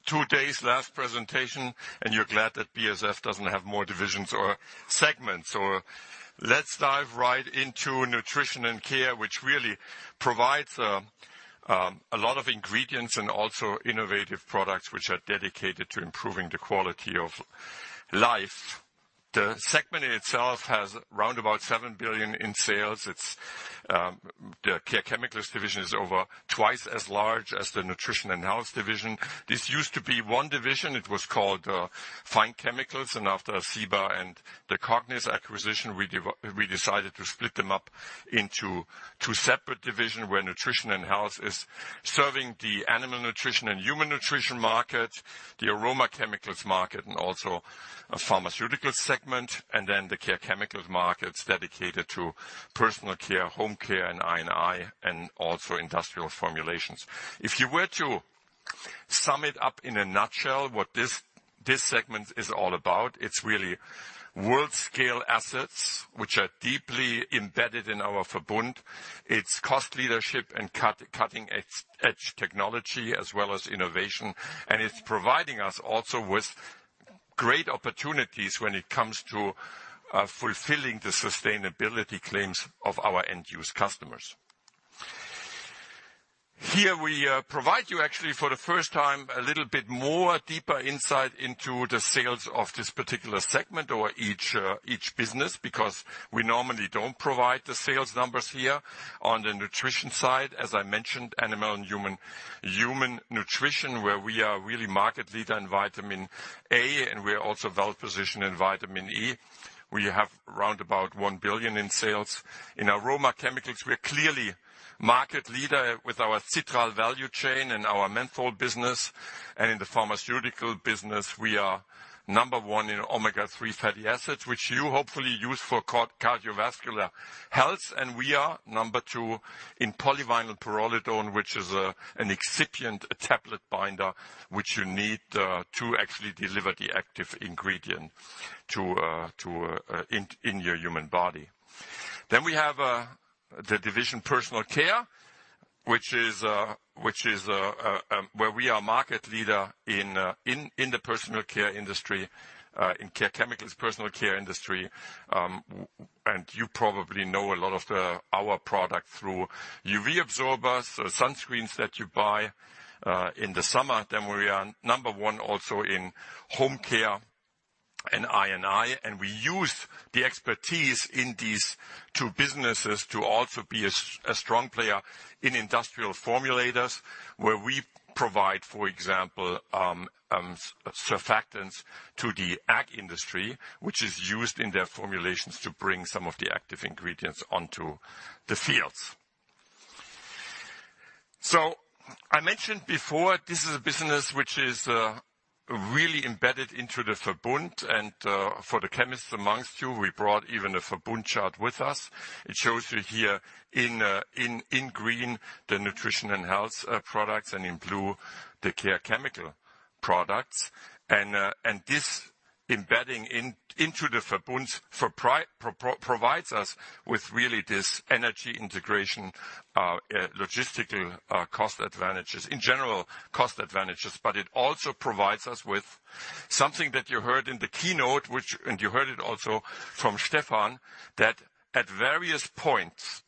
two days last presentation, and you're glad that BASF doesn't have more divisions or segments. So let's dive right into Nutrition and Care, which really provides a lot of ingredients and also innovative products which are dedicated to improving the quality of life. The segment in itself has round about 7 billion in sales. It's the Care Chemicals division is over twice as large as the Nutrition and Health division. This used to be one division. It was called Fine Chemicals, and after CIBA and the Cognis acquisition, we decided to split them up into two separate divisions, where Nutrition and Health is serving the animal nutrition and human nutrition market, the aroma chemicals market, and also a pharmaceutical segment. And then the Care Chemicals market's dedicated to Personal Care, Home Care, and INI, and also industrial formulations. If you were to sum it up in a nutshell, what this segment is all about, it's really world-scale assets, which are deeply embedded in our Verbund. It's cost leadership and cutting-edge technology, as well as innovation, and it's providing us also with great opportunities when it comes to fulfilling the sustainability claims of our end-user customers. Here we provide you actually for the first time a little bit more deeper insight into the sales of this particular segment or each business, because we normally don't provide the sales numbers here. On the nutrition side, as I mentioned, animal and human nutrition, where we are really market leader in vitamin A, and we are also well positioned in vitamin E. We have round about 1 billion in sales. In aroma chemicals, we are clearly market leader with our citral value chain and our menthol business. And in the pharmaceutical business, we are number one in omega-3 fatty acids, which you hopefully use for cardiovascular health. And we are number two in polyvinyl pyrrolidone, which is an excipient, a tablet binder, which you need to actually deliver the active ingredient to your human body. Then we have the division personal care, which is where we are market leader in the personal care industry in care chemicals, personal care industry. And you probably know a lot of our product through UV absorbers, the sunscreens that you buy in the summer. Then we are number one, also in Home Care and I&I, and we use the expertise in these two businesses to also be a strong player in Industrial Formulators, where we provide, for example, surfactants to the ag industry, which is used in their formulations to bring some of the active ingredients onto the fields. So I mentioned before, this is a business which is really embedded into the Verbund, and for the chemists amongst you, we brought even a Verbund chart with us. It shows you here in green, the nutrition and health products, and in blue, the care chemical products. And this embedding into the Verbunds provides us with really this energy integration, logistical cost advantages, in general, cost advantages. But it also provides us with something that you heard in the keynote, which, and you heard it also from Stefan, that at various points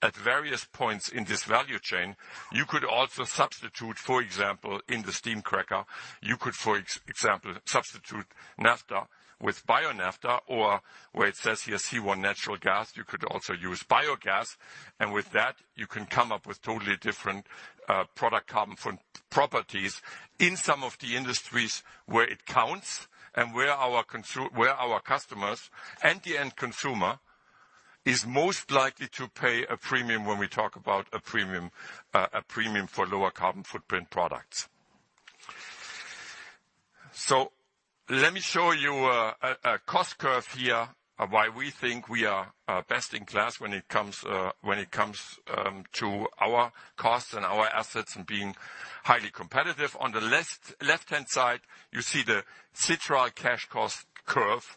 in this value chain, you could also substitute, for example, in the steam cracker, you could, for example, substitute naphtha with bio-naphtha, or where it says here, C1 natural gas, you could also use biogas, and with that, you can come up with totally different, product carbon footprint properties in some of the industries where it counts and where our customers and the end consumer is most likely to pay a premium when we talk about a premium for lower carbon footprint products. So let me show you a cost curve here of why we think we are best in class when it comes to our costs and our assets and being highly competitive. On the left-hand side, you see the citral cash cost curve,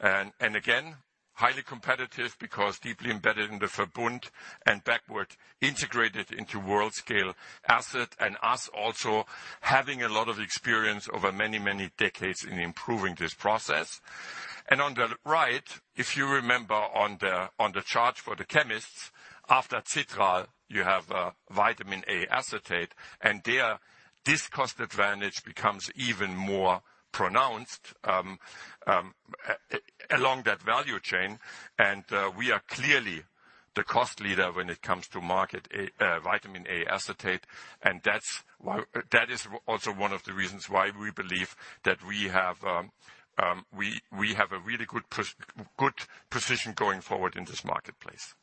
and again, highly competitive because deeply embedded in the Verbund and backward integrated into world scale asset, and us also having a lot of experience over many, many decades in improving this process, and on the right, if you remember on the chart for the chemists, after citral, you have vitamin A acetate, and there, this cost advantage becomes even more pronounced along that value chain, and we are clearly the cost leader when it comes to marketed vitamin A acetate. That is also one of the reasons why we believe that we have we have a really good position going forward in this marketplace.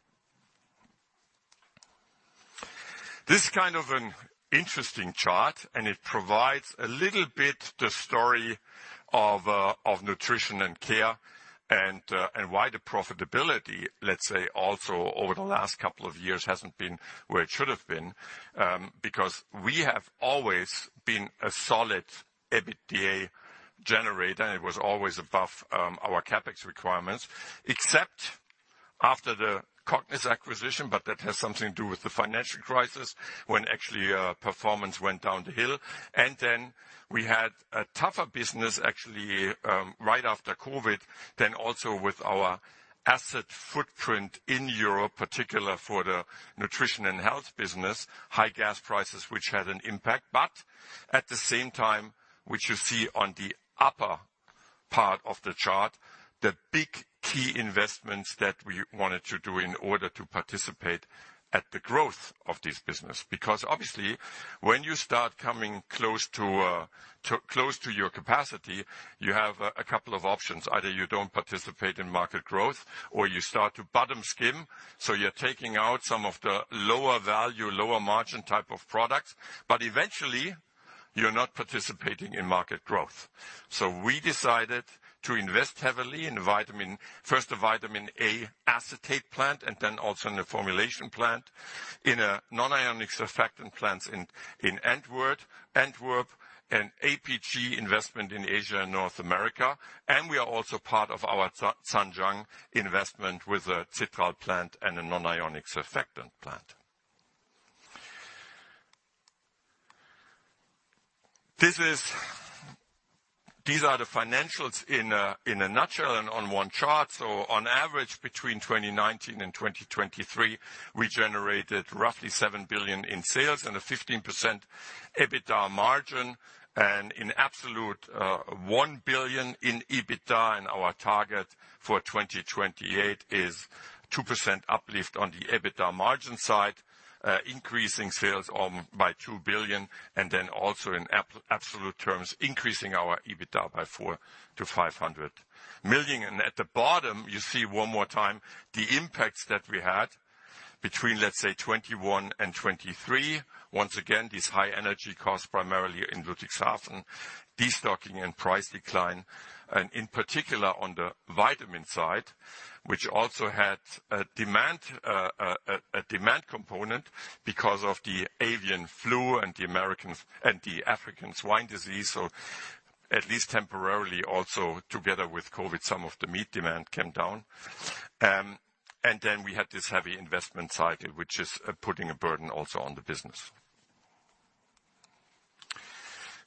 This kind of an interesting chart, and it provides a little bit the story of nutrition and care and why the profitability, let's say, also over the last couple of years, hasn't been where it should have been. Because we have always been a solid EBITDA generator, and it was always above our CapEx requirements, except after the Cognis acquisition, but that has something to do with the financial crisis, when actually performance went down the hill. And then we had a tougher business, actually, right after COVID, then also with our asset footprint in Europe, particular for the nutrition and health business, high gas prices, which had an impact. But at the same time, which you see on the upper part of the chart, the big key investments that we wanted to do in order to participate at the growth of this business. Because obviously, when you start coming close to your capacity, you have a couple of options. Either you don't participate in market growth or you start to bottom skim, so you're taking out some of the lower value, lower margin type of products, but eventually, you're not participating in market growth. So we decided to invest heavily in vitamin, first, a vitamin A acetate plant, and then also in a formulation plant, in a nonionic surfactant plants in Antwerp, an APG investment in Asia and North America. And we are also part of our Zhanjiang investment with a citral plant and a nonionic surfactant plant. These are the financials in a nutshell and on one chart. On average, between 2019 and 2023, we generated roughly 7 billion in sales and a 15% EBITDA margin, and in absolute, EUR 1 billion in EBITDA. Our target for 2028 is 2% uplift on the EBITDA margin side, increasing sales on by 2 billion, and then also in absolute terms, increasing our EBITDA by 400-EUR 500 million. At the bottom, you see one more time, the impacts that we had between, let's say, 2021 and 2023. Once again, these high energy costs, primarily in Ludwigshafen, destocking and price decline, and in particular on the vitamin side, which also had a demand component because of the avian flu and the Americans and the African swine disease. So at least temporarily, also together with COVID, some of the meat demand came down. And then we had this heavy investment cycle, which is putting a burden also on the business.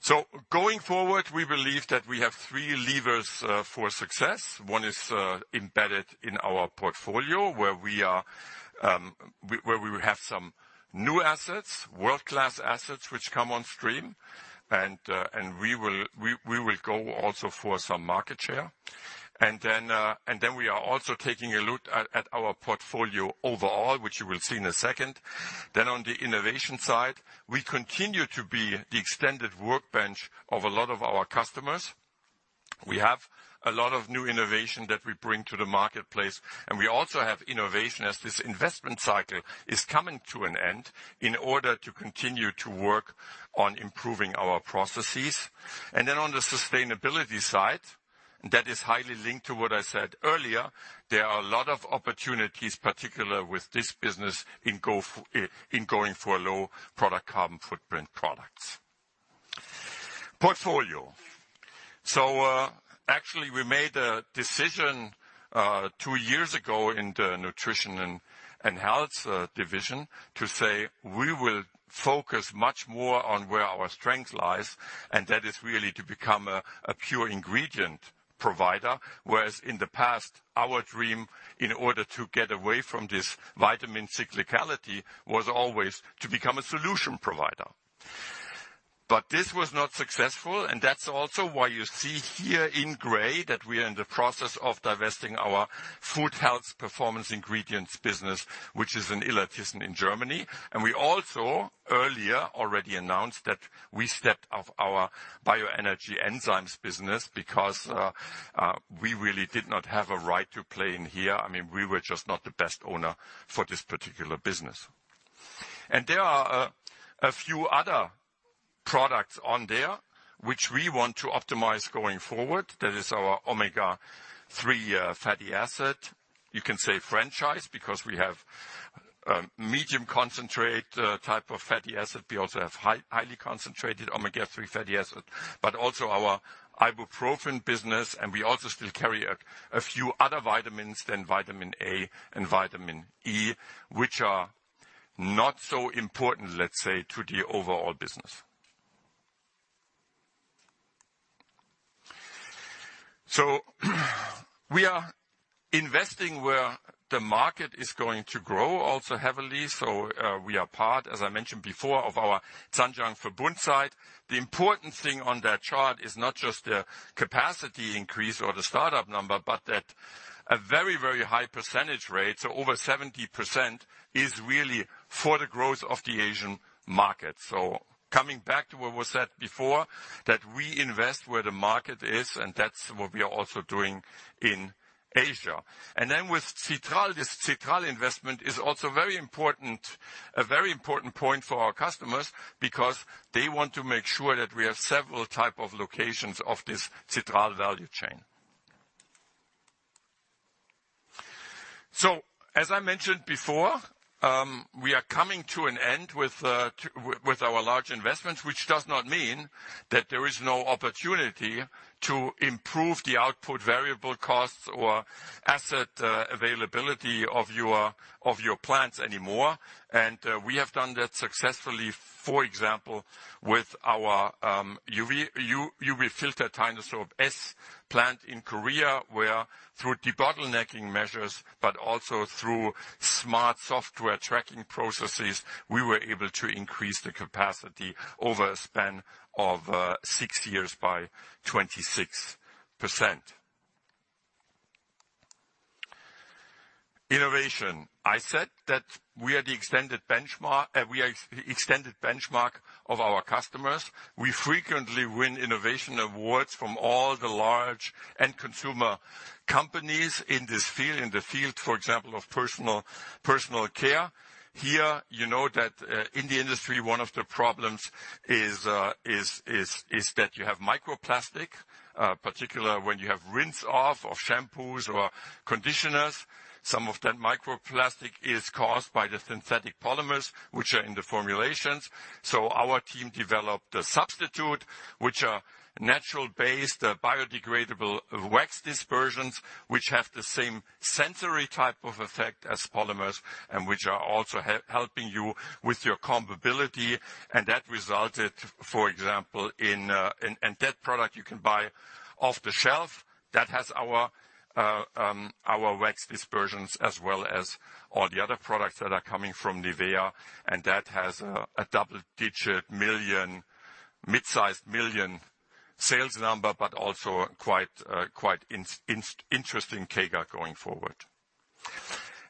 So going forward, we believe that we have three levers for success. One is embedded in our portfolio, where we are, where we have some new assets, world-class assets, which come on stream, and we will go also for some market share. And then we are also taking a look at our portfolio overall, which you will see in a second. Then on the innovation side, we continue to be the extended workbench of a lot of our customers. We have a lot of new innovation that we bring to the marketplace, and we also have innovation as this investment cycle is coming to an end, in order to continue to work on improving our processes. Then on the sustainability side, that is highly linked to what I said earlier, there are a lot of opportunities, particularly with this business, in going for a low product carbon footprint products portfolio. So, actually, we made a decision two years ago in the Nutrition and Care division, to say we will focus much more on where our strength lies, and that is really to become a pure ingredient provider. Whereas in the past, our dream, in order to get away from this vitamin cyclicality, was always to become a solution provider. But this was not successful, and that's also why you see here in gray that we are in the process of divesting our Food-Health Performance Ingredients business, which is in Illertissen in Germany. And we also earlier already announced that we stepped off our bioenergy enzymes business because we really did not have a right to play in here. I mean, we were just not the best owner for this particular business. And there are a few other products on there which we want to optimize going forward. That is our omega-3 fatty acid. You can say franchise, because we have medium concentrate type of fatty acid. We also have highly concentrated omega-3 fatty acid, but also our ibuprofen business, and we also still carry a few other vitamins than vitamin A and vitamin E, which are not so important, let's say, to the overall business. So we are investing where the market is going to grow also heavily. So, we are part, as I mentioned before, of our Zhanjiang Verbund site. The important thing on that chart is not just the capacity increase or the startup number, but that a very, very high percentage rate, so over 70%, is really for the growth of the Asian market. So coming back to what was said before, that we invest where the market is, and that's what we are also doing in Asia. And then with citral, this citral investment is also very important, a very important point for our customers, because they want to make sure that we have several type of locations of this citral value chain. So, as I mentioned before, we are coming to an end with our large investments, which does not mean that there is no opportunity to improve the output variable costs or asset availability of your plants anymore. And we have done that successfully, for example, with our UV filter Tinosorb S plant in Korea, where through debottlenecking measures, but also through smart software tracking processes, we were able to increase the capacity over a span of six years by 26%. Innovation. I said that we are the extended benchmark, we are extended benchmark of our customers. We frequently win innovation awards from all the large end consumer companies in this field, for example, of personal care. Here, you know that, in the industry, one of the problems is that you have microplastic, particularly when you have rinse-off of shampoos or conditioners. Some of that microplastic is caused by the synthetic polymers, which are in the formulations. So our team developed a substitute, which are natural-based, biodegradable wax dispersions, which have the same sensory type of effect as polymers, and which are also helping you with your combability, and that resulted, for example, in... That product you can buy off the shelf, that has our wax dispersions, as well as all the other products that are coming from Nivea, and that has a double-digit million, mid-sized million sales number, but also quite interesting CAGR going forward.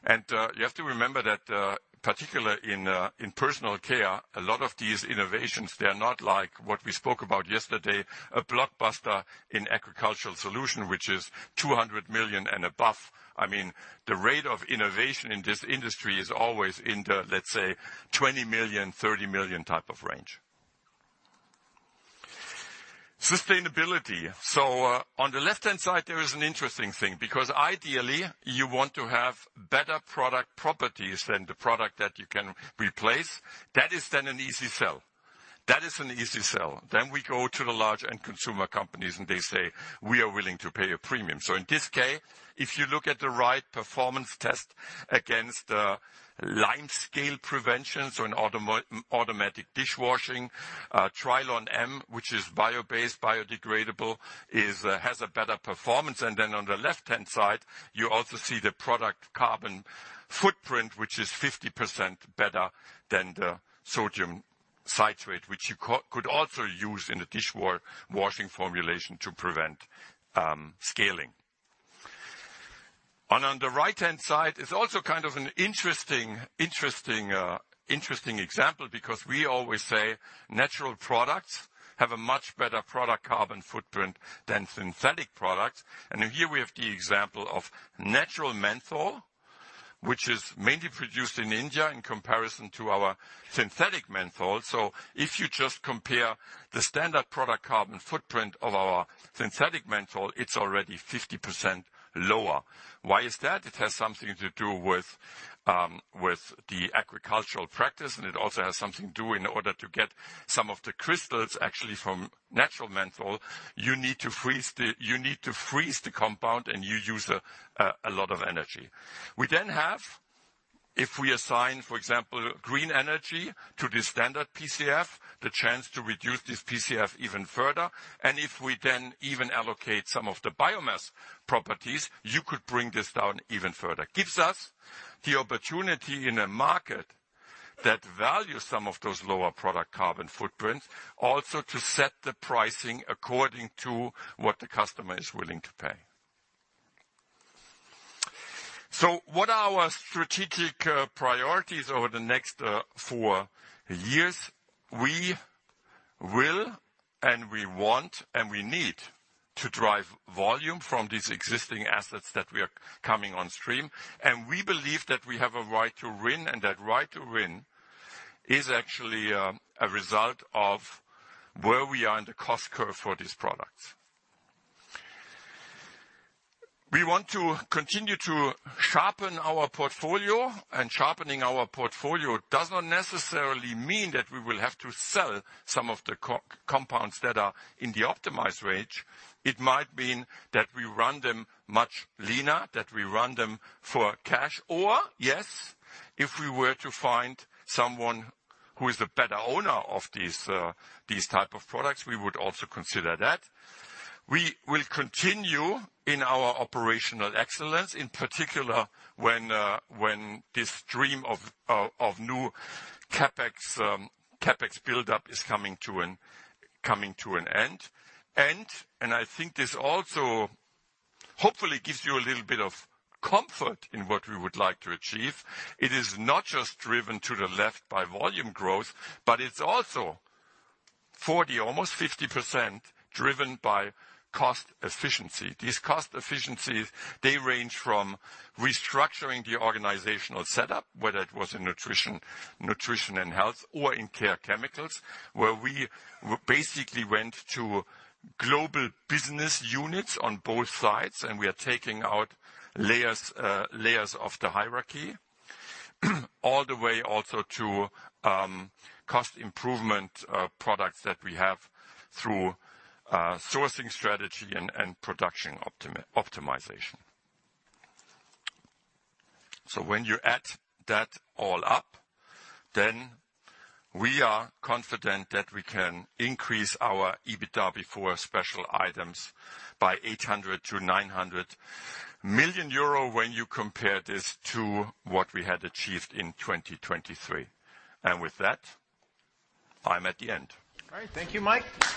And you have to remember that, particularly in personal care, a lot of these innovations, they are not like what we spoke about yesterday, a blockbuster in Agricultural Solution, which is 200 million and above. I mean, the rate of innovation in this industry is always in the, let's say, 20 million, 30 million type of range. Sustainability. So, on the left-hand side, there is an interesting thing, because ideally, you want to have better product properties than the product that you can replace. That is then an easy sell. That is an easy sell. Then we go to the large end consumer companies, and they say, "We are willing to pay a premium." So in this case, if you look at the right performance test against limescale prevention, so in automatic dishwashing, Trilon M, which is bio-based, biodegradable, has a better performance. And then on the left-hand side, you also see the product carbon footprint, which is 50% better than the sodium citrate, which you could also use in a washing formulation to prevent scaling. And on the right-hand side is also kind of an interesting example, because we always say natural products have a much better product carbon footprint than synthetic products. And here we have the example of natural menthol, which is mainly produced in India, in comparison to our synthetic menthol. So if you just compare the standard product carbon footprint of our synthetic menthol, it's already 50% lower. Why is that? It has something to do with, with the agricultural practice, and it also has something to do in order to get some of the crystals actually from natural menthol, you need to freeze the compound, and you use a lot of energy. We then have, if we assign, for example, green energy to the standard PCF, the chance to reduce this PCF even further, and if we then even allocate some of the biomass properties, you could bring this down even further. Gives us the opportunity in a market that values some of those lower product carbon footprints, also to set the pricing according to what the customer is willing to pay. So what are our strategic priorities over the next four years? We will, and we want, and we need to drive volume from these existing assets that we are coming on stream, and we believe that we have a right to win, and that right to win is actually a result of where we are in the cost curve for these products. We want to continue to sharpen our portfolio, and sharpening our portfolio does not necessarily mean that we will have to sell some of the core compounds that are in the optimized range. It might mean that we run them much leaner, that we run them for cash, or, yes, if we were to find someone who is the better owner of these, these type of products, we would also consider that. We will continue in our operational excellence, in particular, when this dream of new CapEx buildup is coming to an end. And I think this also hopefully gives you a little bit of comfort in what we would like to achieve. It is not just driven to the left by volume growth, but it's also 40%, almost 50% driven by cost efficiency. These cost efficiencies, they range from restructuring the organizational setup, whether it was in nutrition and health, or in care chemicals, where we basically went to global business units on both sides, and we are taking out layers of the hierarchy. All the way also to cost improvement products that we have through sourcing strategy and production optimization. When you add that all up, then we are confident that we can increase our EBITDA before special items by 800-900 million euro when you compare this to what we had achieved in 2023. And with that, I'm at the end. All right. Thank you, Mike.